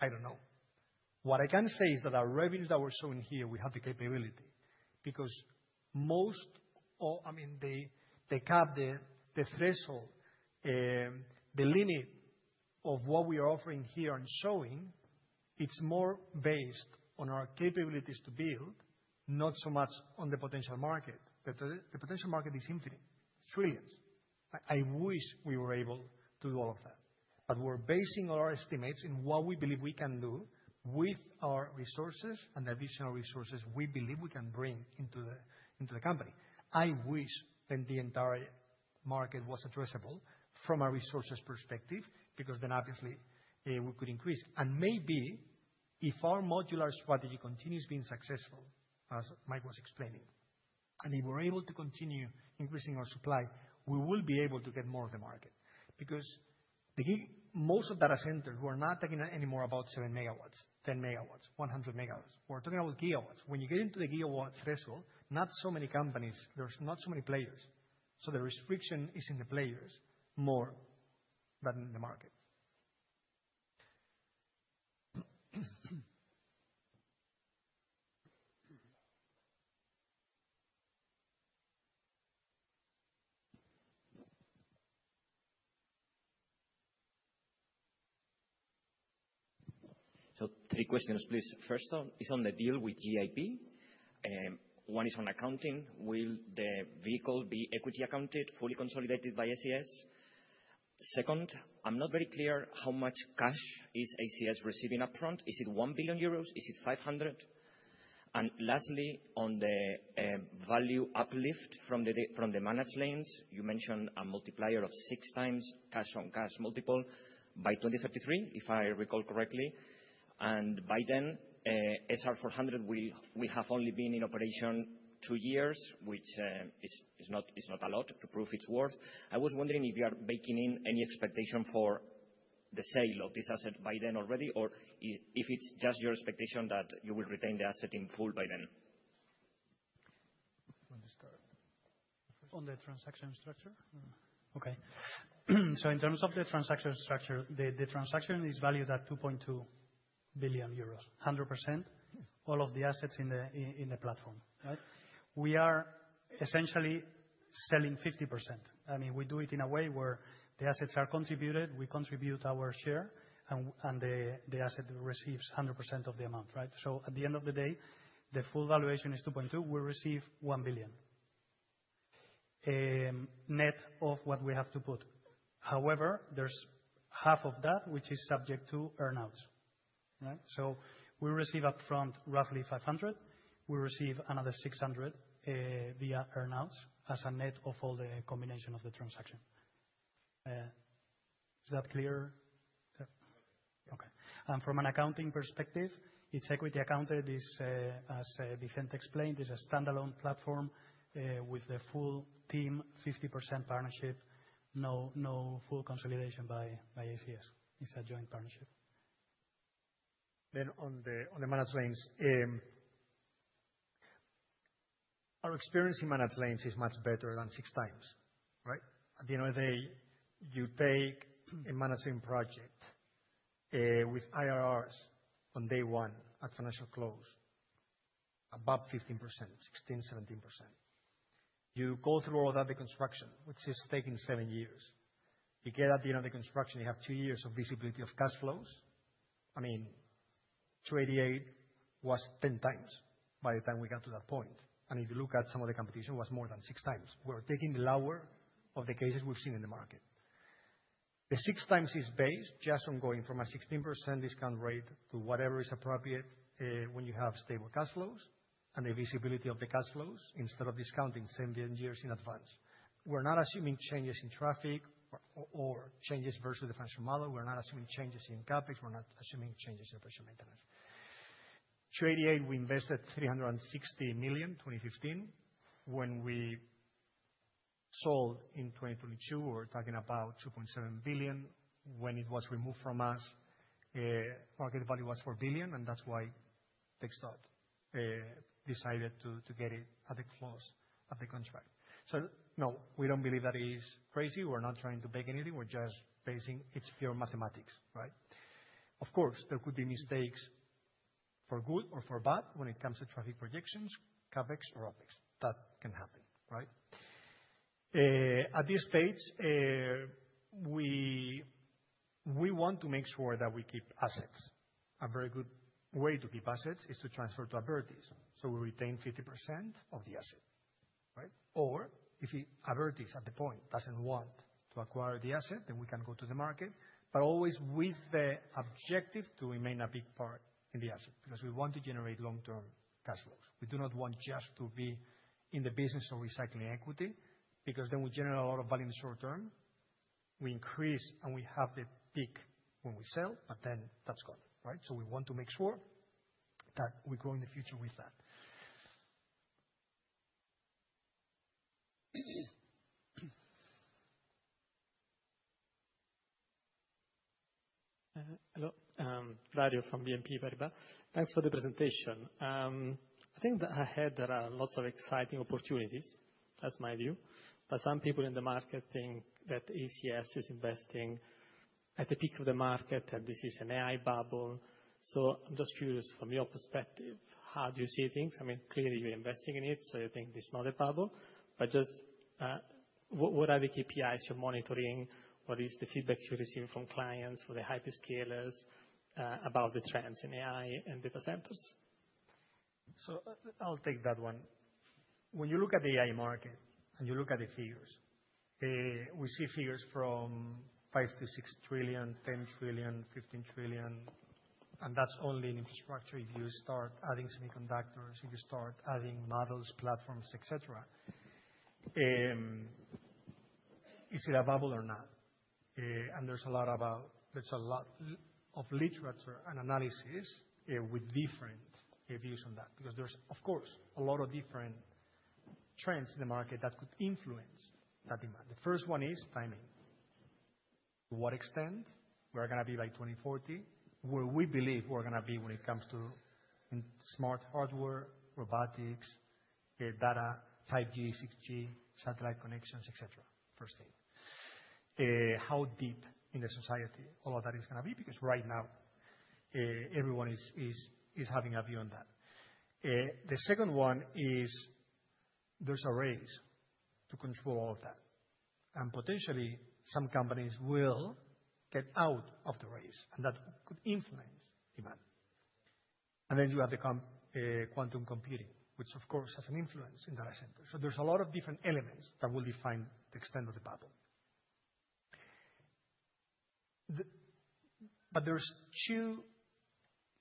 I do not know. What I can say is that our revenues that we are showing here, we have the capability because most, I mean, the cap, the threshold, the limit of what we are offering here and showing, it is more based on our capabilities to build, not so much on the potential market. The potential market is infinite, trillions. I wish we were able to do all of that. But we're basing all our estimates in what we believe we can do with our resources and the additional resources we believe we can bring into the company. I wish then the entire market was addressable from a resources perspective because then obviously we could increase. And maybe if our modular strategy continues being successful, as Mike was explaining, and if we're able to continue increasing our supply, we will be able to get more of the market because most of data centers who are not talking anymore about 7 MW, 10 MW, 100 MW. We're talking about gigawatts. When you get into the gigawatt threshold, not so many companies, there's not so many players. So the restriction is in the players more than in the market. So three questions, please. First, it's on the deal with GIP. One is on accounting. Will the vehicle be equity accounted, fully consolidated by ACS? Second, I'm not very clear how much cash is ACS receiving upfront. Is it 1 billion euros? Is it 500 million? And lastly, on the value uplift from the managed lanes, you mentioned a multiplier of six times cash on cash multiple by 2033, if I recall correctly. And by then, SR400 will have only been in operation two years, which is not a lot to prove its worth. I was wondering if you are baking in any expectation for the sale of this asset by then already, or if it's just your expectation that you will retain the asset in full by then. When to start? On the transaction structure? Okay. In terms of the transaction structure, the transaction is valued at 2.2 billion euros, 100%, all of the assets in the platform, right? We are essentially selling 50%. I mean, we do it in a way where the assets are contributed, we contribute our share, and the asset receives 100% of the amount, right? At the end of the day, the full valuation is 2.2. We receive 1 billion net of what we have to put. However, there is half of that, which is subject to earnouts, right? We receive upfront roughly 500 million. We receive another 600 million via earnouts as a net of all the combination of the transaction. Is that clear? Okay. From an accounting perspective, it is equity accounted, as Vicente explained. It is a standalone platform with the full team, 50% partnership, no full consolidation by ACS. It is a joint partnership. On the managed lanes, our experience in managed lanes is much better than six times, right? At the end of the day, you take a managing project with IRRs on day one at financial close, above 15%, 16%, 17%. You go through all that, the construction, which is taking seven years. You get at the end of the construction, you have two years of visibility of cash flows. I mean, 288 was 10 x by the time we got to that point. If you look at some of the competition, it was more than six times. We are taking the lower of the cases we have seen in the market. The six times is based just on going from a 16% discount rate to whatever is appropriate when you have stable cash flows and the visibility of the cash flows instead of discounting seven years in advance. We're not assuming changes in traffic or changes versus the financial model. We're not assuming changes in CapEx. We're not assuming changes in operational maintenance. In 2015, we invested 360 million. When we sold in 2022, we're talking about 2.7 billion. When it was removed from us, market value was 4 billion, and that's why TechStock decided to get it at the close of the contract. No, we don't believe that it is crazy. We're not trying to beg anything. We're just basing it, it's pure mathematics, right? Of course, there could be mistakes for good or for bad when it comes to traffic projections, CapEx or OpEx. That can happen, right? At this stage, we want to make sure that we keep assets. A very good way to keep assets is to transfer to Abertis. We retain 50% of the asset, right? Or if Abertis at the point does not want to acquire the asset, then we can go to the market, but always with the objective to remain a big part in the asset because we want to generate long-term cash flows. We do not want just to be in the business of recycling equity because then we generate a lot of value in the short term. We increase and we have the peak when we sell, but then that is gone, right? We want to make sure that we grow in the future with that. Hello. Flavio from BNP Paribas. Thanks for the presentation. I think ahead there are lots of exciting opportunities. That is my view. Some people in the market think that ACS is investing at the peak of the market and this is an AI bubble. I am just curious from your perspective, how do you see things? I mean, clearly you're investing in it, so you think it's not a bubble. But just what are the KPIs you're monitoring? What is the feedback you're receiving from clients, from the hyperscalers about the trends in AI and data centers? So I'll take that one. When you look at the AI market and you look at the figures, we see figures from $5 trillion-$6 trillion, $10 trillion, $15 trillion. And that's only in infrastructure. If you start adding semiconductors, if you start adding models, platforms, etc., is it a bubble or not? And there's a lot about, there's a lot of literature and analysis with different views on that because there's, of course, a lot of different trends in the market that could influence that demand. The first one is timing. To what extent we are going to be by 2040, where we believe we're going to be when it comes to smart hardware, robotics, data, 5G, 6G, satellite connections, etc., per state. How deep in the society all of that is going to be because right now everyone is having a view on that. The second one is there's a race to control all of that. Potentially some companies will get out of the race, and that could influence demand. Then you have the quantum computing, which of course has an influence in data centers. There are a lot of different elements that will define the extent of the bubble. There are two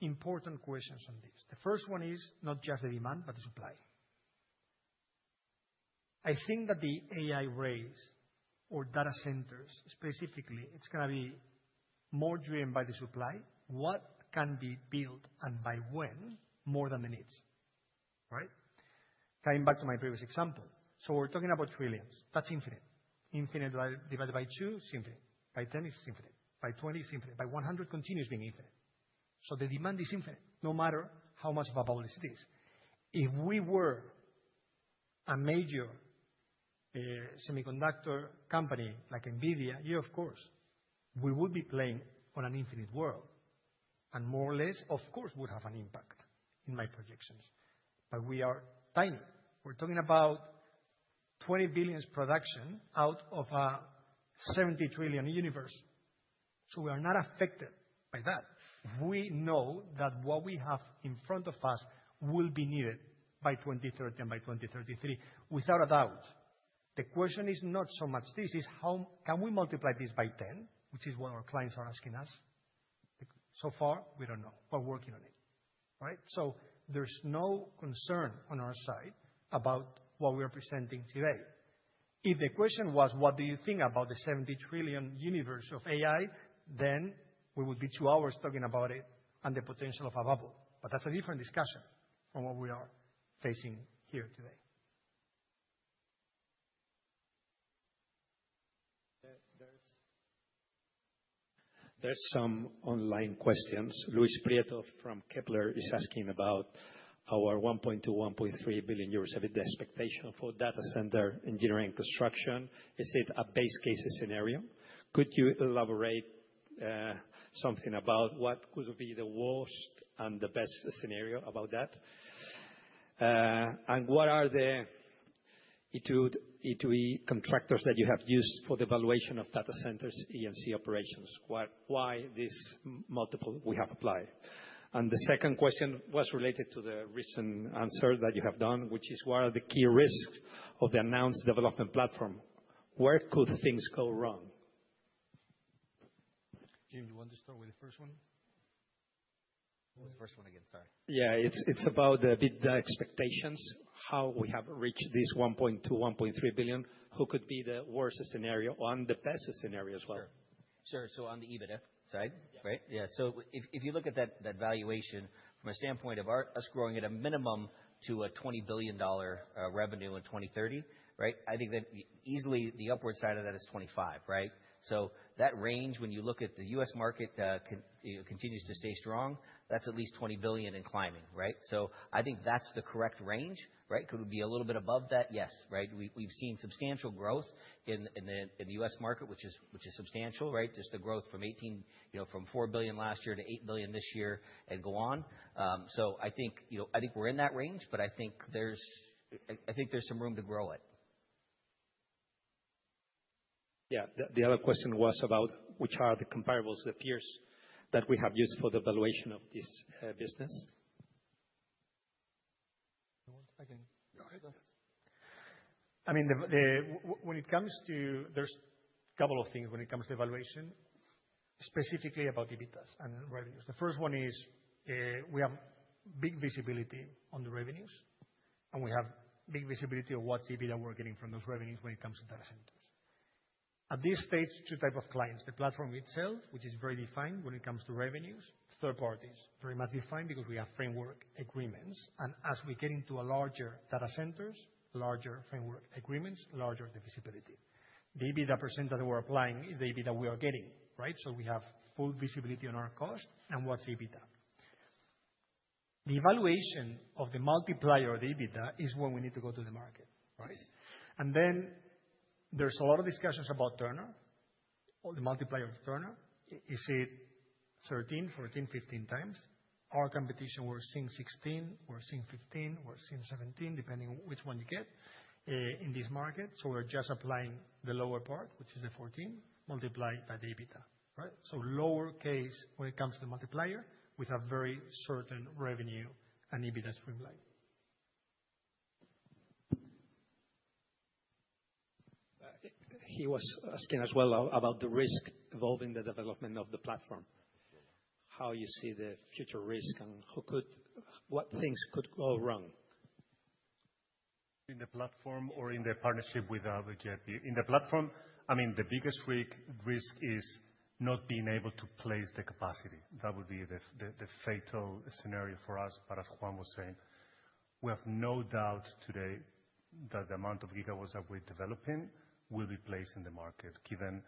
important questions on this. The first one is not just the demand, but the supply. I think that the AI race or data centers specifically, it's going to be more driven by the supply, what can be built and by when more than the needs, right? Coming back to my previous example. We're talking about trillions. That's infinite. Infinite divided by two, it's infinite. By 10, it's infinite. By 20, it's infinite. By 100, it continues being infinite. The demand is infinite no matter how much of a bubble it is. If we were a major semiconductor company like Nvidia, yeah, of course, we would be playing on an infinite world. More or less, of course, would have an impact in my projections. We are tiny. We're talking about $20 billion production out of a $70 trillion universe. We are not affected by that. We know that what we have in front of us will be needed by 2030 and by 2033, without a doubt. The question is not so much this. It is how can we multiply this by 10, which is what our clients are asking us? So far, we do not know. We are working on it, right? There is no concern on our side about what we are presenting today. If the question was, what do you think about the $70 trillion universe of AI, then we would be two hours talking about it and the potential of a bubble. That is a different discussion from what we are facing here today. There are some online questions. Luis Prieto from Kepler is asking about our 1.2-1.3 billion euros. If the expectation for data center engineering construction, is it a base case scenario? Could you elaborate something about what could be the worst and the best scenario about that? What are the E2E contractors that you have used for the valuation of data centers EMC operations? Why this multiple we have applied? The second question was related to the recent answer that you have done, which is what are the key risks of the announced development platform? Where could things go wrong? Jim, you want to start with the first one? What was the first one again? Sorry. Yeah, it's about the expectations, how we have reached this $1.2 billion, $1.3 billion, who could be the worst scenario or the best scenario as well. Sure. On the EBITDA side, right? Yeah. If you look at that valuation, from a standpoint of us growing at a minimum to a $20 billion revenue in 2030, right, I think that easily the upward side of that is $25 billion, right? That range, when you look at the U.S. market, continues to stay strong. That is at least $20 billion and climbing, right? I think that is the correct range, right? Could it be a little bit above that? Yes, right? We have seen substantial growth in the U.S. market, which is substantial, right? Just the growth from $4 billion last year to $8 billion this year and go on. I think we are in that range, but I think there is some room to grow it. Yeah. The other question was about which are the comparables, the peers that we have used for the valuation of this business. One second. Go ahead. I mean, when it comes to, there's a couple of things when it comes to evaluation, specifically about EBITDAs and revenues. The first one is we have big visibility on the revenues, and we have big visibility of what’s EBITDA we’re getting from those revenues when it comes to data centers. At this stage, two types of clients. The platform itself, which is very defined when it comes to revenues. Third parties, very much defined because we have framework agreements. As we get into larger data centers, larger framework agreements, larger the visibility. The EBITDA percent that we’re applying is the EBITDA we are getting, right? We have full visibility on our cost and what’s EBITDA. The evaluation of the multiplier of the EBITDA is when we need to go to the market, right? There’s a lot of discussions about Turner. The multiplier of Turner, is it 13, 14, 15 times? Our competition, we're seeing 16, we're seeing 15, we're seeing 17, depending on which one you get in this market. We're just applying the lower part, which is the 14, multiplied by the EBITDA, right? Lower case when it comes to the multiplier with a very certain revenue and EBITDA streamline. He was asking as well about the risk involved in the development of the platform. How you see the future risk and what things could go wrong? In the platform or in the partnership with Abertis? In the platform, I mean, the biggest risk is not being able to place the capacity. That would be the fatal scenario for us. As Juan was saying, we have no doubt today that the amount of gigawatts that we're developing will be placed in the market, given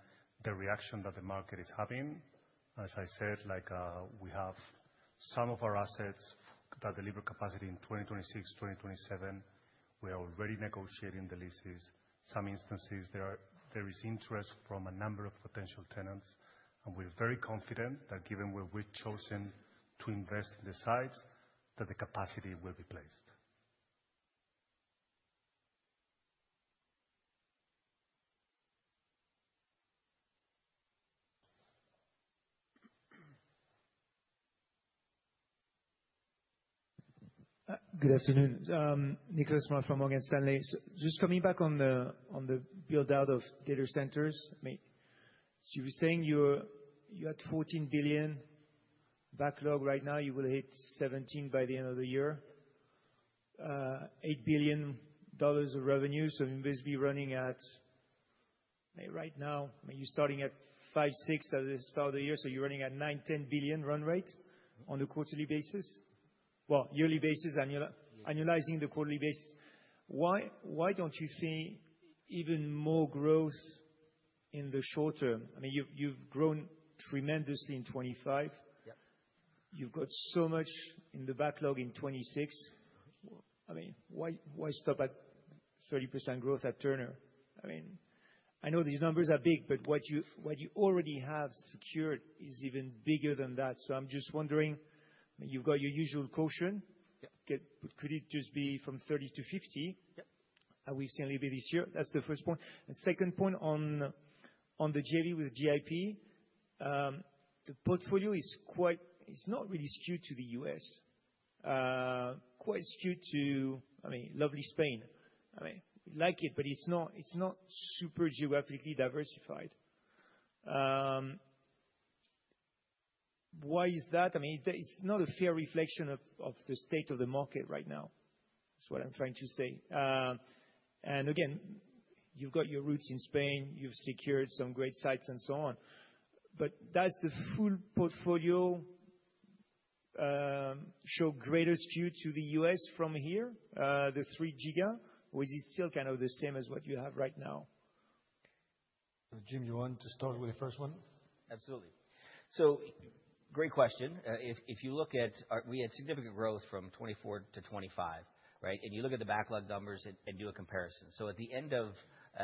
the reaction that the market is having. As I said, we have some of our assets that deliver capacity in 2026, 2027. We are already negotiating the leases. In some instances, there is interest from a number of potential tenants. We are very confident that given where we've chosen to invest in the sites, the capacity will be placed. Good afternoon. Nicholas from Morgan Stanley. Just coming back on the build-out of data centers. You were saying you had $14 billion backlog right now. You will hit $17 billion by the end of the year. $8 billion of revenue. So you'll be running at right now, you're starting at five, six at the start of the year. You're running at $9 billion, $10 billion run rate on the quarterly basis. On a yearly basis, annualizing the quarterly basis. Why don't you see even more growth in the short term? I mean, you've grown tremendously in 2025. You've got so much in the backlog in 2026. I mean, why stop at 30% growth at Turner? I mean, I know these numbers are big, but what you already have secured is even bigger than that. I'm just wondering, you've got your usual caution. Could it just be from 30%-50%? We've seen a little bit this year. That's the first point. Second point on the JV with GIP, the portfolio is not really skewed to the U.S., quite skewed to, I mean, lovely Spain. I mean, we like it, but it's not super geographically diversified. Why is that? I mean, it's not a fair reflection of the state of the market right now. That's what I'm trying to say. Again, you've got your roots in Spain. You've secured some great sites and so on. Does the full portfolio show greater skew to the U.S. from here, the 3 giga, or is it still kind of the same as what you have right now? Jim, you want to start with the first one? Absolutely. Great question. If you look at, we had significant growth from 2024 to 2025, right? You look at the backlog numbers and do a comparison. At the end of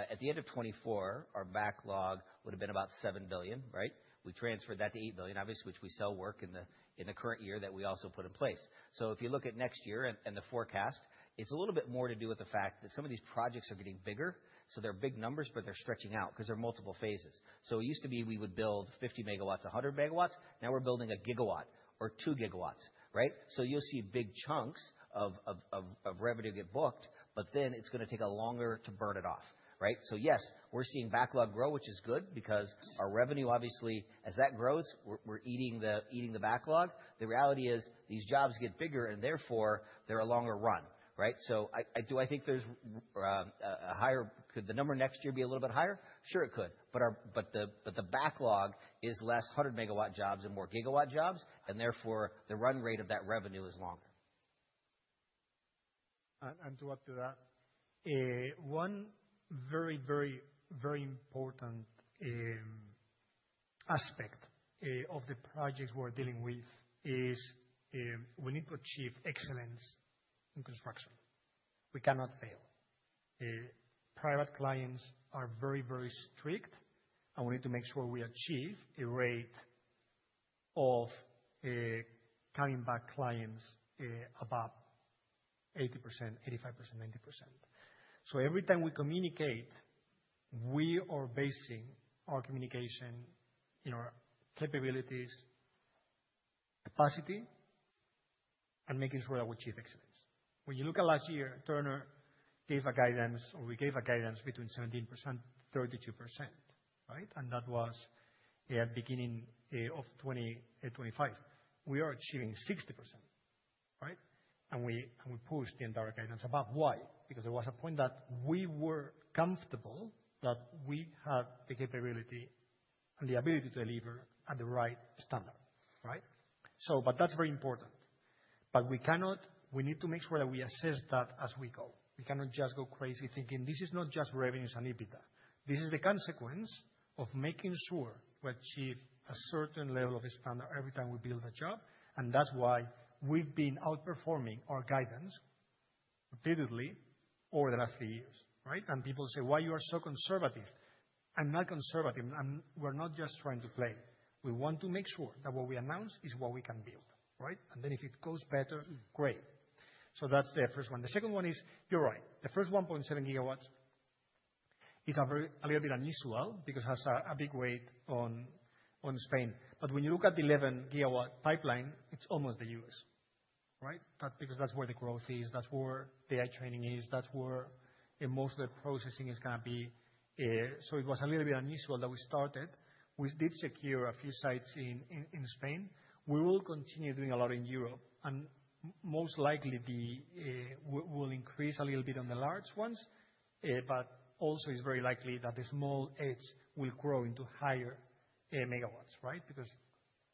2024, our backlog would have been about $7 billion, right? We transferred that to $8 billion, obviously, which we sell work in the current year that we also put in place. If you look at next year and the forecast, it's a little bit more to do with the fact that some of these projects are getting bigger. They're big numbers, but they're stretching out because there are multiple phases. It used to be we would build 50 MW, 100 MW. Now we're building a gigawatt or 2 GW, right? You'll see big chunks of revenue get booked, but then it's going to take longer to burn it off, right? Yes, we're seeing backlog grow, which is good because our revenue, obviously, as that grows, we're eating the backlog. The reality is these jobs get bigger and therefore they're a longer run, right? Do I think there's a higher, could the number next year be a little bit higher? Sure it could. The backlog is less 100 MW jobs and more gigawatt jobs. Therefore, the run rate of that revenue is longer. To add to that, one very, very, very important aspect of the projects we are dealing with is we need to achieve excellence in construction. We cannot fail. Private clients are very, very strict, and we need to make sure we achieve a rate of coming back clients above 80%, 85%, 90%. Every time we communicate, we are basing our communication in our capabilities, capacity, and making sure that we achieve excellence. When you look at last year, Turner gave a guidance, or we gave a guidance between 17%-32%, right? That was at the beginning of 2025. We are achieving 60%, right? We pushed the entire guidance above. Why? There was a point that we were comfortable that we had the capability and the ability to deliver at the right standard, right? That's very important. We need to make sure that we assess that as we go. We cannot just go crazy thinking this is not just revenues and EBITDA. This is the consequence of making sure we achieve a certain level of a standard every time we build a job. That's why we've been outperforming our guidance repeatedly over the last three years, right? People say, "Why are you so conservative?" I'm not conservative. We're not just trying to play. We want to make sure that what we announce is what we can build, right? If it goes better, great. That's the first one. The second one is you're right. The first 1.7 GW is a little bit unusual because it has a big weight on Spain. When you look at the 11 GW pipeline, it's almost the US, right? Because that's where the growth is. That's where the AI training is. That's where most of the processing is going to be. It was a little bit unusual that we started. We did secure a few sites in Spain. We will continue doing a lot in Europe. Most likely we'll increase a little bit on the large ones. It is very likely that the small edge will grow into higher megawatts, right?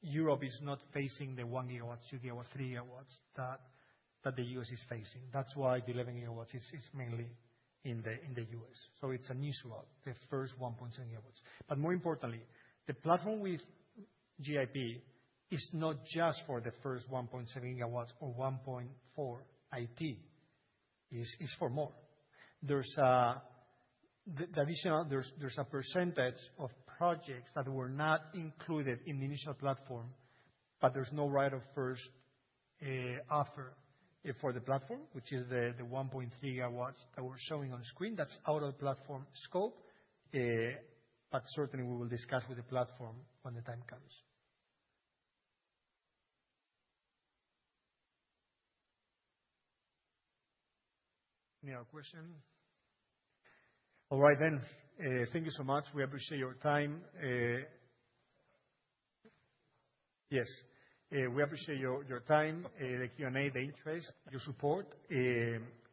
Europe is not facing the 1 GW, 2 GW, 3 GW that the U.S. is facing. That is why the 11 GW is mainly in the U.S.. It is unusual, the first 1.7 GWs. More importantly, the platform with GIP is not just for the first 1.7 GW or 1.4 IT. It is for more. There's a percentage of projects that were not included in the initial platform, but there's no right of first offer for the platform, which is the 1.3 GW that we're showing on the screen. That's out of the platform scope. Certainly we will discuss with the platform when the time comes. Any other questions? All right then. Thank you so much. We appreciate your time. Yes. We appreciate your time, the Q&A, the interest, your support.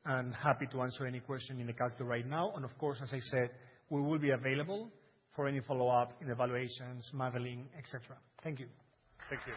Happy to answer any question in the calculator right now. Of course, as I said, we will be available for any follow-up in evaluations, modeling, etc. Thank you. Thank you.